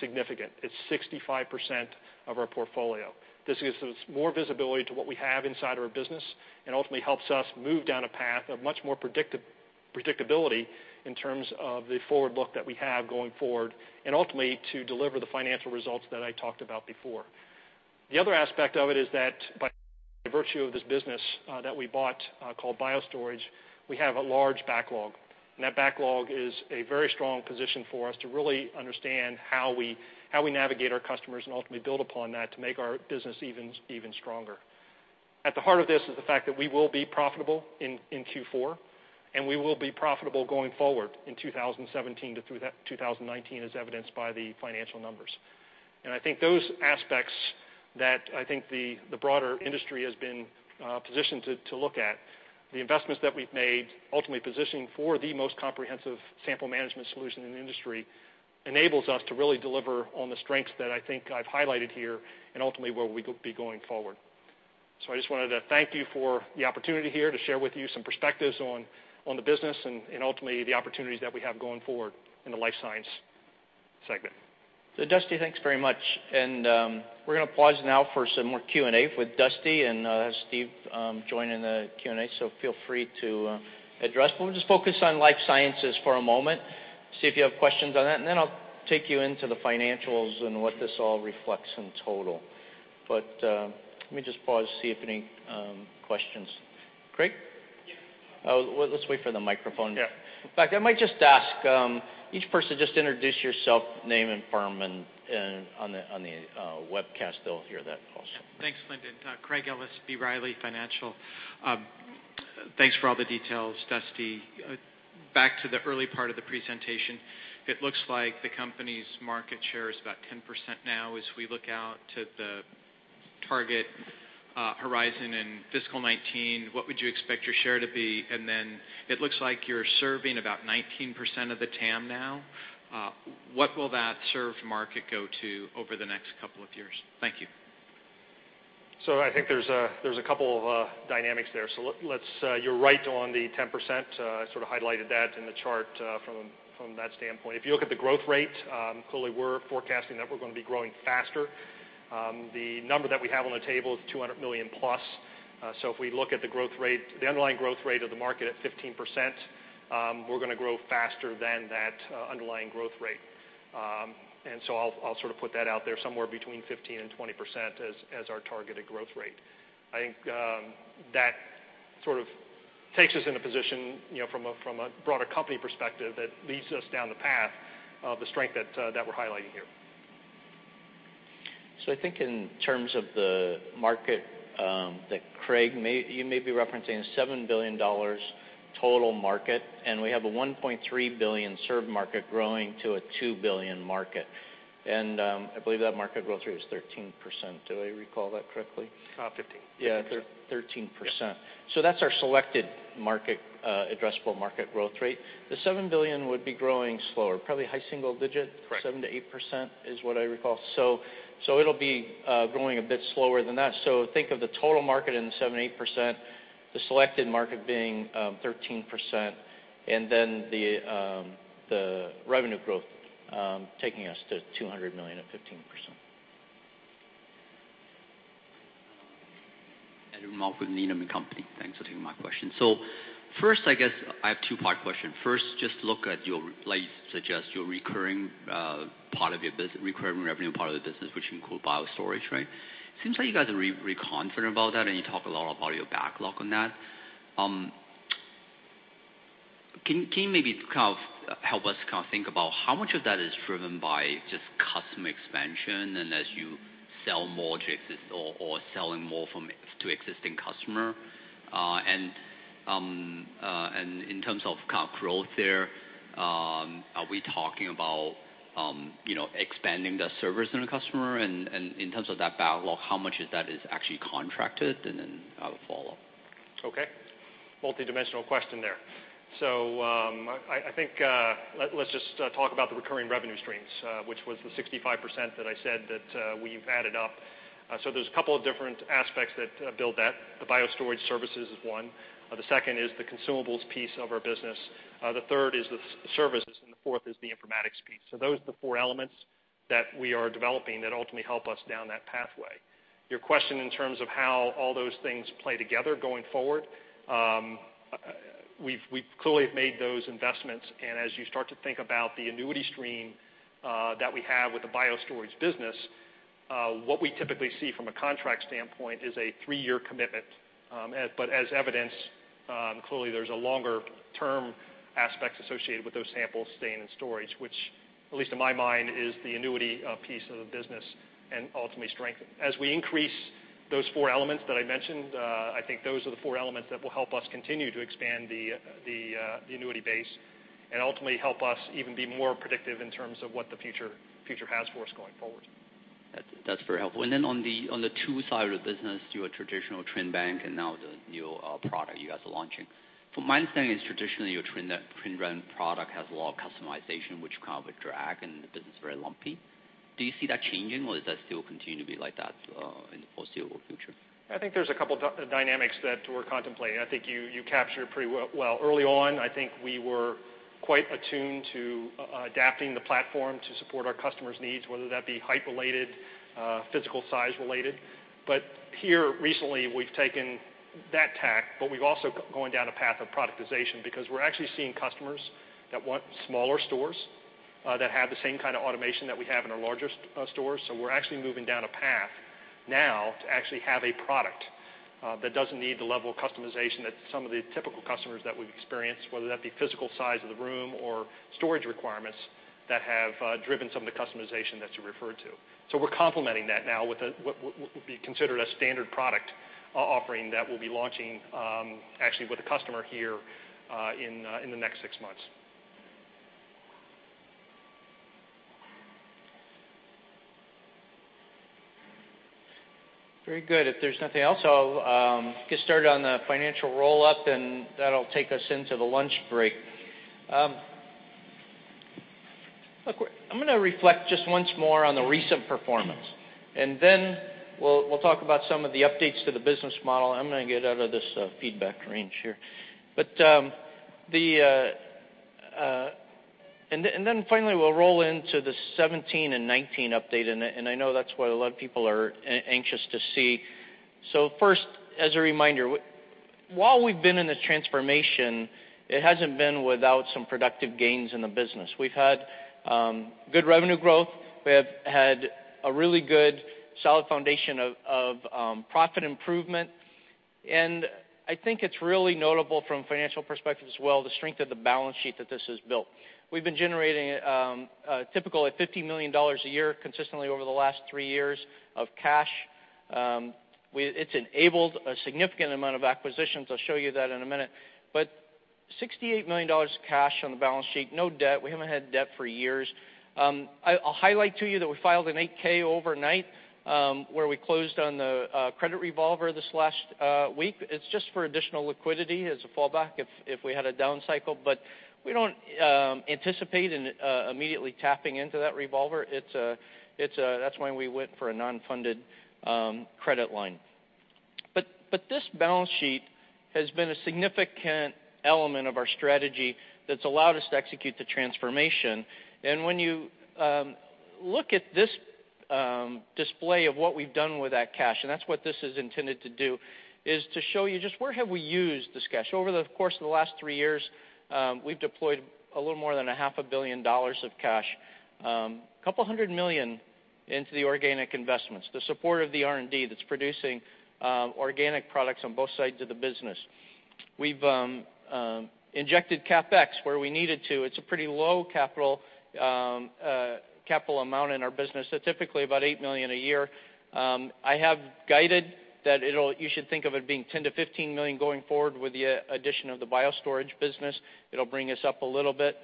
significant. It's 65% of our portfolio. This gives us more visibility to what we have inside our business and ultimately helps us move down a path of much more predictability in terms of the forward look that we have going forward and ultimately to deliver the financial results that I talked about before. The other aspect of it is that by virtue of this business that we bought called BioStorage, we have a large backlog, and that backlog is a very strong position for us to really understand how we navigate our customers and ultimately build upon that to make our business even stronger. At the heart of this is the fact that we will be profitable in Q4, and we will be profitable going forward in 2017 through 2019, as evidenced by the financial numbers. I think those aspects that I think the broader industry has been positioned to look at, the investments that we've made ultimately positioning for the most comprehensive sample management solution in the industry enables us to really deliver on the strengths that I think I've highlighted here and ultimately where we could be going forward. I just wanted to thank you for the opportunity here to share with you some perspectives on the business and ultimately the opportunities that we have going forward in the life science segment. Dusty, thanks very much. We're going to pause now for some more Q&A with Dusty and have Steve join in the Q&A, feel free to address, but we'll just focus on life sciences for a moment, see if you have questions on that, and then I'll take you into the financials and what this all reflects in total. Let me just pause, see if any questions. Craig? Yeah. Let's wait for the microphone. Yeah. In fact, I might just ask each person, just introduce yourself, name and firm, and on the webcast, they'll hear that also. Thanks, Lindon. Craig Ellis, B. Riley Financial. Thanks for all the details, Dusty. Back to the early part of the presentation, it looks like the company's market share is about 10% now. As we look out to the target horizon in fiscal 2019, what would you expect your share to be? It looks like you're serving about 19% of the TAM now. What will that served market go to over the next couple of years? Thank you. I think there's a couple of dynamics there. You're right on the 10%. I sort of highlighted that in the chart from that standpoint. If you look at the growth rate, clearly we're forecasting that we're going to be growing faster. The number that we have on the table is $200 million plus. If we look at the underlying growth rate of the market at 15%, we're going to grow faster than that underlying growth rate. I'll sort of put that out there, somewhere between 15%-20% as our targeted growth rate. I think that sort of takes us in a position from a broader company perspective that leads us down the path of the strength that we're highlighting here. I think in terms of the market that Craig, you may be referencing a $7 billion total market. We have a $1.3 billion served market growing to a $2 billion market. I believe that market growth rate is 13%. Do I recall that correctly? 15. Yeah, 13%. Yeah. That's our selected addressable market growth rate. The $7 billion would be growing slower, probably high single digit. Correct. 7% to 8% is what I recall. It'll be growing a bit slower than that. Think of the total market in the 7%-8%, the selected market being 13%, and then the revenue growth taking us to $200 million at 15%. Edward Marks with Needham & Company. Thanks for taking my question. First, I guess I have a two-part question. First, just look at your place, suggest your recurring revenue part of the business, which include BioStorage, right? It seems like you guys are really confident about that, and you talk a lot about your backlog on that. Can you maybe kind of help us think about how much of that is driven by just customer expansion and as you sell more to existing or selling more to existing customer? In terms of kind of growth there, are we talking about expanding the service in a customer? In terms of that backlog, how much of that is actually contracted? I'll follow up. Okay. Multidimensional question there. I think let's just talk about the recurring revenue streams, which was the 65% that I said that we've added up. There's a couple of different aspects that build that. The BioStorage services is one. The second is the consumables piece of our business. The third is the services, and the fourth is the informatics piece. Those are the four elements that we are developing that ultimately help us down that pathway. Your question in terms of how all those things play together going forward, we've clearly have made those investments, and as you start to think about the annuity stream that we have with the BioStorage business, what we typically see from a contract standpoint is a three-year commitment. As evidenced, clearly there's a longer-term aspect associated with those samples staying in storage, which at least in my mind, is the annuity piece of the business and ultimately strengthen. As we increase those four elements that I mentioned, I think those are the four elements that will help us continue to expand the annuity base and ultimately help us even be more predictive in terms of what the future has for us going forward. That's very helpful. On the tools side of the business, your traditional TwinBank and now the new product you guys are launching. From my understanding, it's traditionally your TwinBank product has a lot of customization, which kind of a drag and the business is very lumpy. Do you see that changing or does that still continue to be like that in the foreseeable future? I think there's a couple dynamics that we're contemplating. I think you captured it pretty well. Early on, I think we were quite attuned to adapting the platform to support our customers' needs, whether that be height related, physical size related. Here recently, we've taken that tack, but we've also going down a path of productization because we're actually seeing customers that want smaller stores that have the same kind of automation that we have in our larger stores. We're actually moving down a path now to actually have a product that doesn't need the level of customization that some of the typical customers that we've experienced, whether that be physical size of the room or storage requirements that have driven some of the customization that you referred to. We're complementing that now with what would be considered a standard product offering that we'll be launching actually with a customer here in the next six months. Very good. If there's nothing else, I'll get started on the financial roll-up, and that'll take us into the lunch break. Look, I'm going to reflect just once more on the recent performance, and then we'll talk about some of the updates to the business model. I'm going to get out of this feedback range here. Then finally, we'll roll into the 2017 and 2019 update, and I know that's what a lot of people are anxious to see. First, as a reminder, while we've been in this transformation, it hasn't been without some productive gains in the business. We've had good revenue growth. We have had a really good, solid foundation of profit improvement. I think it's really notable from a financial perspective as well, the strength of the balance sheet that this has built. We've been generating a typical $50 million a year consistently over the last three years of cash. It's enabled a significant amount of acquisitions. I'll show you that in a minute. $68 million of cash on the balance sheet, no debt. We haven't had debt for years. I'll highlight to you that we filed an 8-K overnight, where we closed on the credit revolver this last week. It's just for additional liquidity as a fallback if we had a down cycle. We don't anticipate immediately tapping into that revolver. That's why we went for a non-funded credit line. This balance sheet has been a significant element of our strategy that's allowed us to execute the transformation. When you look at this display of what we've done with that cash, and that's what this is intended to do, is to show you just where have we used this cash. Over the course of the last three years, we've deployed a little more than a half a billion dollars of cash. A couple of hundred million into the organic investments, the support of the R&D that's producing organic products on both sides of the business. We've injected CapEx where we needed to. It's a pretty low capital amount in our business, so typically about $8 million a year. I have guided that you should think of it being $10 million-$15 million going forward with the addition of the BioStorage business. It'll bring us up a little bit.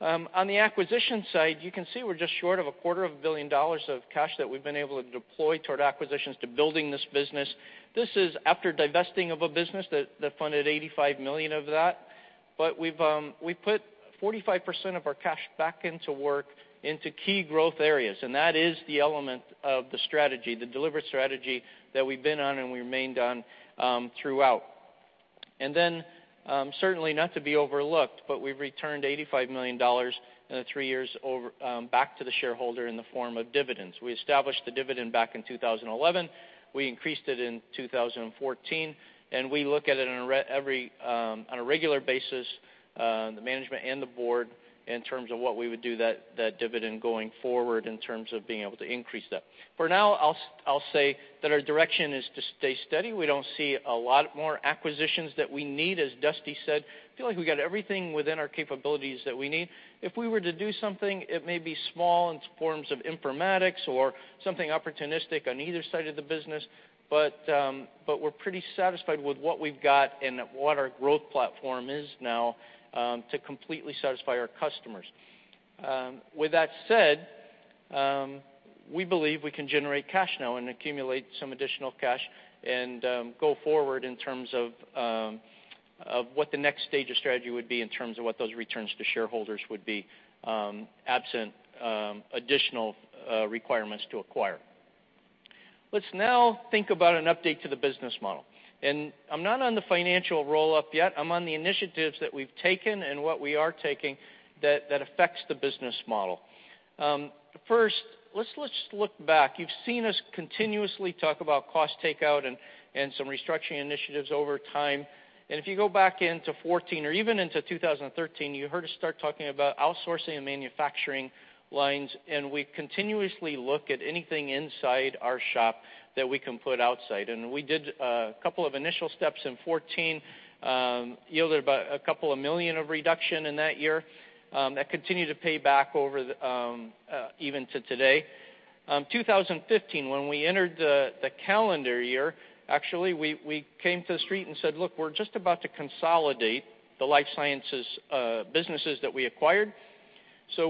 On the acquisition side, you can see we're just short of a quarter of a billion dollars of cash that we've been able to deploy toward acquisitions to building this business. This is after divesting of a business that funded $85 million of that. We've put 45% of our cash back into work into key growth areas, and that is the element of the strategy, the deliberate strategy that we've been on and remained on throughout. Certainly not to be overlooked, we've returned $85 million in the three years back to the shareholder in the form of dividends. We established the dividend back in 2011. We increased it in 2014, we look at it on a regular basis, the management and the board, in terms of what we would do that dividend going forward in terms of being able to increase that. For now, I'll say that our direction is to stay steady. We don't see a lot more acquisitions that we need, as Dusty said. I feel like we got everything within our capabilities that we need. If we were to do something, it may be small in forms of informatics or something opportunistic on either side of the business, we're pretty satisfied with what we've got and what our growth platform is now to completely satisfy our customers. With that said, we believe we can generate cash now and accumulate some additional cash and go forward in terms of what the next stage of strategy would be in terms of what those returns to shareholders would be, absent additional requirements to acquire. Let's now think about an update to the business model. I'm not on the financial roll-up yet. I'm on the initiatives that we've taken and what we are taking that affects the business model. First, let's just look back. You've seen us continuously talk about cost takeout and some restructuring initiatives over time. If you go back into 2014 or even into 2013, you heard us start talking about outsourcing and manufacturing lines, we continuously look at anything inside our shop that we can put outside. We did a couple of initial steps in 2014, yielded about a couple of million of reduction in that year. That continued to pay back over even to today. 2015, when we entered the calendar year, actually, we came to the street and said, "Look, we're just about to consolidate the life sciences businesses that we acquired."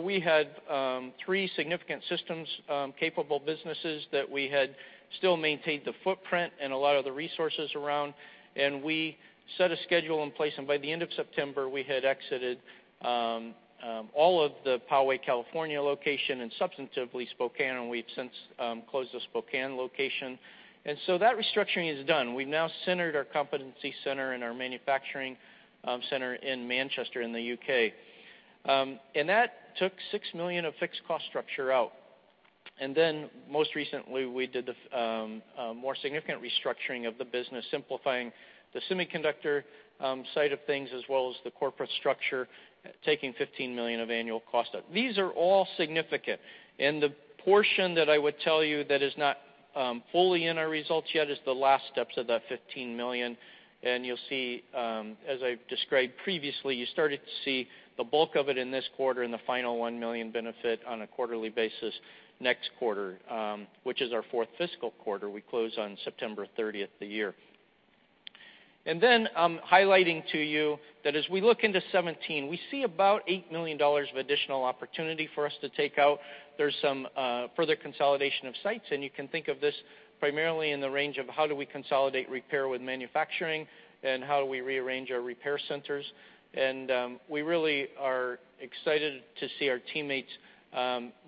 We had three significant systems, capable businesses that we had still maintained the footprint and a lot of the resources around, we set a schedule in place, by the end of September, we had exited all of the Poway, California, location substantively Spokane, we've since closed the Spokane location. That restructuring is done. We've now centered our competency center and our manufacturing center in Manchester in the U.K. That took $6 million of fixed cost structure out. Most recently, we did the more significant restructuring of the business, simplifying the semiconductor side of things as well as the corporate structure, taking $15 million of annual cost out. These are all significant. The portion that I would tell you that is not fully in our results yet is the last steps of that $15 million. You'll see, as I've described previously, you started to see the bulk of it in this quarter and the final $1 million benefit on a quarterly basis next quarter, which is our fourth fiscal quarter. We close on September 30th of the year. Highlighting to you that as we look into 2017, we see about $8 million of additional opportunity for us to take out. There's some further consolidation of sites, and you can think of this primarily in the range of how do we consolidate repair with manufacturing and how do we rearrange our repair centers. We really are excited to see our teammates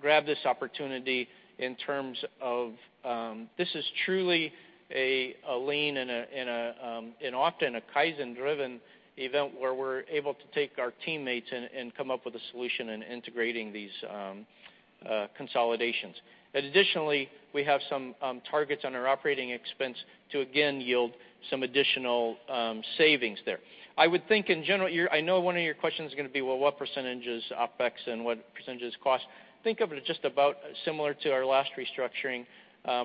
grab this opportunity in terms of, this is truly a lean and often a Kaizen-driven event where we're able to take our teammates and come up with a solution in integrating these consolidations. Additionally, we have some targets on our operating expense to again yield some additional savings there. I would think in general, I know one of your questions is going to be, well, what percentage is OpEx and what percentage is cost? Think of it as just about similar to our last restructuring,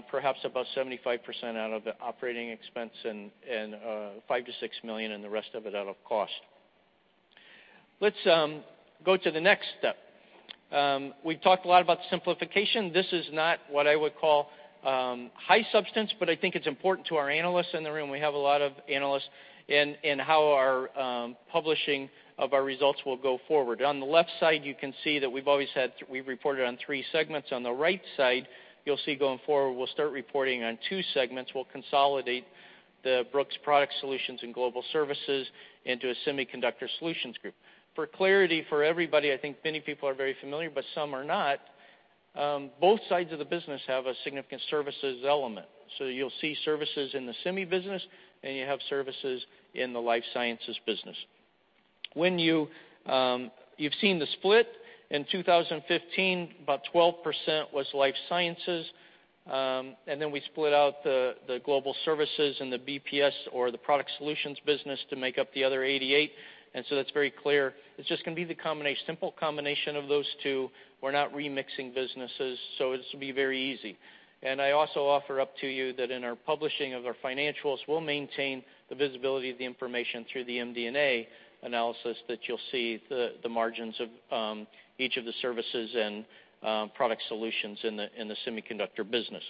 perhaps about 75% out of operating expense and $5 million-$6 million and the rest of it out of cost. Let's go to the next step. We've talked a lot about simplification. This is not what I would call high substance, but I think it's important to our analysts in the room, we have a lot of analysts, in how our publishing of our results will go forward. On the left side, you can see that we've always reported on three segments. On the right side, you'll see going forward, we'll start reporting on two segments. We'll consolidate the Brooks Product Solutions and Global Services into a Semiconductor Solutions Group. For clarity for everybody, I think many people are very familiar, but some are not, both sides of the business have a significant services element. You'll see services in the semi business, and you have services in the life sciences business. You've seen the split. In 2015, about 12% was life sciences, then we split out the Global Services and the BPS, or the Product Solutions business, to make up the other 88%. That's very clear. It's just going to be the simple combination of those two. We're not remixing businesses, so this will be very easy. I also offer up to you that in our publishing of our financials, we'll maintain the visibility of the information through the MD&A analysis that you'll see the margins of each of the services and Product Solutions in the semiconductor business.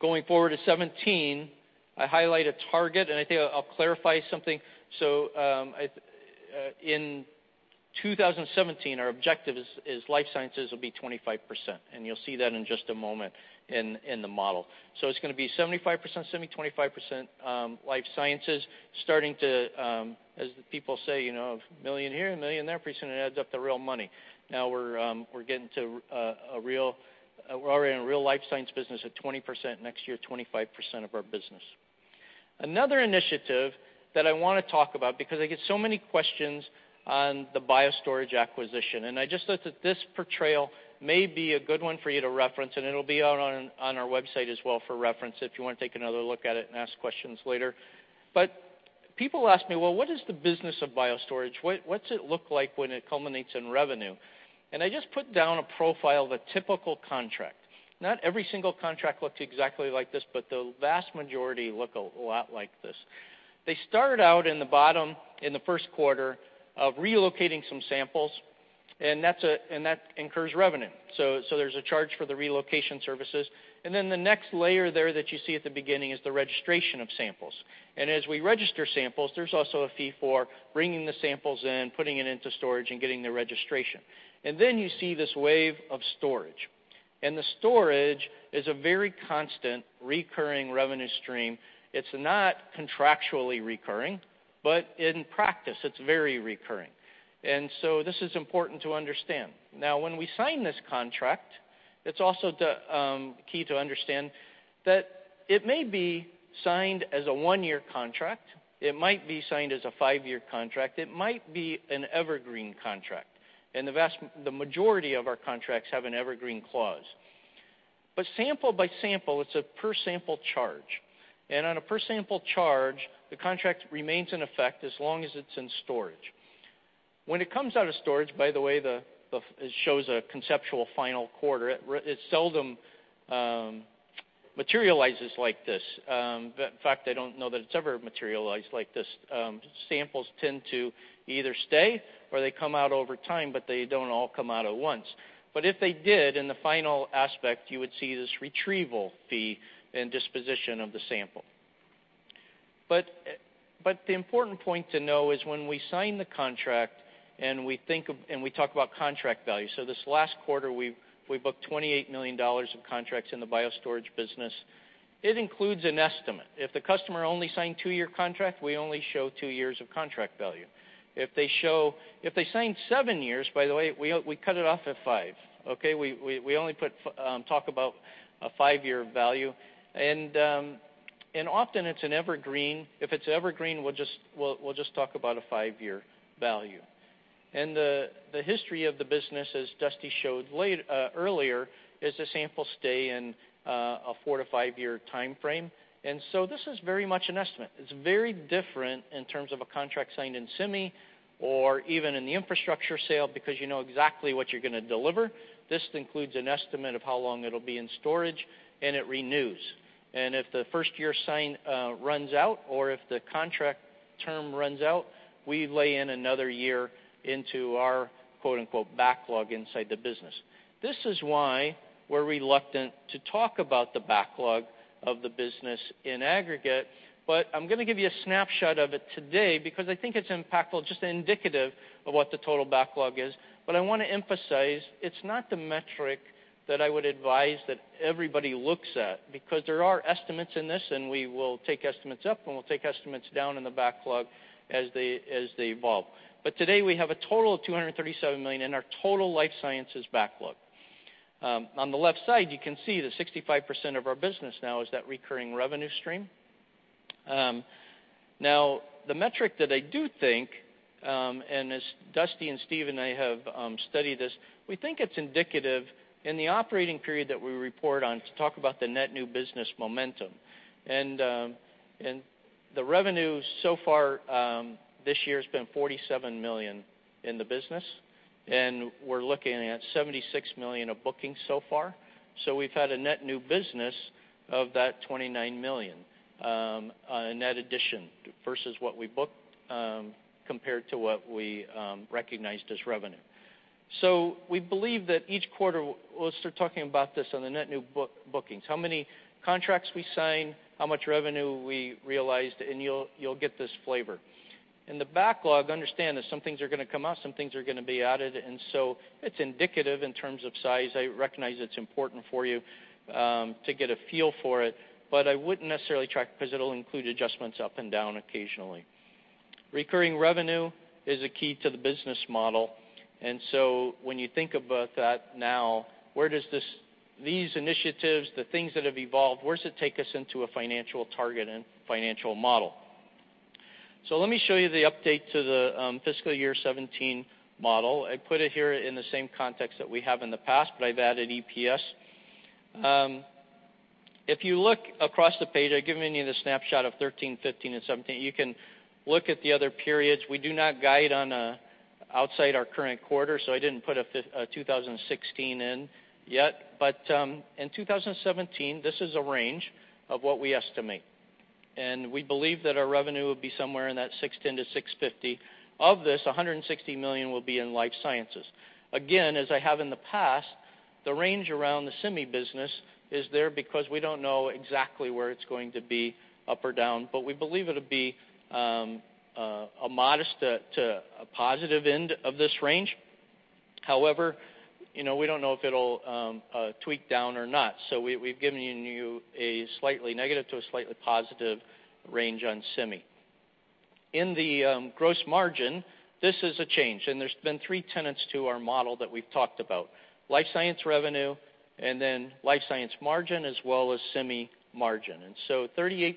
Going forward to 2017, I highlight a target, and I think I'll clarify something. In 2017, our objective is life sciences will be 25%, and you'll see that in just a moment in the model. It's going to be 75% semi, 25% life sciences. Starting to, as people say, $1 million here and $1 million there, pretty soon it adds up to real money. We're already in real life science business at 20%, next year, 25% of our business. Another initiative that I want to talk about, because I get so many questions on the BioStorage acquisition. I just thought that this portrayal may be a good one for you to reference, and it'll be out on our website as well for reference, if you want to take another look at it and ask questions later. People ask me, "Well, what is the business of BioStorage? What's it look like when it culminates in revenue?" I just put down a profile of a typical contract. Not every single contract looks exactly like this, but the vast majority look a lot like this. They start out in the bottom, in the first quarter, of relocating some samples, that incurs revenue. There's a charge for the relocation services. The next layer there that you see at the beginning is the registration of samples. As we register samples, there's also a fee for bringing the samples in, putting it into storage, and getting the registration. You see this wave of storage, and the storage is a very constant recurring revenue stream. It's not contractually recurring, but in practice, it's very recurring. This is important to understand. Now, when we sign this contract, it's also key to understand that it may be signed as a one-year contract, it might be signed as a five-year contract, it might be an evergreen contract. The majority of our contracts have an evergreen clause. Sample by sample, it's a per sample charge. On a per sample charge, the contract remains in effect as long as it's in storage. When it comes out of storage, by the way, it shows a conceptual final quarter. It seldom materializes like this. In fact, I don't know that it's ever materialized like this. Samples tend to either stay or they come out over time, but they don't all come out at once. If they did, in the final aspect, you would see this retrieval fee and disposition of the sample. The important point to know is when we sign the contract and we talk about contract value, so this last quarter, we booked $28 million of contracts in the BioStorage business. It includes an estimate. If the customer only signed a two-year contract, we only show two years of contract value. If they sign seven years, by the way, we cut it off at five. Okay? We only talk about a five-year value. Often it's an evergreen. If it's evergreen, we'll just talk about a five-year value. The history of the business, as Dusty showed earlier, is the samples stay in a four to five-year timeframe. This is very much an estimate. It's very different in terms of a contract signed in semi or even in the infrastructure sale because you know exactly what you're going to deliver. This includes an estimate of how long it'll be in storage, and it renews. If the first year runs out or if the contract term runs out, we lay in another year into our, quote-unquote, "backlog" inside the business. This is why we're reluctant to talk about the backlog of the business in aggregate, I'm going to give you a snapshot of it today because I think it's impactful, just indicative of what the total backlog is. I want to emphasize, it's not the metric that I would advise that everybody looks at, because there are estimates in this, and we will take estimates up and we'll take estimates down in the backlog as they evolve. Today, we have a total of $237 million in our total life sciences backlog. On the left side, you can see that 65% of our business now is that recurring revenue stream. The metric that I do think, and as Dusty and Steve and I have studied this, we think it's indicative in the operating period that we report on to talk about the net new business momentum. The revenue so far this year has been $47 million in the business. We're looking at $76 million of bookings so far. We've had a net new business of that $29 million net addition versus what we booked compared to what we recognized as revenue. We believe that each quarter, we'll start talking about this on the net new bookings, how many contracts we sign, how much revenue we realized, and you'll get this flavor. In the backlog, understand that some things are going to come out, some things are going to be added, it's indicative in terms of size. I recognize it's important for you to get a feel for it, but I wouldn't necessarily track, because it'll include adjustments up and down occasionally. Recurring revenue is a key to the business model, when you think about that now, where does these initiatives, the things that have evolved, where does it take us into a financial target and financial model? Let me show you the update to the fiscal year 2017 model. I put it here in the same context that we have in the past, I've added EPS. If you look across the page, I've given you the snapshot of 2013, 2015, and 2017. You can look at the other periods. We do not guide on outside our current quarter, so I didn't put a 2016 in yet. In 2017, this is a range of what we estimate. We believe that our revenue will be somewhere in that $610 million-$650 million. Of this, $160 million will be in life sciences. Again, as I have in the past, the range around the semi business is there because we don't know exactly where it's going to be up or down, we believe it'll be a modest to a positive end of this range. However, we don't know if it'll tweak down or not, we've given you a slightly negative to a slightly positive range on semi. In the gross margin, this is a change, there's been three tenets to our model that we've talked about, life science revenue, and then life science margin, as well as semi margin. 38%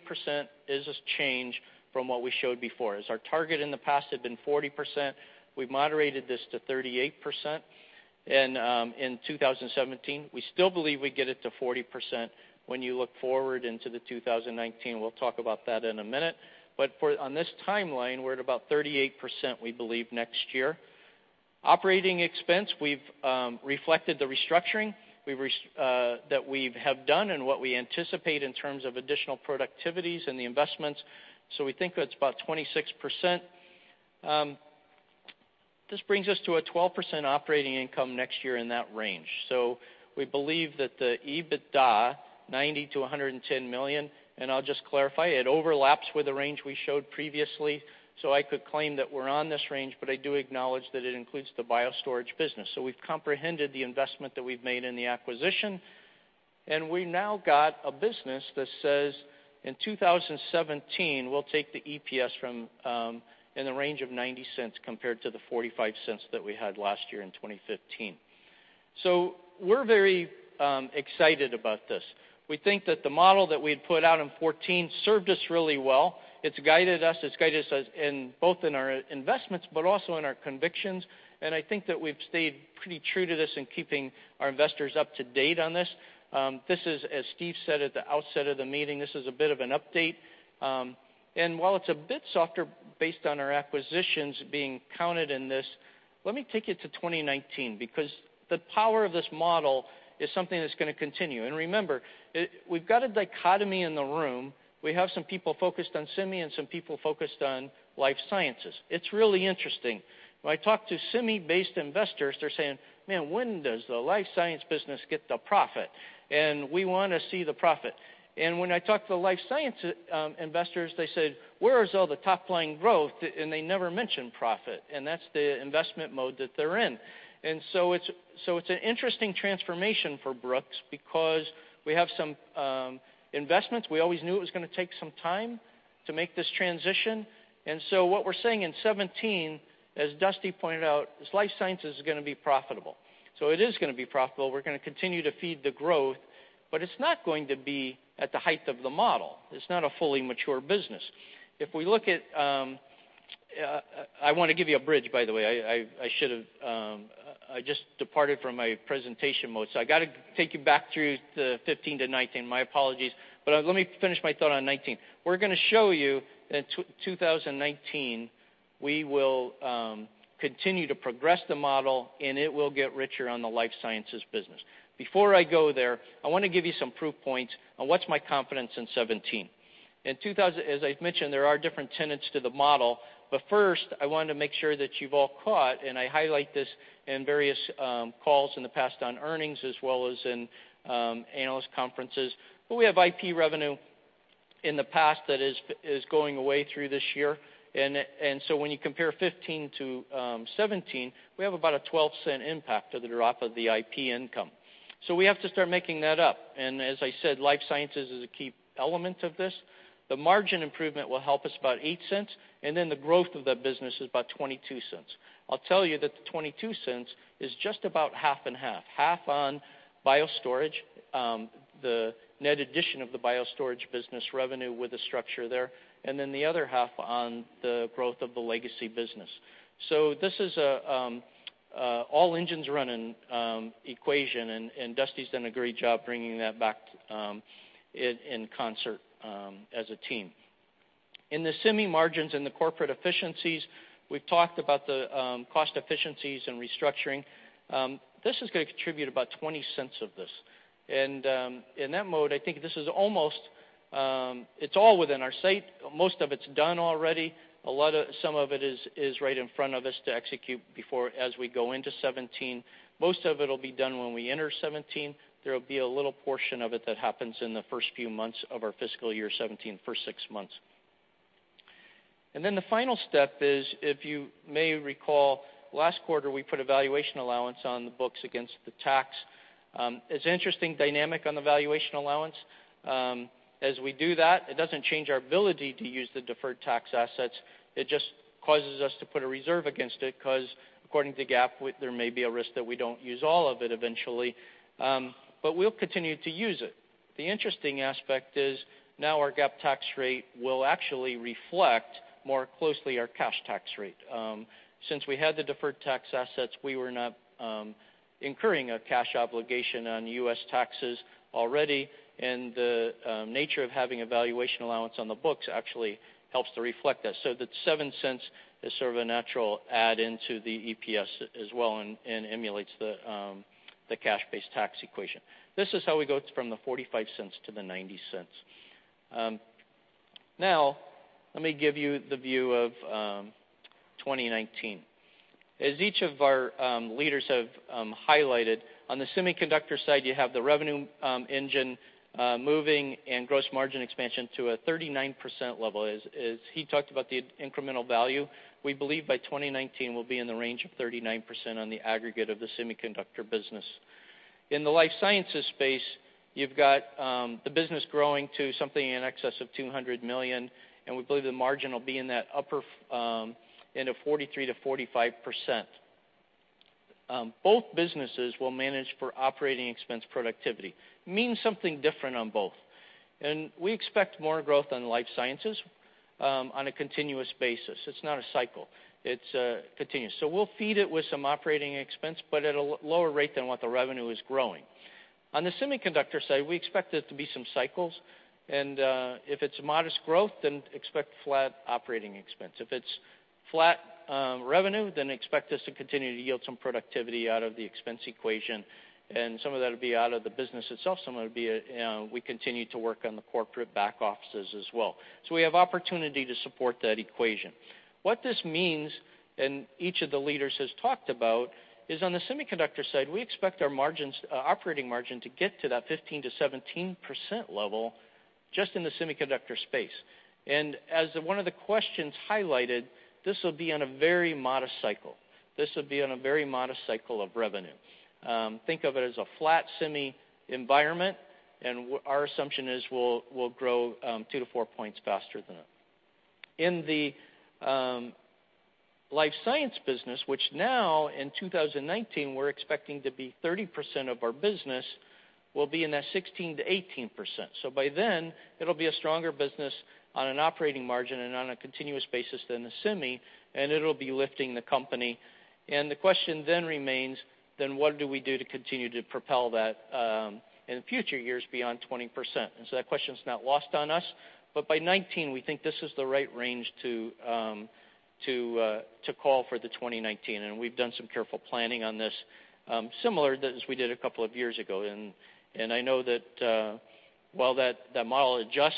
is a change from what we showed before. As our target in the past had been 40%, we've moderated this to 38% in 2017. We still believe we get it to 40% when you look forward into the 2019. We'll talk about that in a minute. On this timeline, we're at about 38%, we believe, next year. Operating expense, we've reflected the restructuring that we have done and what we anticipate in terms of additional productivities and the investments, we think that's about 26%. This brings us to a 12% operating income next year in that range. We believe that the EBITDA, $90 million-$110 million, and I'll just clarify, it overlaps with the range we showed previously, I could claim that we're on this range, but I do acknowledge that it includes the BioStorage business. We've comprehended the investment that we've made in the acquisition, and we've now got a business that says in 2017, we'll take the EPS from in the range of $0.90 compared to the $0.45 that we had last year in 2015. We're very excited about this. We think that the model that we'd put out in 2014 served us really well. It's guided us, it's guided us both in our investments, but also in our convictions, and I think that we've stayed pretty true to this in keeping our investors up to date on this. This is, as Steve said at the outset of the meeting, this is a bit of an update. While it's a bit softer based on our acquisitions being counted in this, let me take you to 2019, because the power of this model is something that's going to continue. Remember, we've got a dichotomy in the room. We have some people focused on semi and some people focused on life sciences. It's really interesting. When I talk to semi-based investors, they're saying, "Man, when does the life science business get the profit? We want to see the profit." When I talk to the life science investors, they said, "Where is all the top-line growth?" They never mention profit, and that's the investment mode that they're in. It's an interesting transformation for Brooks because we have some investments. We always knew it was going to take some time to make this transition. What we're saying in 2017, as Dusty pointed out, is life sciences is going to be profitable. It is going to be profitable. We're going to continue to feed the growth, but it's not going to be at the height of the model. It's not a fully mature business. I want to give you a bridge, by the way. I just departed from my presentation mode, so I got to take you back through to 2015 to 2019. My apologies, let me finish my thought on 2019. We're going to show you in 2019, we will continue to progress the model, and it will get richer on the life sciences business. Before I go there, I want to give you some proof points on what's my confidence in 2017. As I've mentioned, there are different tenets to the model, first I wanted to make sure that you've all caught, and I highlight this in various calls in the past on earnings as well as in analyst conferences, we have IP revenue in the past that is going away through this year. When you compare 2015 to 2017, we have about a $0.12 impact of the drop of the IP income. We have to start making that up. As I said, life sciences is a key element of this. The margin improvement will help us about $0.08, then the growth of that business is about $0.22. I'll tell you that the $0.22 is just about half and half on BioStorage, the net addition of the BioStorage business revenue with the structure there, then the other half on the growth of the legacy business. This is an all engines running equation, and Dusty's done a great job bringing that back in concert as a team. In the semi margins and the corporate efficiencies, we've talked about the cost efficiencies and restructuring. This is going to contribute about $0.20 of this. In that mode, I think this is almost all within our sight. Most of it's done already. Some of it is right in front of us to execute as we go into 2017. Most of it will be done when we enter 2017. There will be a little portion of it that happens in the first few months of our fiscal year 2017, the first six months. Then the final step is, if you may recall, last quarter, we put a valuation allowance on the books against the tax. It's an interesting dynamic on the valuation allowance. As we do that, it doesn't change our ability to use the deferred tax assets. It just causes us to put a reserve against it, because according to GAAP, there may be a risk that we don't use all of it eventually. We'll continue to use it. The interesting aspect is now our GAAP tax rate will actually reflect more closely our cash tax rate. Since we had the deferred tax assets, we were not incurring a cash obligation on U.S. taxes already, the nature of having a valuation allowance on the books actually helps to reflect that. That $0.07 is sort of a natural add into the EPS as well and emulates the cash-based tax equation. This is how we go from the $0.45 to the $0.90. Let me give you the view of 2019. As each of our leaders have highlighted, on the semiconductor side, you have the revenue engine moving and gross margin expansion to a 39% level. As he talked about the incremental value, we believe by 2019, we'll be in the range of 39% on the aggregate of the semiconductor business. In the life sciences space, you've got the business growing to something in excess of $200 million, and we believe the margin will be in that upper end of 43%-45%. Both businesses will manage for operating expense productivity. It means something different on both. We expect more growth on life sciences on a continuous basis. It's not a cycle. It's continuous. We'll feed it with some operating expense, but at a lower rate than what the revenue is growing. On the semiconductor side, we expect there to be some cycles, if it's modest growth, expect flat operating expense. If it's flat revenue, expect us to continue to yield some productivity out of the expense equation, some of that will be out of the business itself. Some of it will be we continue to work on the corporate back offices as well. We have opportunity to support that equation. What this means, and each of the leaders has talked about, is on the Semiconductor Solutions Group side, we expect our operating margin to get to that 15%-17% level just in the semiconductor space. As one of the questions highlighted, this will be on a very modest cycle. This will be on a very modest cycle of revenue. Think of it as a flat semi environment, and our assumption is we'll grow 2-4 points faster than that. In the life science business, which now in 2019, we're expecting to be 30% of our business, will be in that 16%-18%. By then, it'll be a stronger business on an operating margin and on a continuous basis than the semi, and it'll be lifting the company. The question then remains, what do we do to continue to propel that in future years beyond 20%? That question is not lost on us. By 2019, we think this is the right range to call for the 2019, and we've done some careful planning on this, similar as we did a couple of years ago. I know that while that model adjusts,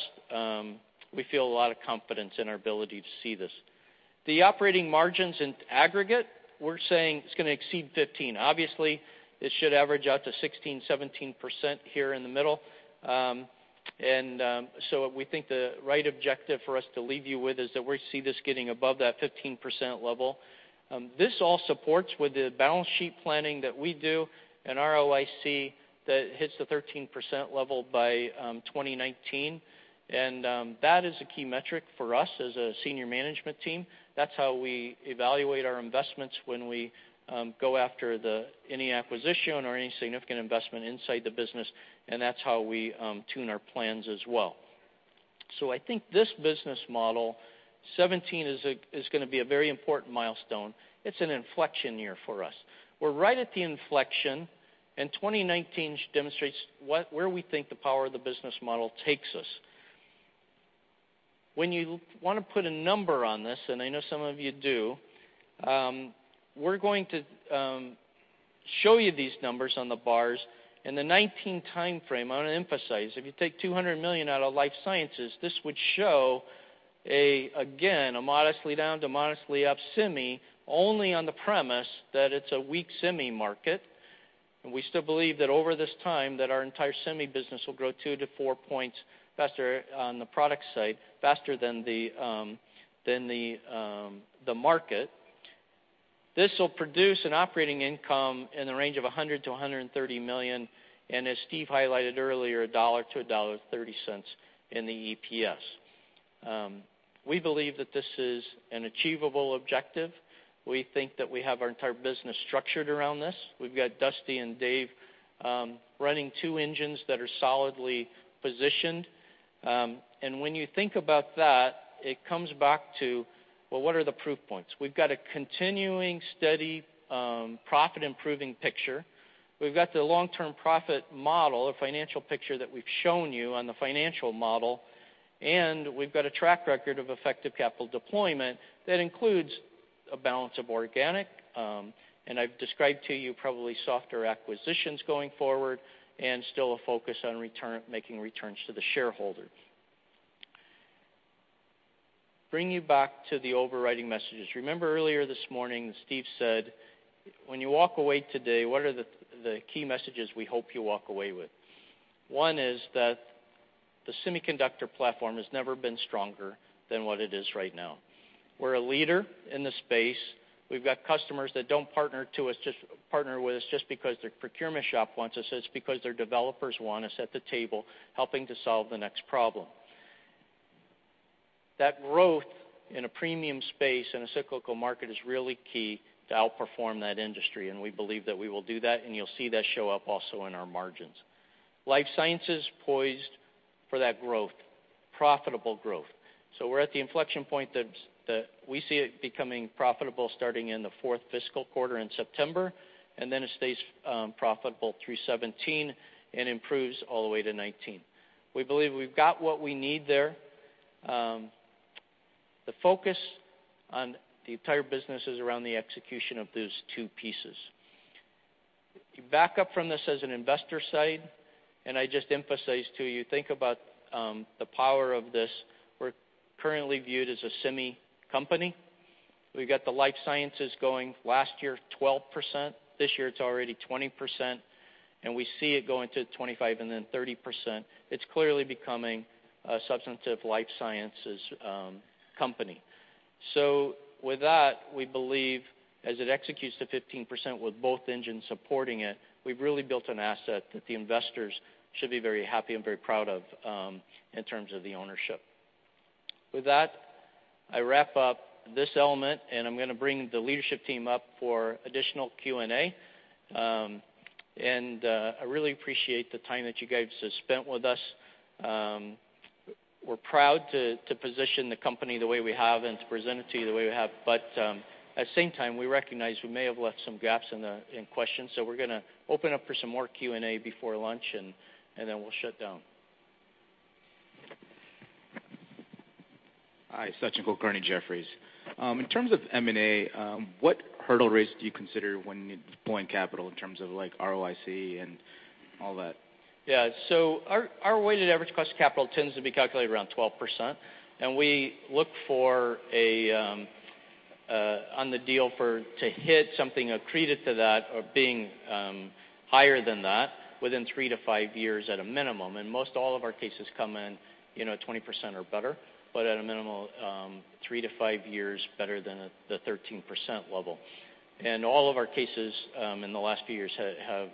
we feel a lot of confidence in our ability to see this. The operating margins in aggregate, we're saying it's going to exceed 15%. Obviously, it should average out to 16%-17% here in the middle. We think the right objective for us to leave you with is that we see this getting above that 15% level. This all supports with the balance sheet planning that we do, an ROIC that hits the 13% level by 2019. That is a key metric for us as a senior management team. That's how we evaluate our investments when we go after any acquisition or any significant investment inside the business, and that's how we tune our plans as well. I think this business model, 2017 is going to be a very important milestone. It's an inflection year for us. We're right at the inflection, and 2019 demonstrates where we think the power of the business model takes us. When you want to put a number on this, and I know some of you do, we're going to show you these numbers on the bars. In the 2019 timeframe, I want to emphasize, if you take $200 million out of life sciences, this would show, again, a modestly down to modestly up semi, only on the premise that it's a weak semi market. We still believe that over this time that our entire semi business will grow 2-4 points faster on the product side, faster than the market. This will produce an operating income in the range of $100 million-$130 million, and as Steve highlighted earlier, $1-$1.30 in the EPS. We believe that this is an achievable objective. We think that we have our entire business structured around this. We've got Dusty and Dave running two engines that are solidly positioned. When you think about that, it comes back to, well, what are the proof points? We've got a continuing steady profit-improving picture. We've got the long-term profit model, a financial picture that we've shown you on the financial model, we've got a track record of effective capital deployment that includes a balance of organic, and I've described to you probably softer acquisitions going forward, and still a focus on making returns to the shareholder. Bring you back to the overriding messages. Remember earlier this morning, Steve said, "When you walk away today, what are the key messages we hope you walk away with?" One is that the semiconductor platform has never been stronger than what it is right now. We're a leader in the space. We've got customers that don't partner with us just because their procurement shop wants us. It's because their developers want us at the table helping to solve the next problem. That growth in a premium space, in a cyclical market, is really key to outperform that industry, we believe that we will do that, you'll see that show up also in our margins. Life science is poised for that growth, profitable growth. We're at the inflection point that we see it becoming profitable starting in the fourth fiscal quarter in September, then it stays profitable through 2017 and improves all the way to 2019. We believe we've got what we need there. The focus on the entire business is around the execution of those two pieces. You back up from this as an investor side, I just emphasize to you, think about the power of this. We're currently viewed as a semi company. We've got the life sciences going. Last year, 12%. This year, it's already 20%, we see it going to 25% then 30%. It's clearly becoming a substantive life sciences company. With that, we believe as it executes to 15% with both engines supporting it, we've really built an asset that the investors should be very happy and very proud of in terms of the ownership. With that, I wrap up this element, I'm going to bring the leadership team up for additional Q&A. I really appreciate the time that you guys have spent with us. We're proud to position the company the way we have and to present it to you the way we have. At the same time, we recognize we may have left some gaps in questions. We're going to open up for some more Q&A before lunch, then we'll shut down. Hi, Sachin Kulkarni, Jefferies. In terms of M&A, what hurdle rates do you consider when deploying capital in terms of ROIC and all that? Yeah. Our weighted average cost of capital tends to be calculated around 12%, and we look for, on the deal, for to hit something accretive to that or being higher than that within three to five years at a minimum. Most all of our cases come in 20% or better, but at a minimal three to five years better than the 13% level. All of our cases in the last few years have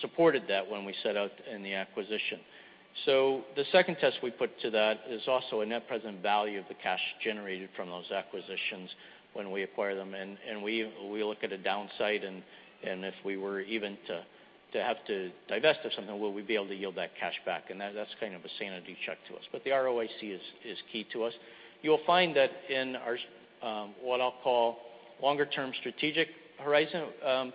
supported that when we set out in the acquisition. The second test we put to that is also a net present value of the cash generated from those acquisitions when we acquire them. We look at a downside and if we were even to have to divest of something, will we be able to yield that cash back? That's kind of a sanity check to us. The ROIC is key to us. You'll find that in our, what I'll call longer term strategic horizon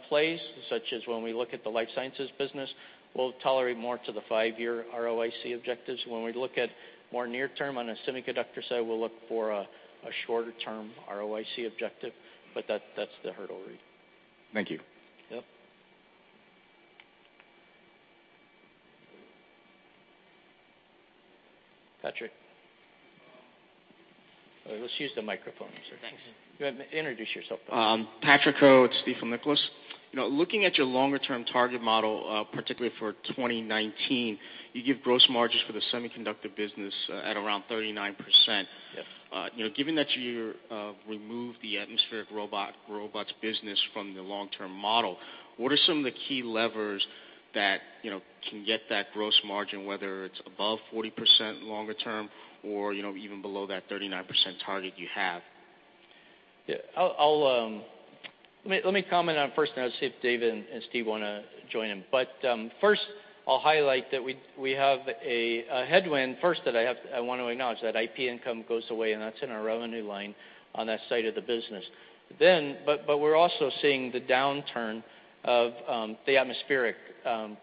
plays, such as when we look at the life sciences business, we'll tolerate more to the five-year ROIC objectives. When we look at more near term, on the semiconductor side, we'll look for a shorter term ROIC objective, but that's the hurdle rate. Thank you. Yep. Patrick. Let's use the microphone, sir. Thanks. Go ahead. Introduce yourself, please. Patrick Ho, Stifel Nicolaus. Looking at your longer term target model, particularly for 2019, you give gross margins for the semiconductor business at around 39%. Yes. Given that you removed the atmospheric robots business from the long-term model, what are some of the key levers that can get that gross margin, whether it's above 40% longer term or even below that 39% target you have? Yeah. Let me comment on first, and I'll see if Dave and Steve want to join in. First, I'll highlight that we have a headwind, first, that I want to acknowledge, that IP income goes away, that's in our revenue line on that side of the business. We're also seeing the downturn of the atmospheric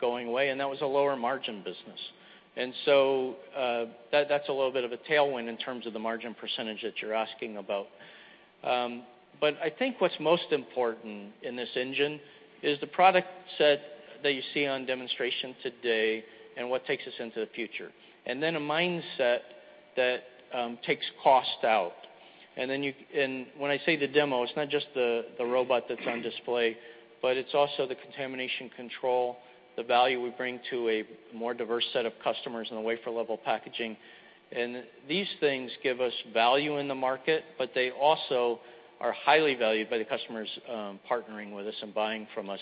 going away, that was a lower margin business. That's a little bit of a tailwind in terms of the margin percentage that you're asking about. I think what's most important in this engine is the product set that you see on demonstration today and what takes us into the future. A mindset that takes cost out. When I say the demo, it's not just the robot that's on display, it's also the contamination control, the value we bring to a more diverse set of customers in the wafer level packaging. These things give us value in the market, they also are highly valued by the customers partnering with us and buying from us.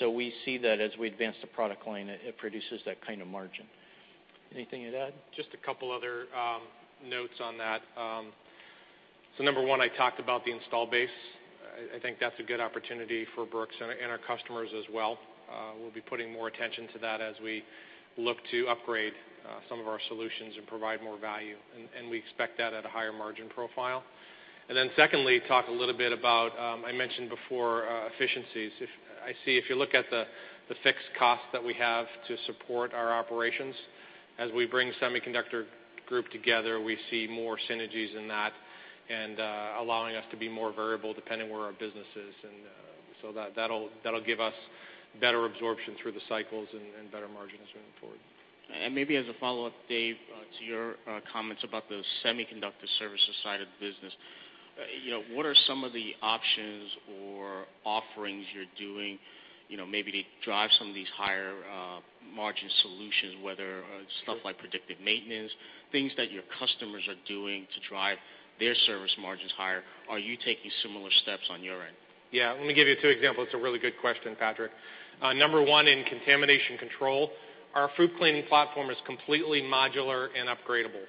We see that as we advance the product line, it produces that kind of margin. Anything to add? Just a couple other notes on that. Number one, I talked about the install base. I think that's a good opportunity for Brooks and our customers as well. We'll be putting more attention to that as we look to upgrade some of our solutions and provide more value, and we expect that at a higher margin profile. Secondly, I mentioned before, efficiencies. I see if you look at the fixed costs that we have to support our operations, as we bring Semiconductor Solutions Group together, we see more synergies in that and allowing us to be more variable depending where our business is. That'll give us better absorption through the cycles and better margins moving forward. Maybe as a follow-up, Dave, to your comments about the semiconductor services side of the business, what are some of the options or offerings you're doing maybe to drive some of these higher margin solutions, whether stuff like predictive maintenance, things that your customers are doing to drive their service margins higher. Are you taking similar steps on your end? Yeah. Let me give you two examples. It's a really good question, Patrick. Number one, in contamination control, our FOUP cleaning platform is completely modular and upgradable.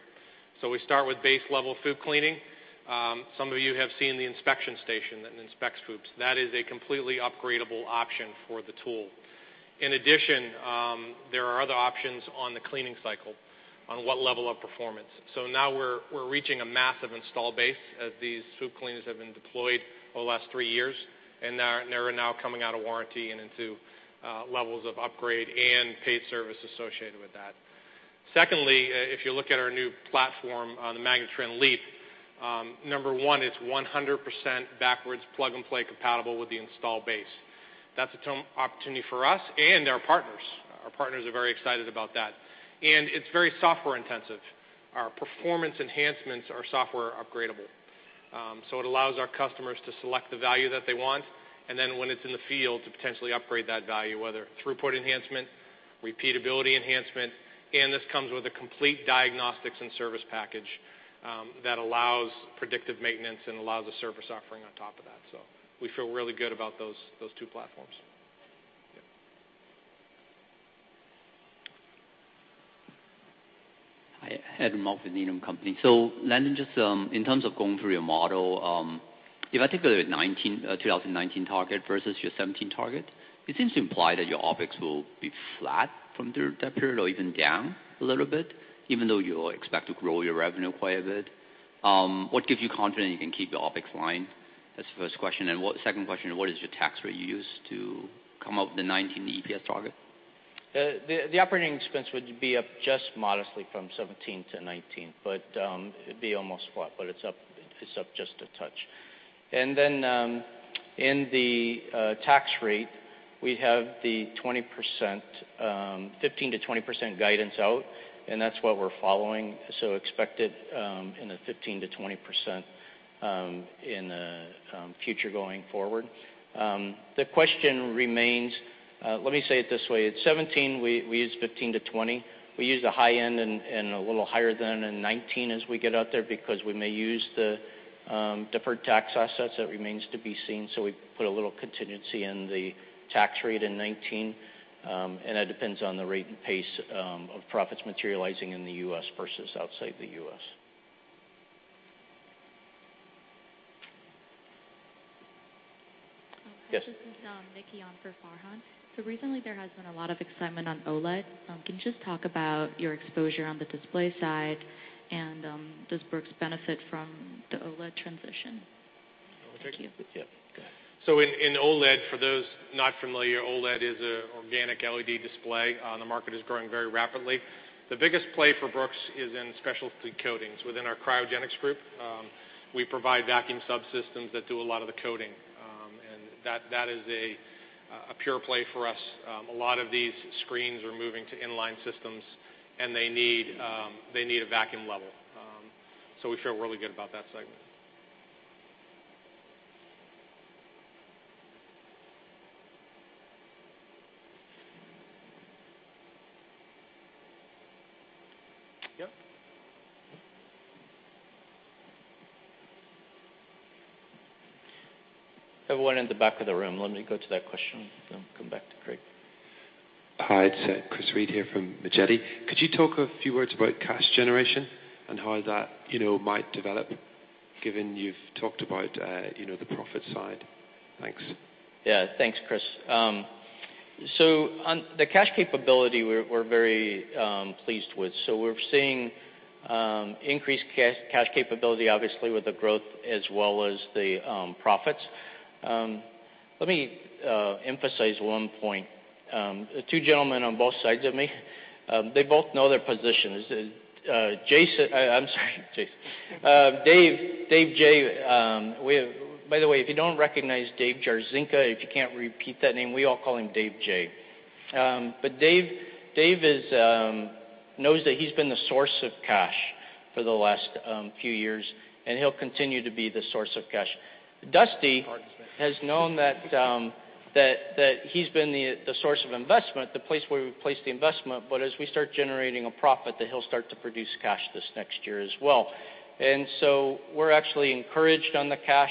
We start with base level FOUP cleaning. Some of you have seen the inspection station that inspects FOUPs. That is a completely upgradable option for the tool. In addition, there are other options on the cleaning cycle on what level of performance. Now we're reaching a massive install base as these FOUP cleaners have been deployed over the last three years, and they are now coming out of warranty and into levels of upgrade and paid service associated with that. Secondly, if you look at our new platform, the MagnaTran LEAP, number one, it's 100% backwards plug-and-play compatible with the install base. That's an opportunity for us and our partners. Our partners are very excited about that. It's very software intensive. Our performance enhancements are software upgradable. It allows our customers to select the value that they want, and then when it's in the field, to potentially upgrade that value, whether throughput enhancement, repeatability enhancement, and this comes with a complete diagnostics and service package that allows predictive maintenance and allows a service offering on top of that. We feel really good about those two platforms. Hi. Edwin Mau from Needham & Company. Lindon, just in terms of going through your model, if I take a look at 2019 target versus your 2017 target, it seems to imply that your OpEx will be flat from that period or even down a little bit, even though you expect to grow your revenue quite a bit. What gives you confidence you can keep your OpEx line? That is the first question. Second question, what is your tax rate you used to come up with the 2019 EPS target? The operating expense would be up just modestly from 2017 to 2019. It would be almost flat, but it is up just a touch. Then, in the tax rate, we have the 15%-20% guidance out, and that is what we are following. Expect it in the 15%-20% in the future going forward. The question remains, let me say it this way. At 2017, we used 15%-20%. We used a high end and a little higher then in 2019 as we get out there because we may use the deferred tax assets. That remains to be seen. We put a little contingency in the tax rate in 2019. That depends on the rate and pace of profits materializing in the U.S. versus outside the U.S. Yes. Hi. This is Nikki Ahn for Farhan. Recently, there has been a lot of excitement on OLED. Can you just talk about your exposure on the display side? Does Brooks benefit from the OLED transition? Thank you. You want to take it? Yeah. Go ahead. In OLED, for those not familiar, OLED is an organic LED display. The market is growing very rapidly. The biggest play for Brooks is in specialty coatings within our cryogenics group. We provide vacuum subsystems that do a lot of the coating, and that is a pure play for us. A lot of these screens are moving to in-line systems, and they need a vacuum level. We feel really good about that segment. Yeah. Have one in the back of the room. Let me go to that question, then we'll come back to Craig. Hi, it's Chris Reid here from Majedie. Could you talk a few words about cash generation and how that might develop, given you've talked about the profit side? Thanks. Yeah. Thanks, Chris. On the cash capability, we're very pleased with. We're seeing increased cash capability, obviously, with the growth as well as the profits. Let me emphasize one point. The two gentlemen on both sides of me, they both know their positions. I'm sorry, Dave. By the way, if you don't recognize David Jarzynka, if you can't repeat that name, we all call him Dave J. Dave knows that he's been the source of cash for the last few years, and he'll continue to be the source of cash. Dusty has known that he's been the source of investment, the place where we place the investment. As we start generating a profit, that he'll start to produce cash this next year as well. We're actually encouraged on the cash.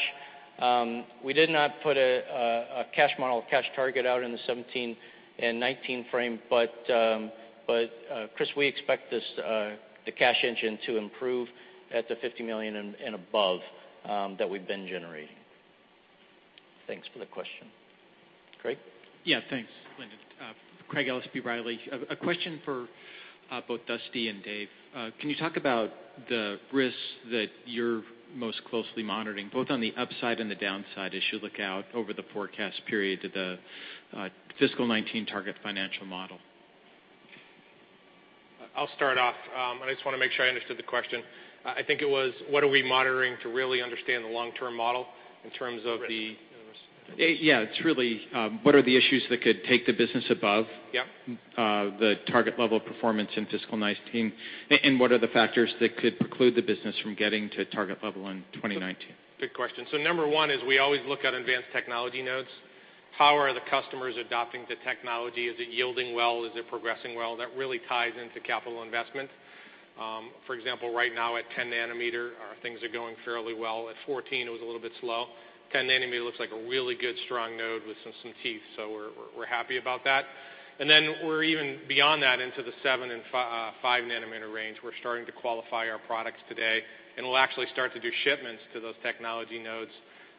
We did not put a cash model, cash target out in the 2017 and 2019 frame, Chris, we expect the cash engine to improve at the $50 million and above that we've been generating. Thanks for the question. Craig? Yeah, thanks, Lyndon. Craig Ellis, B. Riley. A question for both Dusty and Dave. Can you talk about the risks that you're most closely monitoring, both on the upside and the downside, as you look out over the forecast period to the fiscal 2019 target financial model? I'll start off. I just want to make sure I understood the question. I think it was, what are we monitoring to really understand the long-term model in terms of the- Yeah. It's really, what are the issues that could take the business above- Yep the target level of performance in fiscal 2019, What are the factors that could preclude the business from getting to target level in 2019? Good question. Number 1 is we always look at advanced technology nodes. How are the customers adopting the technology? Is it yielding well? Is it progressing well? That really ties into capital investment. For example, right now at 10 nanometer, our things are going fairly well. At 14, it was a little bit slow. 10 nanometer looks like a really good, strong node with some teeth, so we're happy about that. Then we're even beyond that, into the seven and five nanometer range. We're starting to qualify our products today, and we'll actually start to do shipments to those technology nodes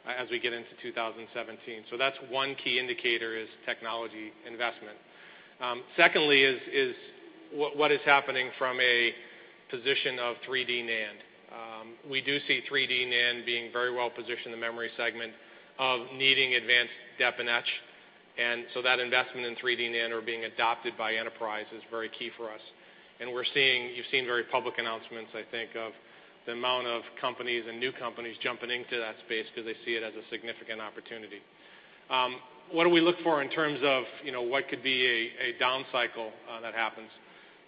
as we get into 2017. That's one key indicator is technology investment. Secondly is what is happening from a position of 3D NAND. We do see 3D NAND being very well-positioned in the memory segment of needing advanced depth and etch. That investment in 3D NAND or being adopted by enterprise is very key for us. You've seen very public announcements, I think, of the amount of companies and new companies jumping into that space because they see it as a significant opportunity. What do we look for in terms of what could be a down cycle that happens?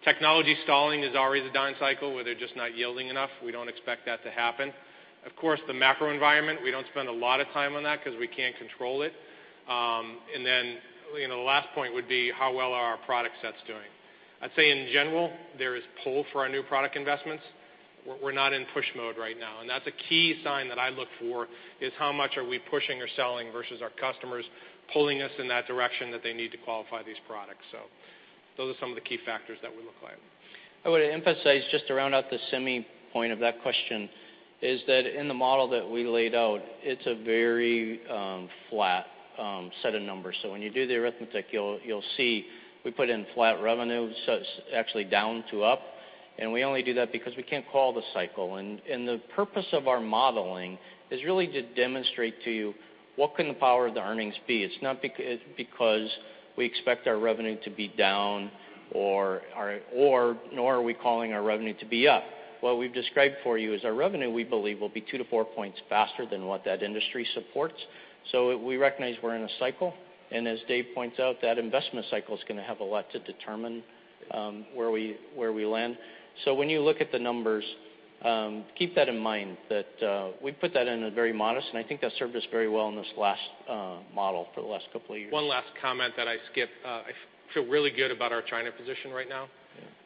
Technology stalling is always a down cycle, where they're just not yielding enough. We don't expect that to happen. Of course, the macro environment, we don't spend a lot of time on that because we can't control it. Then the last point would be, how well are our product sets doing? I'd say in general, there is pull for our new product investments. We're not in push mode right now, and that's a key sign that I look for is how much are we pushing or selling versus our customers pulling us in that direction that they need to qualify these products. Those are some of the key factors that we look at. I would emphasize, just to round out the semi point of that question, is that in the model that we laid out, it's a very flat set of numbers. When you do the arithmetic, you'll see we put in flat revenue, so it's actually down to up, and we only do that because we can't call the cycle. The purpose of our modeling is really to demonstrate to you what can the power of the earnings be. It's not because we expect our revenue to be down nor are we calling our revenue to be up. What we've described for you is our revenue, we believe, will be two to four points faster than what that industry supports. We recognize we're in a cycle, and as Dave points out, that investment cycle is going to have a lot to determine where we land. When you look at the numbers, keep that in mind that we put that in a very modest, and I think that served us very well in this last model for the last couple of years. One last comment that I skipped. I feel really good about our China position right now.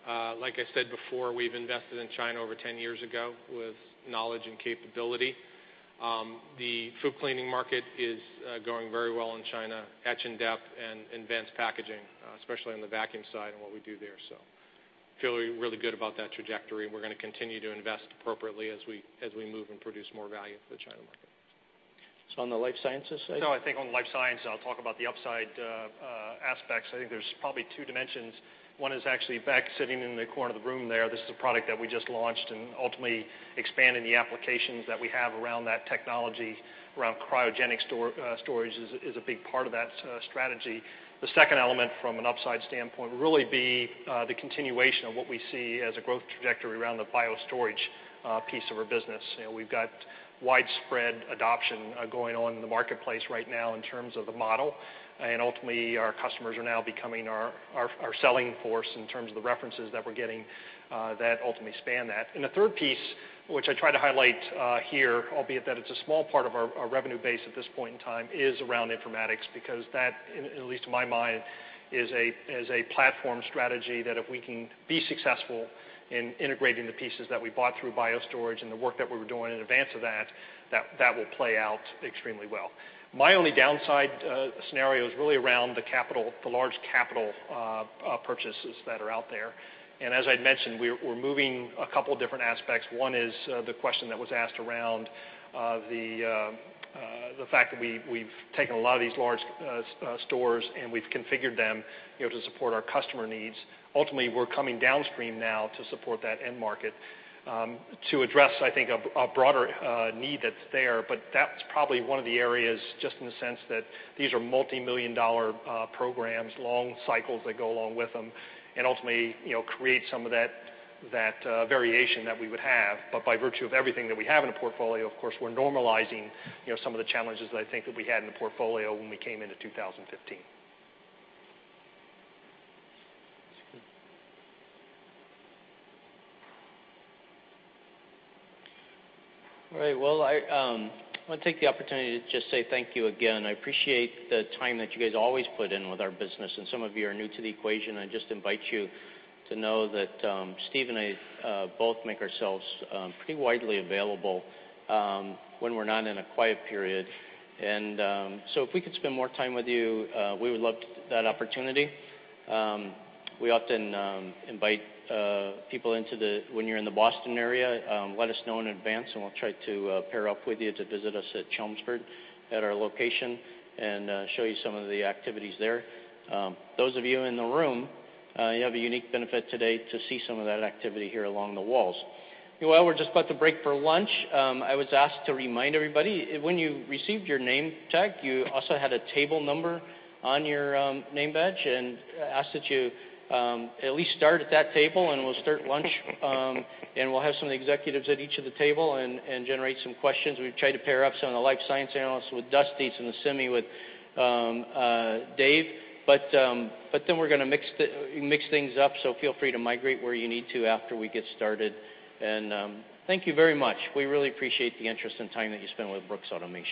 Yeah. Like I said before, we've invested in China over 10 years ago with knowledge and capability. The FOUP cleaning market is going very well in China, etch and depth, and advanced packaging, especially on the vacuum side and what we do there. Feel really good about that trajectory, we're going to continue to invest appropriately as we move and produce more value for the China market. On the life sciences side? I think on life science, I'll talk about the upside aspects. I think there's probably two dimensions. One is actually, in fact, sitting in the corner of the room there. This is a product that we just launched, ultimately expanding the applications that we have around that technology, around cryogenic storage is a big part of that strategy. The second element from an upside standpoint would really be the continuation of what we see as a growth trajectory around the BioStorage piece of our business. We've got widespread adoption going on in the marketplace right now in terms of the model, ultimately, our customers are now becoming our selling force in terms of the references that we're getting that ultimately span that. The third piece, which I try to highlight here, albeit that it's a small part of our revenue base at this point in time, is around informatics, because that, at least in my mind, is a platform strategy that if we can be successful in integrating the pieces that we bought through BioStorage and the work that we were doing in advance of that will play out extremely well. My only downside scenario is really around the large capital purchases that are out there. As I'd mentioned, we're moving a couple different aspects. One is the question that was asked around the fact that we've taken a lot of these large stores, and we've configured them to support our customer needs. Ultimately, we're coming downstream now to support that end market to address, I think, a broader need that's there, but that's probably one of the areas just in the sense that these are multimillion-dollar programs, long cycles that go along with them and ultimately create some of that variation that we would have. By virtue of everything that we have in a portfolio, of course, we're normalizing some of the challenges that I think that we had in the portfolio when we came into 2015. All right. Well, I want to take the opportunity to just say thank you again. I appreciate the time that you guys always put in with our business, and some of you are new to the equation. I just invite you to know that Steve and I both make ourselves pretty widely available when we're not in a quiet period. If we could spend more time with you, we would love that opportunity. We often invite people when you're in the Boston area, let us know in advance, and we'll try to pair up with you to visit us at Chelmsford at our location and show you some of the activities there. Those of you in the room, you have a unique benefit today to see some of that activity here along the walls. Well, we're just about to break for lunch. I was asked to remind everybody, when you received your name tag, you also had a table number on your name badge, and ask that you at least start at that table, and we'll start lunch. We'll have some of the executives at each of the table and generate some questions. We've tried to pair up some of the life science analysts with Dusty, some of the semi with Dave. We're going to mix things up, so feel free to migrate where you need to after we get started. Thank you very much. We really appreciate the interest and time that you spend with Brooks Automation